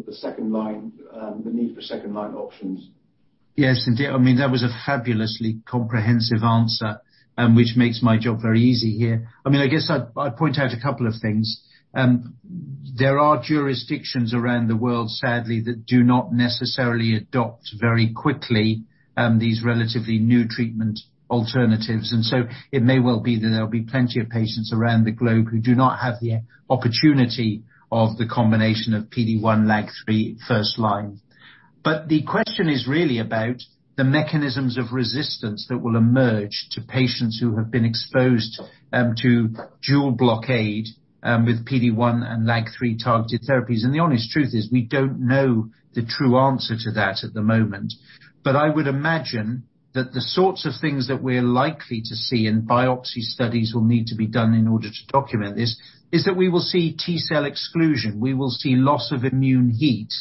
the second line, the need for second-line options? Yes, indeed. I mean, that was a fabulously comprehensive answer, which makes my job very easy here. I mean, I guess I'd point out a couple of things. There are jurisdictions around the world, sadly, that do not necessarily adopt very quickly these relatively new treatment alternatives. It may well be that there'll be plenty of patients around the globe who do not have the opportunity of the combination of PD-1 LAG-3 first line. The question is really about the mechanisms of resistance that will emerge to patients who have been exposed to dual blockade with PD-1 and LAG-3 targeted therapies. The honest truth is we don't know the true answer to that at the moment. I would imagine that the sorts of things that we're likely to see, and biopsy studies will need to be done in order to document this, is that we will see T cell exclusion, we will see loss of immune heat,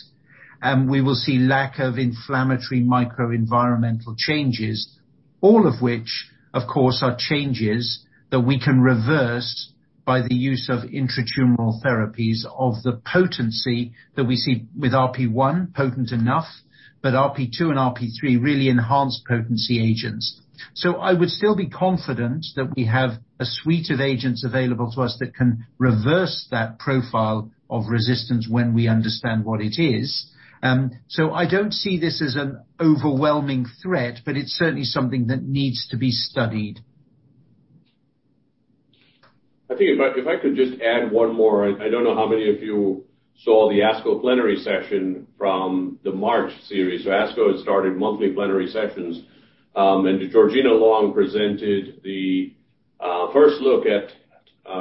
and we will see lack of inflammatory microenvironmental changes, all of which, of course, are changes that we can reverse by the use of intratumoral therapies of the potency that we see with RP1, potent enough, but RP2 and RP3 really enhance potency agents. I would still be confident that we have a suite of agents available to us that can reverse that profile of resistance when we understand what it is. I don't see this as an overwhelming threat, but it's certainly something that needs to be studied. I think if I could just add one more. I don't know how many of you saw the ASCO plenary session from the March series. ASCO has started monthly plenary sessions, and Georgina Long presented the first look at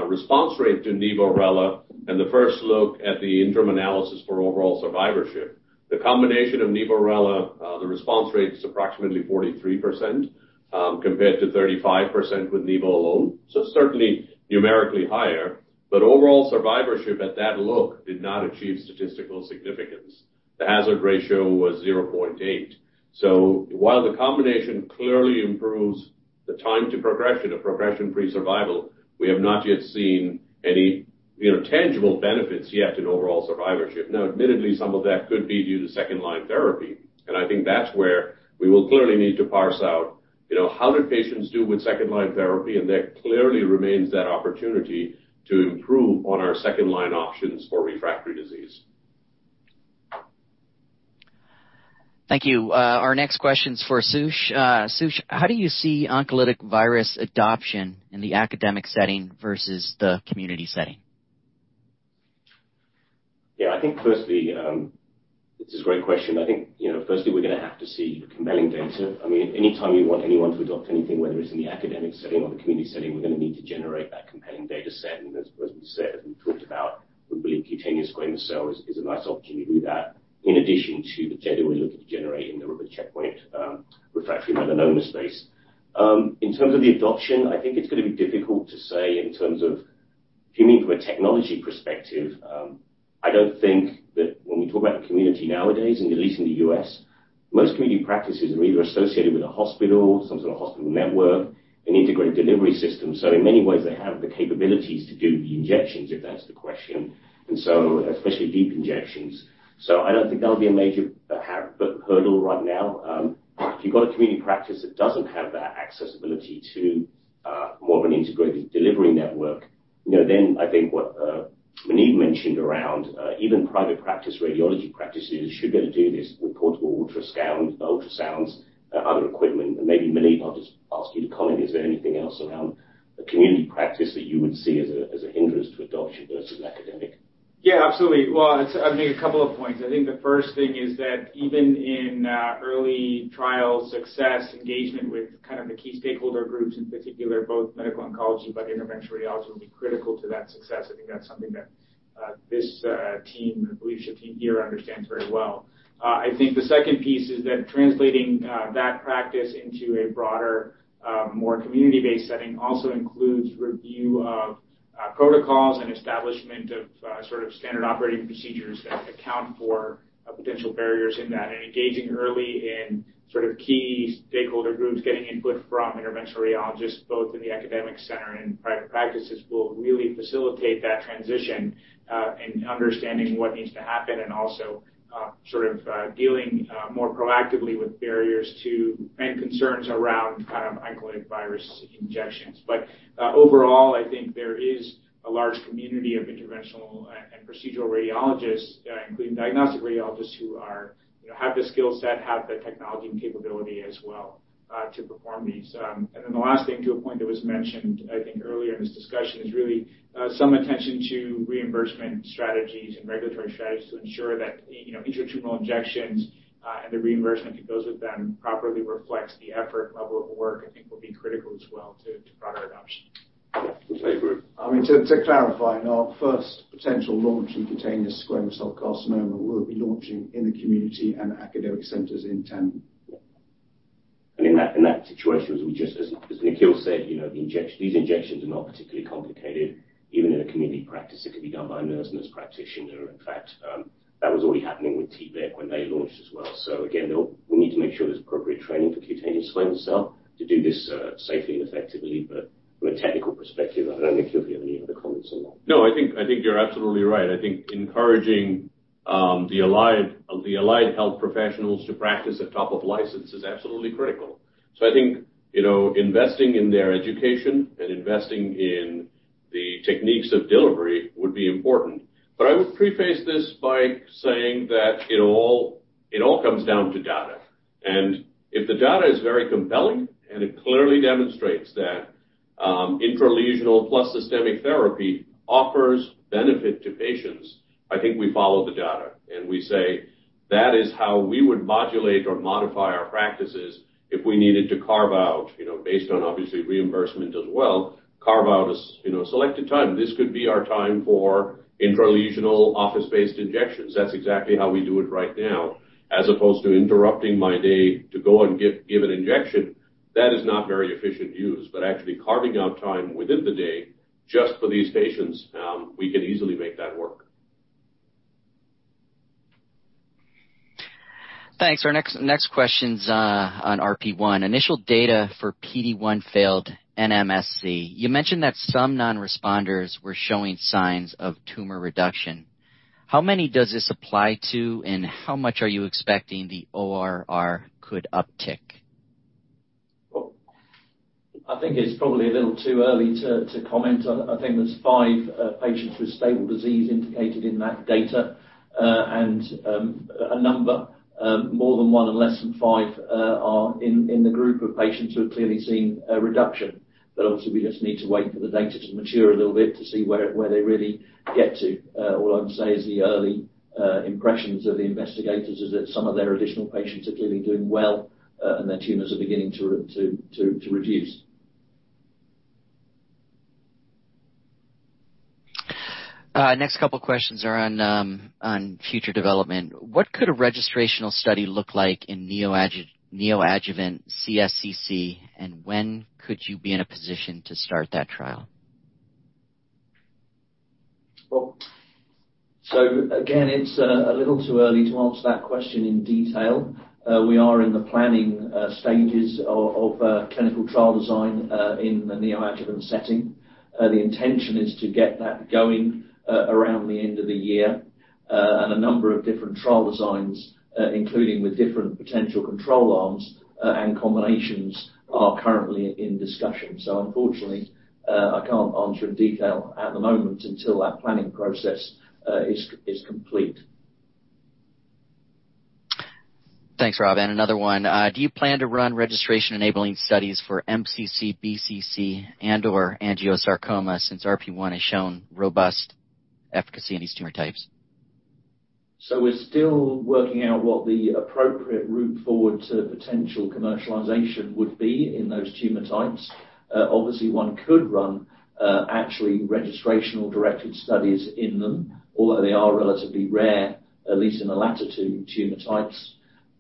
response rate to nivo-rela and the first look at the interim analysis for overall survival. The combination of nivo-rela, the response rate is approximately 43%, compared to 35% with nivo alone. Certainly numerically higher. Overall survival at that look did not achieve statistical significance. The hazard ratio was 0.8. While the combination clearly improves the time to progression or progression-free survival, we have not yet seen any tangible benefits yet in overall survival. Now, admittedly, some of that could be due to second-line therapy, and I think that's where we will clearly need to parse out, how do patients do with second-line therapy? That clearly remains that opportunity to improve on our second-line options for refractory disease. Thank you. Our next question is for Sush. Sush, how do you see oncolytic virus adoption in the academic setting versus the community setting? Yeah, I think firstly this is a great question. I think, you know, firstly, we're gonna have to see compelling data. I mean, anytime you want anyone to adopt anything, whether it's in the academic setting or the community setting, we're gonna need to generate that compelling data set. As we said, as we talked about, we believe cutaneous squamous cell is a nice opportunity to do that in addition to the data we're looking to generate in the checkpoint refractory melanoma space. In terms of the adoption, I think it's gonna be difficult to say in terms of. If you mean from a technology perspective, I don't think that when we talk about the community nowadays, and at least in the U.S., most community practices are either associated with a hospital, some sort of hospital network, an integrated delivery system. In many ways, they have the capabilities to do the injections, if that's the question, and especially deep injections. I don't think that'll be a major hurdle right now. If you've got a community practice that doesn't have that accessibility to more of an integrated delivery network, you know, then I think what Muneeb mentioned around even private practice radiology practices should be able to do this with portable ultrasound, ultrasounds, other equipment. Maybe Muneeb, I'll just ask you to comment. Is there anything else around the community practice that you would see as a hindrance to adoption versus academic? Yeah, absolutely. Well, I'll make a couple of points. I think the first thing is that even in early trial success, engagement with kind of the key stakeholder groups, in particular both medical oncology but interventional radiology will be critical to that success. I think that's something that this team, the leadership team here understands very well. I think the second piece is that translating that practice into a broader more community-based setting also includes review of protocols and establishment of sort of standard operating procedures that account for potential barriers in that. Engaging early in sort of key stakeholder groups, getting input from interventional radiologists, both in the academic center and private practices, will really facilitate that transition, in understanding what needs to happen and also, sort of, dealing more proactively with barriers to and concerns around kind of oncolytic virus injections. Overall, I think there is a large community of interventional and procedural radiologists, including diagnostic radiologists, who are, you know, have the skill set, have the technology and capability as well, to perform these. The last thing to a point that was mentioned, I think earlier in this discussion, is really some attention to reimbursement strategies and regulatory strategies to ensure that, you know, intratumoral injections and the reimbursement that goes with them properly reflects the effort and level of work, I think will be critical as well to broader adoption. Yeah. I mean, to clarify, our first potential launch in cutaneous squamous cell carcinoma will be launching in the community and academic centers in tandem. In that situation, as Nikhil said, you know, these injections are not particularly complicated. Even in a community practice, it can be done by a nurse practitioner. In fact, that was already happening with T-VEC when they launched as well. We need to make sure there's appropriate training for cutaneous squamous cell to do this safely and effectively. From a technical perspective, I don't know, Nikhil, if you have any other comments on that. No, I think you're absolutely right. I think encouraging the allied health professionals to practice at top of license is absolutely critical. I think, you know, investing in their education and investing in the techniques of delivery would be important. I would preface this by saying that it all comes down to data. If the data is very compelling, and it clearly demonstrates that intralesional plus systemic therapy offers benefit to patients, I think we follow the data, and we say, "That is how we would modulate or modify our practices if we needed to carve out, you know, based on obviously reimbursement as well, carve out a selected time. This could be our time for intralesional office-based injections. That's exactly how we do it right now, as opposed to interrupting my day to go and give an injection. That is not very efficient use. Actually carving out time within the day just for these patients, we can easily make that work. Thanks. Our next question's on RP1. Initial data for PD-1 failed NMSC. You mentioned that some non-responders were showing signs of tumor reduction. How many does this apply to, and how much are you expecting the ORR could uptick? Well, I think it's probably a little too early to comment. I think there's 5 patients with stable disease indicated in that data. A number more than 1 and less than 5 are in the group of patients who have clearly seen a reduction. Obviously, we just need to wait for the data to mature a little bit to see where they really get to. All I would say is the early impressions of the investigators is that some of their additional patients are clearly doing well and their tumors are beginning to reduce. Next couple questions are on future development. What could a registrational study look like in neoadjuvant CSCC, and when could you be in a position to start that trial? Well, again, it's a little too early to answer that question in detail. We are in the planning stages of clinical trial design in the neoadjuvant setting. The intention is to get that going around the end of the year. A number of different trial designs, including with different potential control arms and combinations are currently in discussion. Unfortunately, I can't answer in detail at the moment until that planning process is complete. Thanks, Rob. Another one. Do you plan to run registration-enabling studies for MCC, BCC, and/or angiosarcoma since RP1 has shown robust efficacy in these tumor types? We're still working out what the appropriate route forward to potential commercialization would be in those tumor types. Obviously, one could run actually registrational-directed studies in them, although they are relatively rare, at least in the latter two tumor types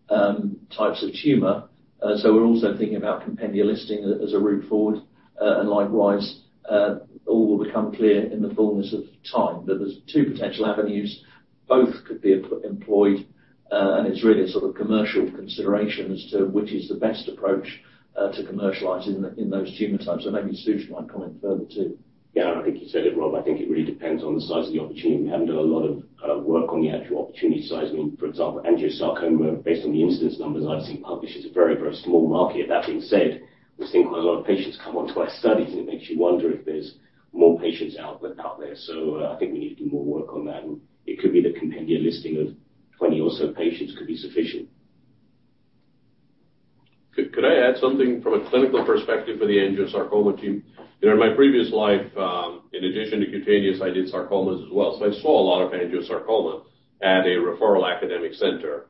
of tumor. We're also thinking about compendia listing as a route forward. Likewise, all will become clear in the fullness of time. There's two potential avenues. Both could be employed, and it's really a sort of commercial consideration as to which is the best approach to commercialize in those tumor types. Maybe Sush might comment further too. Yeah, I think you said it, Rob. I think it really depends on the size of the opportunity. We haven't done a lot of work on the actual opportunity size. I mean, for example, angiosarcoma, based on the incidence numbers I've seen published, is a very, very small market. That being said, we've seen quite a lot of patients come onto our studies, and it makes you wonder if there's more patients out there. I think we need to do more work on that, and it could be the compendia listing of 20 or so patients could be sufficient. Could I add something from a clinical perspective for the angiosarcoma team? You know, in my previous life, in addition to cutaneous, I did sarcomas as well, so I saw a lot of angiosarcoma at a referral academic center.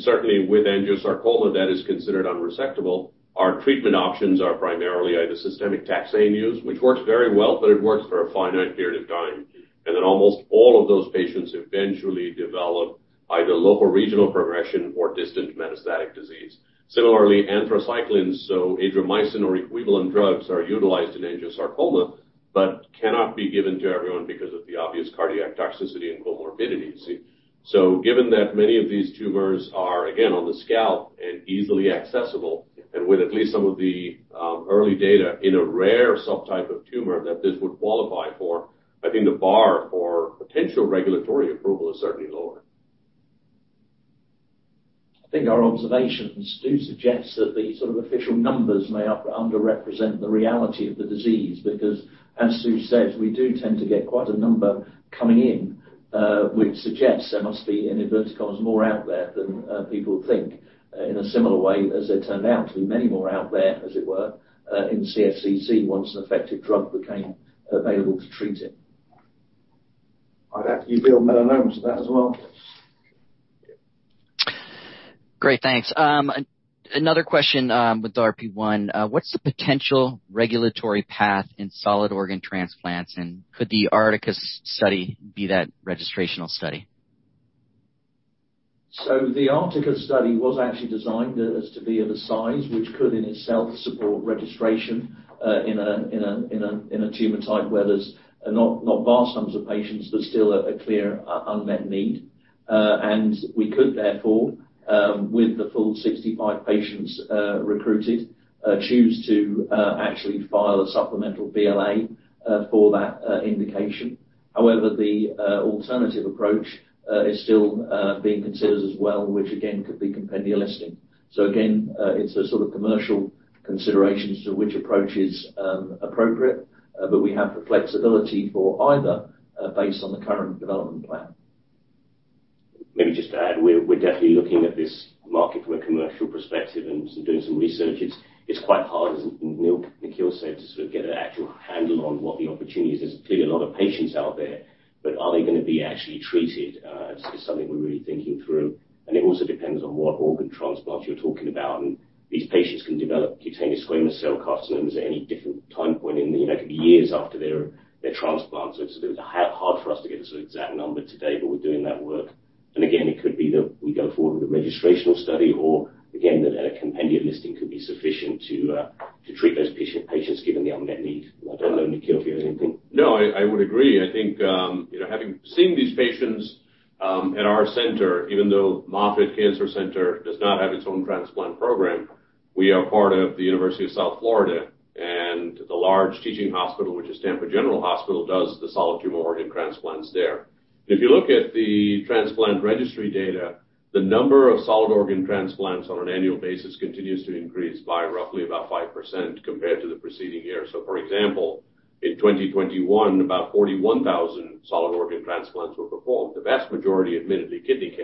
Certainly with angiosarcoma that is considered unresectable, our treatment options are primarily either systemic taxane use, which works very well, but it works for a finite period of time. Then almost all of those patients eventually develop either local regional progression or distant metastatic disease. Similarly, anthracyclines, so Adriamycin or equivalent drugs, are utilized in angiosarcoma, but cannot be given to everyone because of the obvious cardiac toxicity and comorbidities. Given that many of these tumors are, again, on the scalp and easily accessible, and with at least some of the early data in a rare subtype of tumor that this would qualify for, I think the bar for potential regulatory approval is certainly lower. I think our observations do suggest that the sort of official numbers may underrepresent the reality of the disease because, as Sush says, we do tend to get quite a number coming in, which suggests there must be, in inverted commas, more out there than people think, in a similar way as there turned out to be many more out there, as it were, in CSCC once an effective drug became available to treat it. I'd add uveal melanomas to that as well. Great. Thanks. Another question, with RP1. What's the potential regulatory path in solid organ transplants, and could the ARTACUS study be that registrational study? The ARTACUS study was actually designed as to be of a size which could in itself support registration in a tumor type where there's not vast numbers of patients, but still a clear unmet need. We could therefore with the full 65 patients recruited choose to actually file a supplemental BLA for that indication. However, the alternative approach is still being considered as well, which again could be compendia listing. It's a sort of commercial consideration as to which approach is appropriate, but we have the flexibility for either based on the current development plan. Maybe just to add, we're definitely looking at this market from a commercial perspective and doing some research. It's quite hard, as Nikhil said, to sort of get an actual handle on what the opportunity is. There's clearly a lot of patients out there, but are they gonna be actually treated is something we're really thinking through. It also depends on what organ transplants you're talking about. These patients can develop cutaneous squamous cell carcinomas at any different time point. It could be years after their transplant. It's a bit hard for us to get a sort of exact number today, but we're doing that work. It could be that we go forward with a registrational study or that a compendia listing could be sufficient to treat those patients given the unmet need. I don't know, Nikhil, if you have anything? No, I would agree. I think, you know, having seen these patients at our center, even though Moffitt Cancer Center does not have its own transplant program, we are part of the University of South Florida and the large teaching hospital, which is Tampa General Hospital, does the solid organ transplants there. If you look at the transplant registry data, the number of solid organ transplants on an annual basis continues to increase by roughly about 5% compared to the preceding year. For example, in 2021, about 41,000 solid organ transplants were performed, the vast majority admittedly kidney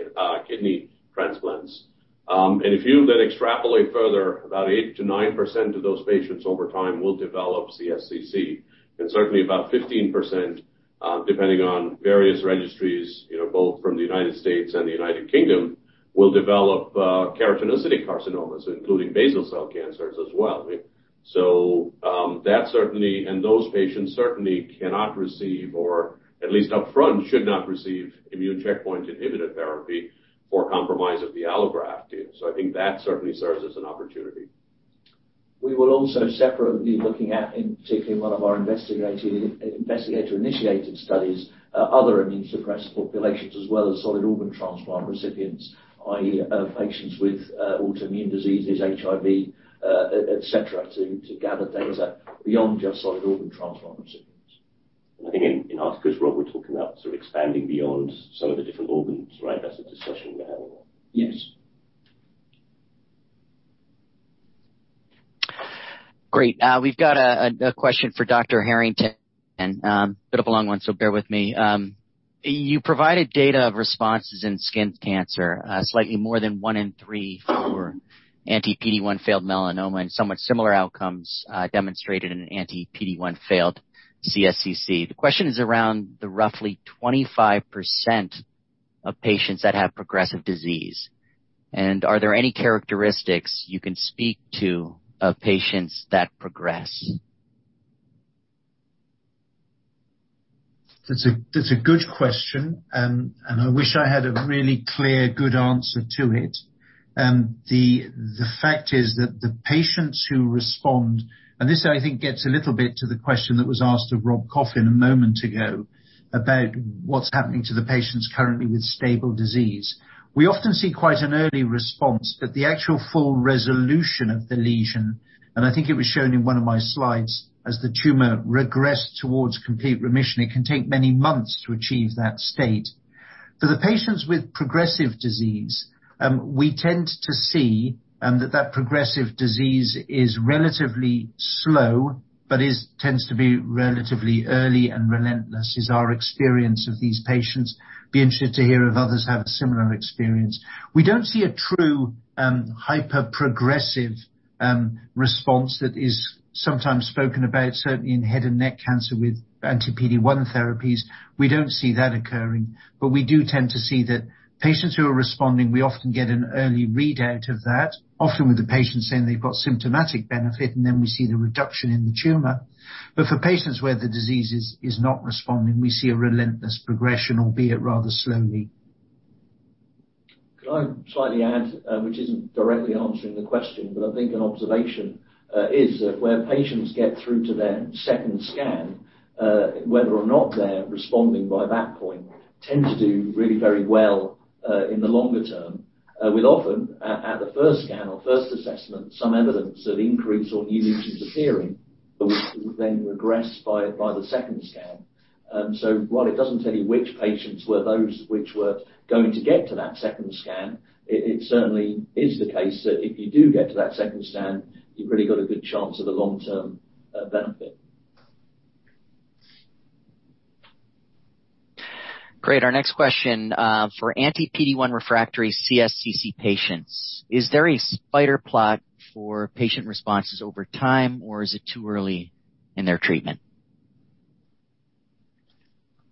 transplants. And if you then extrapolate further, about 8%-9% of those patients over time will develop CSCC. Certainly about 15%, depending on various registries, you know, both from the United States and the United Kingdom, will develop keratinocyte carcinomas, including basal cell cancers as well. Those patients certainly cannot receive, or at least upfront, should not receive immune checkpoint inhibitor therapy for compromise of the allograft. I think that certainly serves as an opportunity. We will also separately be looking at, in particular in one of our investigator-initiated studies, other immunosuppressed populations as well as solid organ transplant recipients, i.e., patients with autoimmune diseases, HIV, et cetera, to gather data beyond just solid organ transplant recipients. I think in ARTACUS, Rob, we're talking about sort of expanding beyond some of the different organs, right? That's a discussion we're having. Yes. Great. We've got a question for Dr. Harrington. A bit of a long one, so bear with me. You provided data of responses in skin cancer, slightly more than one in three for anti-PD-1 failed melanoma and somewhat similar outcomes, demonstrated in an anti-PD-1 failed CSCC. The question is around the roughly 25% of patients that have progressive disease. Are there any characteristics you can speak to of patients that progress? That's a good question, and I wish I had a really clear good answer to it. The fact is that the patients who respond. This, I think gets a little bit to the question that was asked of Rob Coffin a moment ago about what's happening to the patients currently with stable disease. We often see quite an early response, but the actual full resolution of the lesion, and I think it was shown in one of my slides, as the tumor regressed towards complete remission, it can take many months to achieve that state. For the patients with progressive disease, we tend to see that progressive disease is relatively slow, but tends to be relatively early and relentless, is our experience of these patients. I'd be interested to hear if others have a similar experience. We don't see a true hyperprogressive response that is sometimes spoken about, certainly in head and neck cancer with anti-PD-1 therapies. We don't see that occurring. We do tend to see that patients who are responding, we often get an early readout of that, often with the patient saying they've got symptomatic benefit, and then we see the reduction in the tumor. For patients where the disease is not responding, we see a relentless progression, albeit rather slowly. Can I slightly add, which isn't directly answering the question, but I think an observation, is that where patients get through to their second scan, whether or not they're responding by that point, tend to do really very well, in the longer term. With often at the first scan or first assessment, some evidence of increase or new lesions appearing, which then regress by the second scan. While it doesn't tell you which patients were those who were going to get to that second scan, it certainly is the case that if you do get to that second scan, you've really got a good chance of a long-term benefit. Great. Our next question for anti-PD-1 refractory CSCC patients, is there a spider plot for patient responses over time, or is it too early in their treatment?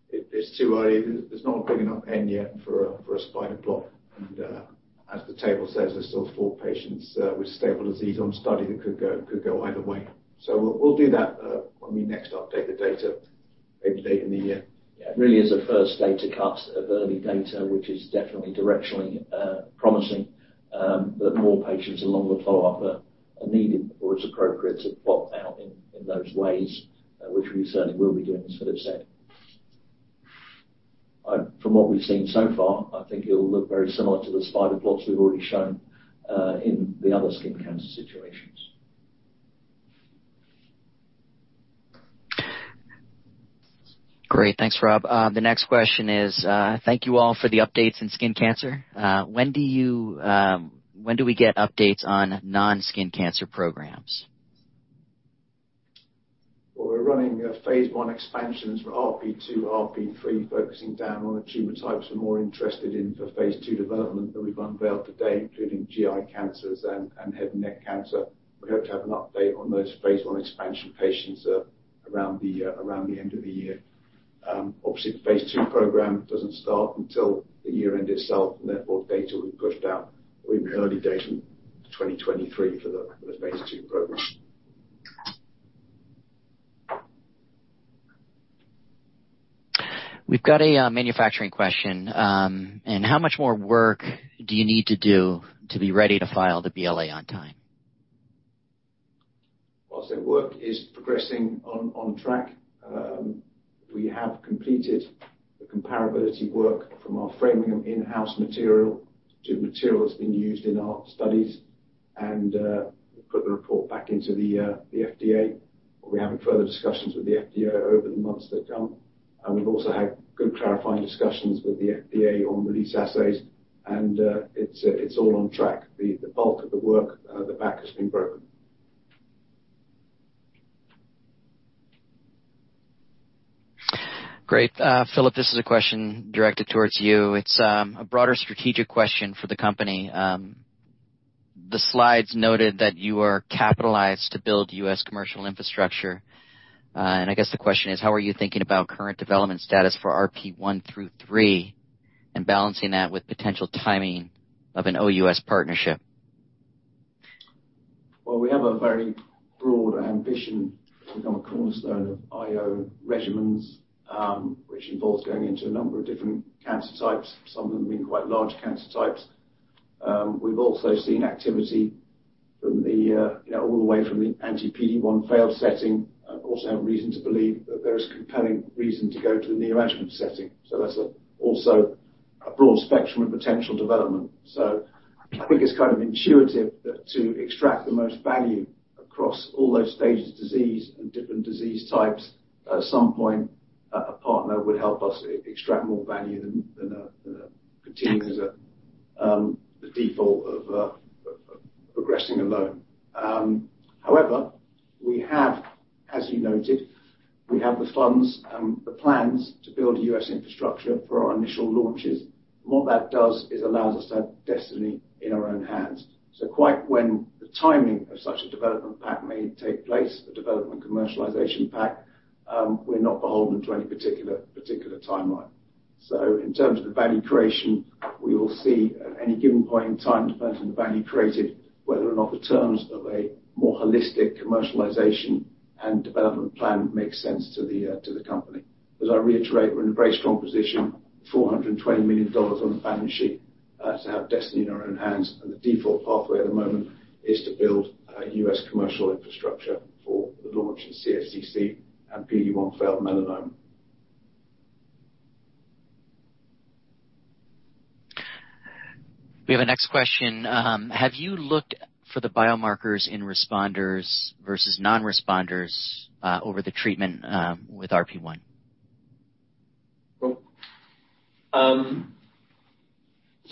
It's too early. There's not a big enough n yet for a spider plot. As the table says, there's still four patients with stable disease on study that could go either way. We'll do that when we next update the data maybe later in the year. Yeah. It really is a first data cut of early data, which is definitely directionally promising. More patients and longer follow-up are needed before it's appropriate to plot out in those ways, which we certainly will be doing, as Philip said. From what we've seen so far, I think it'll look very similar to the spider plots we've already shown in the other skin cancer situations. Great. Thanks, Rob. The next question is, thank you all for the updates in skin cancer. When do we get updates on non-skin cancer programs? Well, we're running phase I expansions for RP2, RP3, focusing down on the tumor types we're more interested in for phase II development that we've unveiled today, including GI cancers and head and neck cancer. We hope to have an update on those phase I expansion patients around the end of the year. Obviously, the phase II program doesn't start until the year-end itself, and therefore data will be pushed out in early 2023 for the phase II program. We've got a manufacturing question. How much more work do you need to do to be ready to file the BLA on time? Well, I'd say work is progressing on track. We have completed the comparability work from our Framingham in-house material to material that's been used in our studies and put the report back into the FDA. We're having further discussions with the FDA over the months to come. We've also had good clarifying discussions with the FDA on release assays, and it's all on track. The bulk of the work, the back has been broken. Great. Philip, this is a question directed towards you. It's a broader strategic question for the company. The slides noted that you are capitalized to build U.S. commercial infrastructure. I guess the question is how are you thinking about current development status for RP1 through RP3 and balancing that with potential timing of an OUS partnership? Well, we have a very broad ambition to become a cornerstone of IO regimens, which involves going into a number of different cancer types, some of them being quite large cancer types. We've also seen activity from the, you know, all the way from the anti-PD-1 failed setting, also have reason to believe that there is compelling reason to go to the neoadjuvant setting. That's also a broad spectrum of potential development. I think it's kind of intuitive that to extract the most value across all those stages of disease and different disease types, at some point a partner would help us extract more value than a Got it. The downside of pursuing a loan. However, we have, as you noted, the funds and the plans to build U.S. infrastructure for our initial launches. What that does is allows us to have destiny in our own hands. Quite when the timing of such a development commercialization package may take place, we're not beholden to any particular timeline. In terms of the value creation, we will see at any given point in time, depending on the value created, whether or not the terms of a more holistic commercialization and development plan makes sense to the company. As I reiterate, we're in a very strong position, $420 million on the balance sheet, to have destiny in our own hands, and the default pathway at the moment is to build U.S. commercial infrastructure for the launch of CSCC and PD-1 failed melanoma. We have a next question. Have you looked for the biomarkers in responders versus non-responders, over the treatment, with RP1?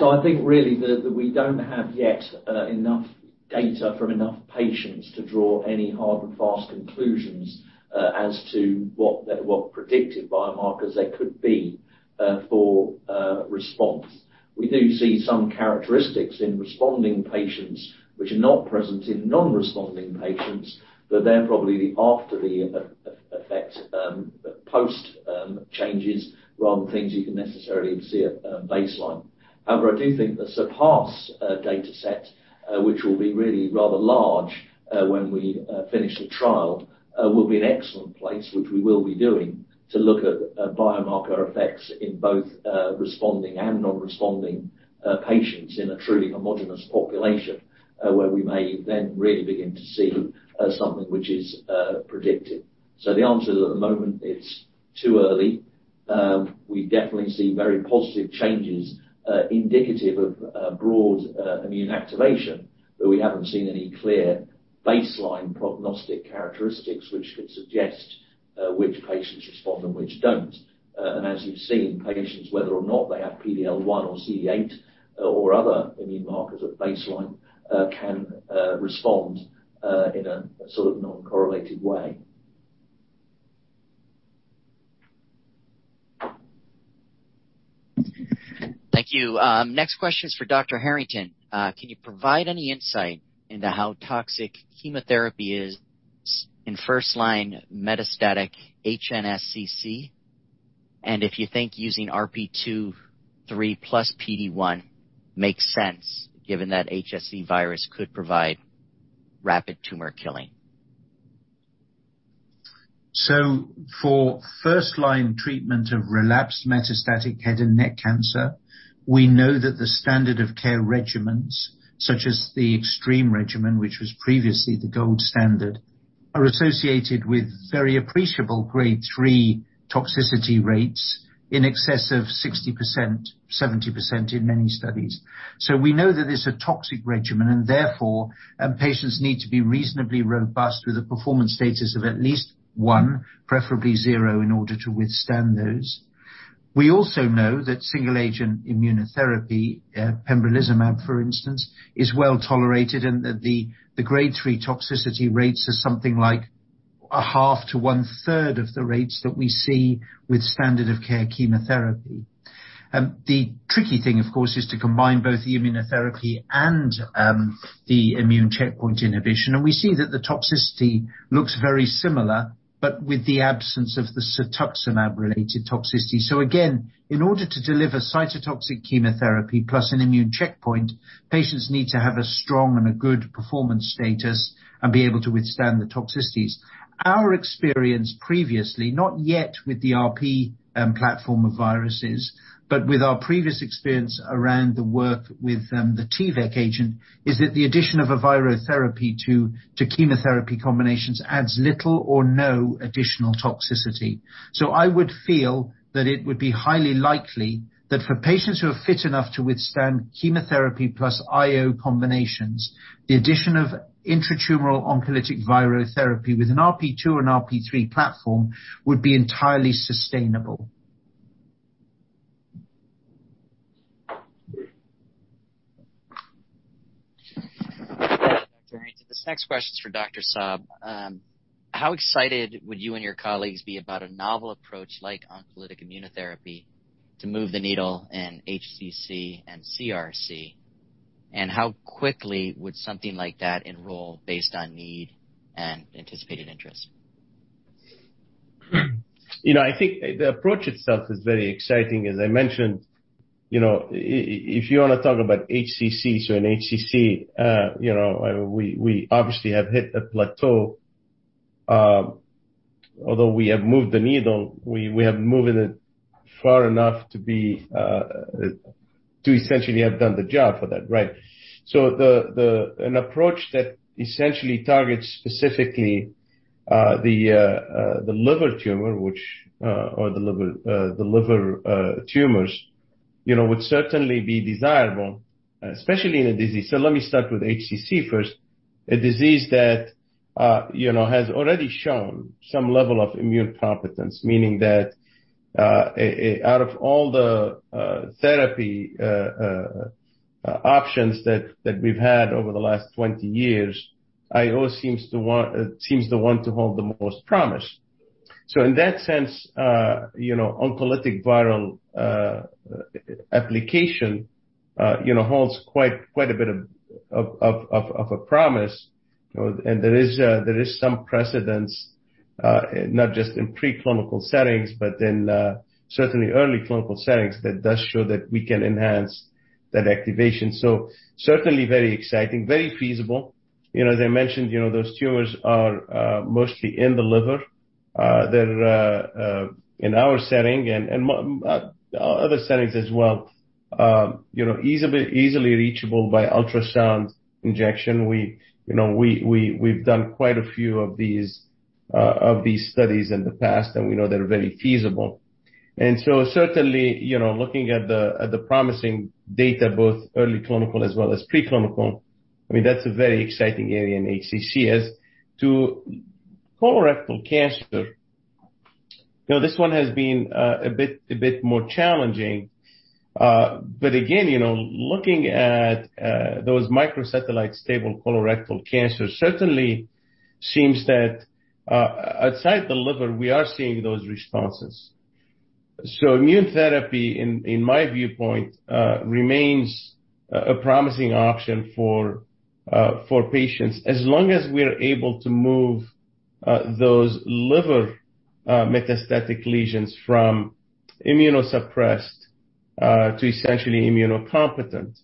I think really we don't have yet enough data from enough patients to draw any hard and fast conclusions as to what the predictive biomarkers they could be for response. We do see some characteristics in responding patients which are not present in non-responding patients, but they're probably the aftereffects post changes rather than things you can necessarily see at baseline. However, I do think the CERPASS dataset which will be really rather large when we finish the trial will be an excellent place which we will be going to look at biomarker effects in both responding and non-responding patients in a truly homogeneous population where we may then really begin to see something which is predictive. The answer is, at the moment, it's too early. We definitely see very positive changes indicative of a broad immune activation, but we haven't seen any clear baseline prognostic characteristics which could suggest which patients respond and which don't. As you've seen, patients, whether or not they have PD-L1 or CD8 or other immune markers at baseline, can respond in a sort of non-correlated way. Thank you. Next question is for Dr. Harrington. Can you provide any insight into how toxic chemotherapy is in first-line metastatic HNSCC? If you think using RP2/3 plus PD-1 makes sense, given that HSV could provide rapid tumor killing. For first line treatment of relapsed metastatic head and neck cancer, we know that the standard of care regimens, such as the EXTREME regimen, which was previously the gold standard, are associated with very appreciable grade 3 toxicity rates in excess of 60%, 70% in many studies. We know that it's a toxic regimen, and therefore, patients need to be reasonably robust with a performance status of at least one, preferably zero, in order to withstand those. We also know that single agent immunotherapy, pembrolizumab, for instance, is well tolerated and that the grade 3 toxicity rates are something like 1/2 to 1/3 of the rates that we see with standard of care chemotherapy. The tricky thing, of course, is to combine both the immunotherapy and the immune checkpoint inhibition. We see that the toxicity looks very similar, but with the absence of the cetuximab-related toxicity. Again, in order to deliver cytotoxic chemotherapy plus an immune checkpoint, patients need to have a strong and a good performance status and be able to withstand the toxicities. Our experience previously, not yet with the RP platform of viruses, but with our previous experience around the work with the T-VEC agent, is that the addition of a virotherapy to chemotherapy combinations adds little or no additional toxicity. I would feel that it would be highly likely that for patients who are fit enough to withstand chemotherapy plus IO combinations, the addition of intratumoral oncolytic virotherapy with an RP2 and RP3 platform would be entirely sustainable. This next question is for Dr. Saab. How excited would you and your colleagues be about a novel approach like oncolytic immunotherapy to move the needle in HCC and CRC? How quickly would something like that enroll based on need and anticipated interest? You know, I think the approach itself is very exciting. As I mentioned, you know, if you wanna talk about HCC, in HCC, you know, we obviously have hit a plateau. Although we have moved the needle, we haven't moved it far enough to essentially have done the job for that, right. An approach that essentially targets specifically the liver tumors would certainly be desirable, especially in a disease. Let me start with HCC first. A disease that you know has already shown some level of immune competence, meaning that out of all the therapy options that we've had over the last 20 years, IO seems the one to hold the most promise. In that sense, you know, oncolytic viral application, you know, holds quite a bit of a promise. There is some precedent, not just in preclinical settings, but certainly in early clinical settings that does show that we can enhance that activation. Certainly very exciting, very feasible. You know, as I mentioned, you know, those tumors are mostly in the liver. They're in our setting and other settings as well, you know, easily reachable by ultrasound injection. We've done quite a few of these studies in the past, and we know they're very feasible. Certainly, you know, looking at the promising data, both early clinical as well as preclinical, I mean, that's a very exciting area in HCC. As to colorectal cancer, you know, this one has been a bit more challenging. Again, you know, looking at those microsatellite stable colorectal cancer certainly seems that outside the liver, we are seeing those responses. Immunotherapy, in my viewpoint, remains a promising option for patients as long as we're able to move those liver metastatic lesions from immunosuppressed to essentially immunocompetent.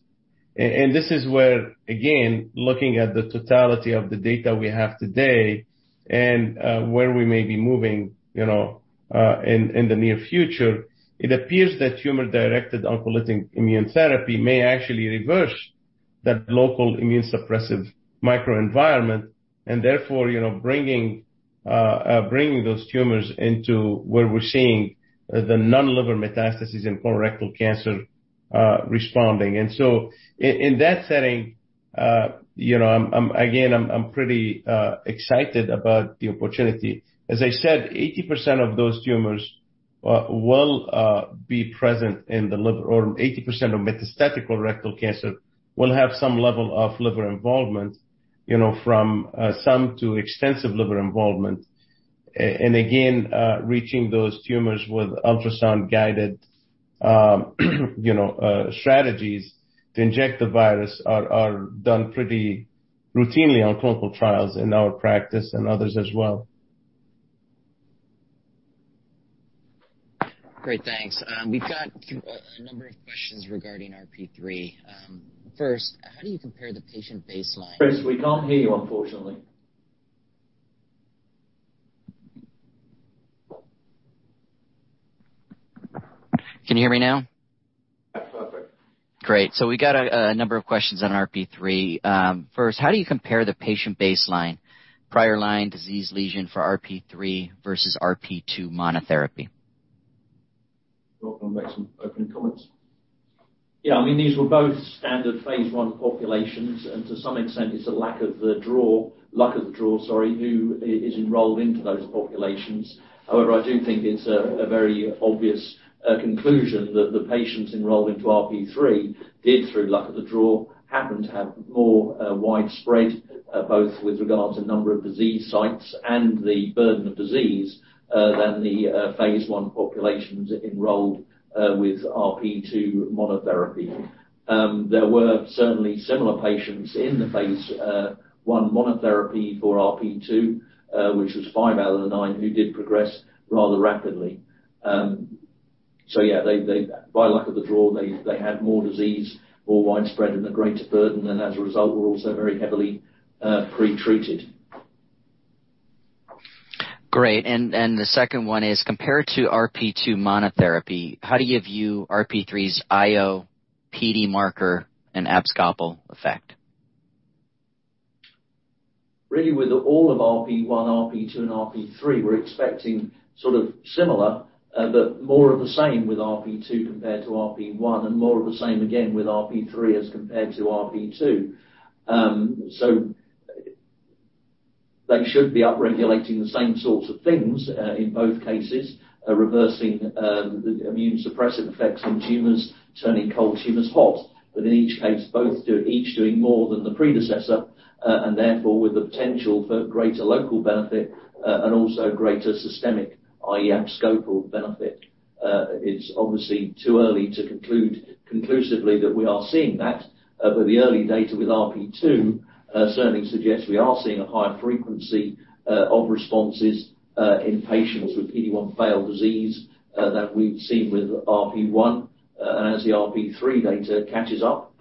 This is where, again, looking at the totality of the data we have today and where we may be moving, you know, in the near future, it appears that tumor-directed oncolytic immune therapy may actually reverse that local immune suppressive microenvironment and therefore, you know, bringing those tumors into where we're seeing the non-liver metastasis and colorectal cancer responding. In that setting, you know, I'm again pretty excited about the opportunity. As I said, 80% of those tumors will be present in the liver, or 80% of metastatic colorectal cancer will have some level of liver involvement, you know, from some to extensive liver involvement. Reaching those tumors with ultrasound-guided, you know, strategies to inject the virus are done pretty routinely on clinical trials in our practice and others as well. Great. Thanks. We've got a number of questions regarding RP3. First, how do you compare the patient baseline- Chris, we can't hear you, unfortunately. Can you hear me now? Great. We got a number of questions on RP3. First, how do you compare the patient baseline prior line disease lesion for RP3 versus RP2 monotherapy? Well, I'll make some opening comments. Yeah, I mean, these were both standard phase I populations, and to some extent, it's a lack of the draw—luck of the draw, sorry, who is enrolled into those populations. However, I do think it's a very obvious conclusion that the patients enrolled into RP3 did, through luck of the draw, happen to have more widespread, both with regards to number of disease sites and the burden of disease, than the phase I populations enrolled with RP2 monotherapy. There were certainly similar patients in the phase I monotherapy for RP2, which was five out of the nine who did progress rather rapidly. So yeah, they by luck of the draw had more disease, more widespread and a greater burden, and as a result, were also very heavily pretreated. Great. The second one is, compared to RP2 monotherapy, how do you view RP3's IO PD marker and abscopal effect? Really with all of RP1, RP2, and RP3, we're expecting sort of similar, but more of the same with RP2 compared to RP1, and more of the same again with RP3 as compared to RP2. They should be upregulating the same sorts of things in both cases, reversing the immune suppressive effects on tumors, turning cold tumors hot. In each case, each doing more than the predecessor, and therefore with the potential for greater local benefit, and also greater systemic, i.e., abscopal benefit. It's obviously too early to conclude conclusively that we are seeing that, but the early data with RP2 certainly suggests we are seeing a higher frequency of responses in patients with PD-1 failed disease that we've seen with RP1. As the RP3 data catches up,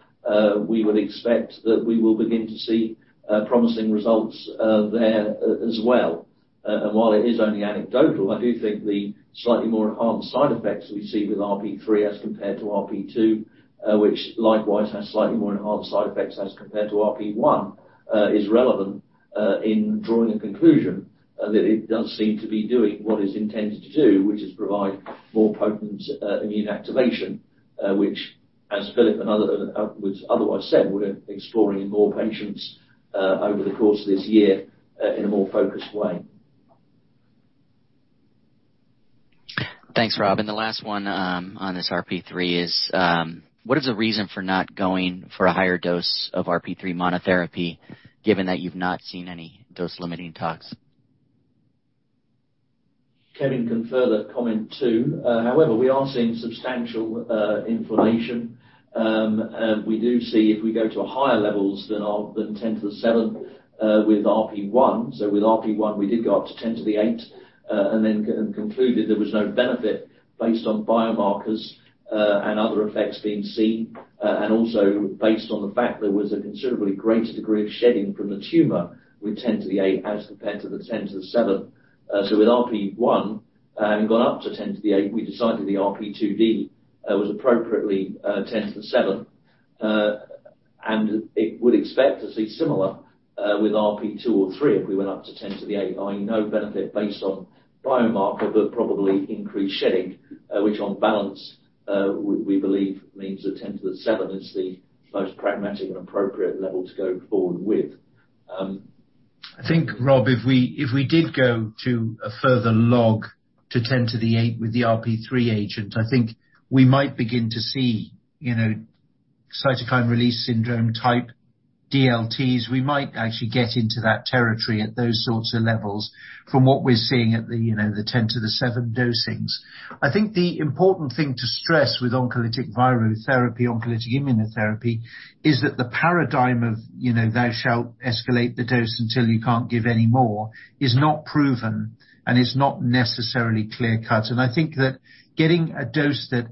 we would expect that we will begin to see promising results there as well. While it is only anecdotal, I do think the slightly more enhanced side effects we see with RP3 as compared to RP2, which likewise has slightly more enhanced side effects as compared to RP1, is relevant in drawing a conclusion that it does seem to be doing what is intended to do, which is provide more potent immune activation. Which as Philip and others otherwise said, we're exploring in more patients over the course of this year in a more focused way. Thanks, Rob. The last one on this RP3 is, what is the reason for not going for a higher dose of RP3 monotherapy given that you've not seen any dose-limiting tox? Kevin can further comment too. However, we are seeing substantial inflammation. We do see if we go to higher levels than 10 to the 7 with RP1. With RP1, we did go up to 10 to the 8, and then concluded there was no benefit based on biomarkers, and other effects being seen, and also based on the fact there was a considerably greater degree of shedding from the tumor with 10 to the 8 as compared to the 10 to the 7. With RP1, having gone up to 10 to the 8, we decided the RP2D was appropriately 10 to the 7. It would expect to see similar with RP2 or RP3 if we went up to 10 to the 8, finding no benefit based on biomarker, but probably increased shedding, which on balance, we believe means that 10 to the 7 is the most pragmatic and appropriate level to go forward with. I think, Rob, if we did go to a further log to 10 to the 8 with the RP3 agent, I think we might begin to see, you know, cytokine release syndrome type DLTs. We might actually get into that territory at those sorts of levels from what we're seeing at the, you know, the 10 to the 7 dosings. I think the important thing to stress with oncolytic virotherapy, oncolytic immunotherapy, is that the paradigm of, you know, thou shalt escalate the dose until you can't give any more, is not proven and is not necessarily clear-cut. I think that getting a dose that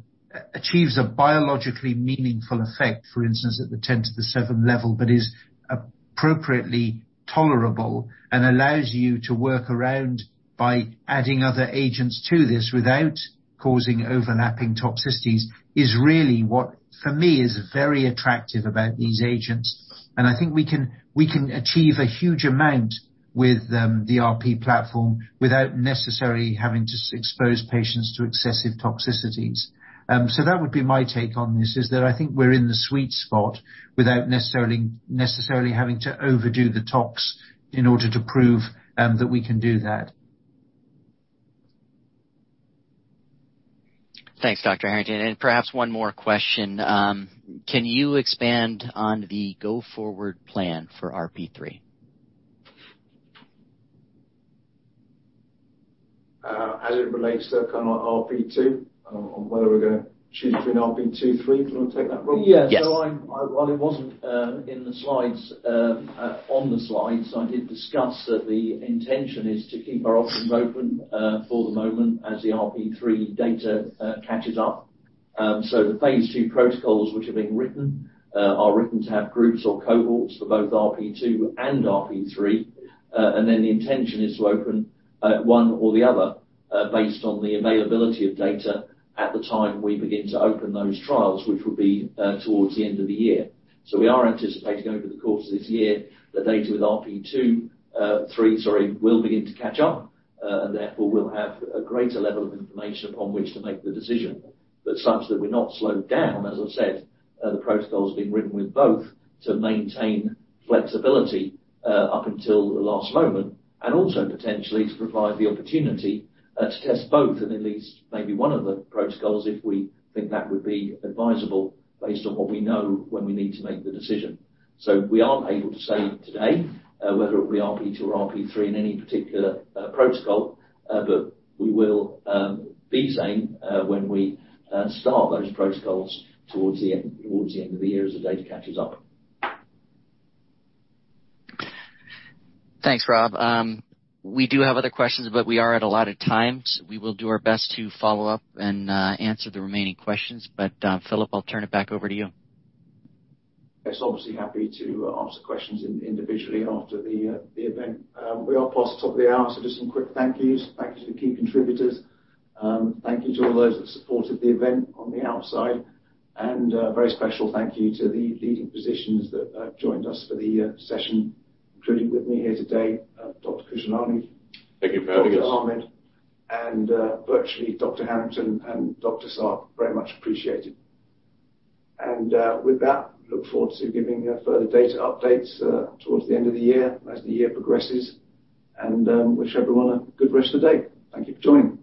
achieves a biologically meaningful effect, for instance, at the 10 to the 7 level, but is appropriately tolerable and allows you to work around by adding other agents to this without causing overlapping toxicities, is really what for me is very attractive about these agents. I think we can achieve a huge amount with the RP platform without necessarily having to expose patients to excessive toxicities. That would be my take on this, is that I think we're in the sweet spot without necessarily having to overdo the tox in order to prove that we can do that. Thanks, Dr. Harrington. Perhaps one more question. Can you expand on the go-forward plan for RP3? As it relates to kind of RP2, on whether we're gonna choose between RP2, RP3? Do you wanna take that, Rob? Yeah. Yes. While it wasn't in the slides, I did discuss that the intention is to keep our options open for the moment as the RP3 data catches up. The phase II protocols which are being written are written to have groups or cohorts for both RP2 and RP3. The intention is to open one or the other based on the availability of data at the time we begin to open those trials, which will be towards the end of the year. We are anticipating over the course of this year, the RP3 data will begin to catch up, and therefore we'll have a greater level of information upon which to make the decision. Such that we're not slowed down, as I've said, the protocol has been written with both to maintain flexibility up until the last moment, and also potentially to provide the opportunity to test both and at least maybe one of the protocols, if we think that would be advisable based on what we know when we need to make the decision. We aren't able to say today whether it'll be RP2 or RP3 in any particular protocol, but we will be saying when we start those protocols towards the end of the year as the data catches up. Thanks, Rob. We do have other questions, but we are out of allotted time. We will do our best to follow up and answer the remaining questions. Philip, I'll turn it back over to you. Yes. Obviously happy to answer questions individually after the event. We are past the top of the hour, so just some quick thank yous. Thank you to the key contributors. Thank you to all those that supported the event on the outside. A very special thank you to the leading physicians that joined us for the session, including with me here today, Dr. Khushalani. Thank you for having us. Dr. Ahmed and virtually Dr. Harrington and Dr. Saab, very much appreciated. With that, I look forward to giving further data updates towards the end of the year as the year progresses, and wish everyone a good rest of the day. Thank you for joining.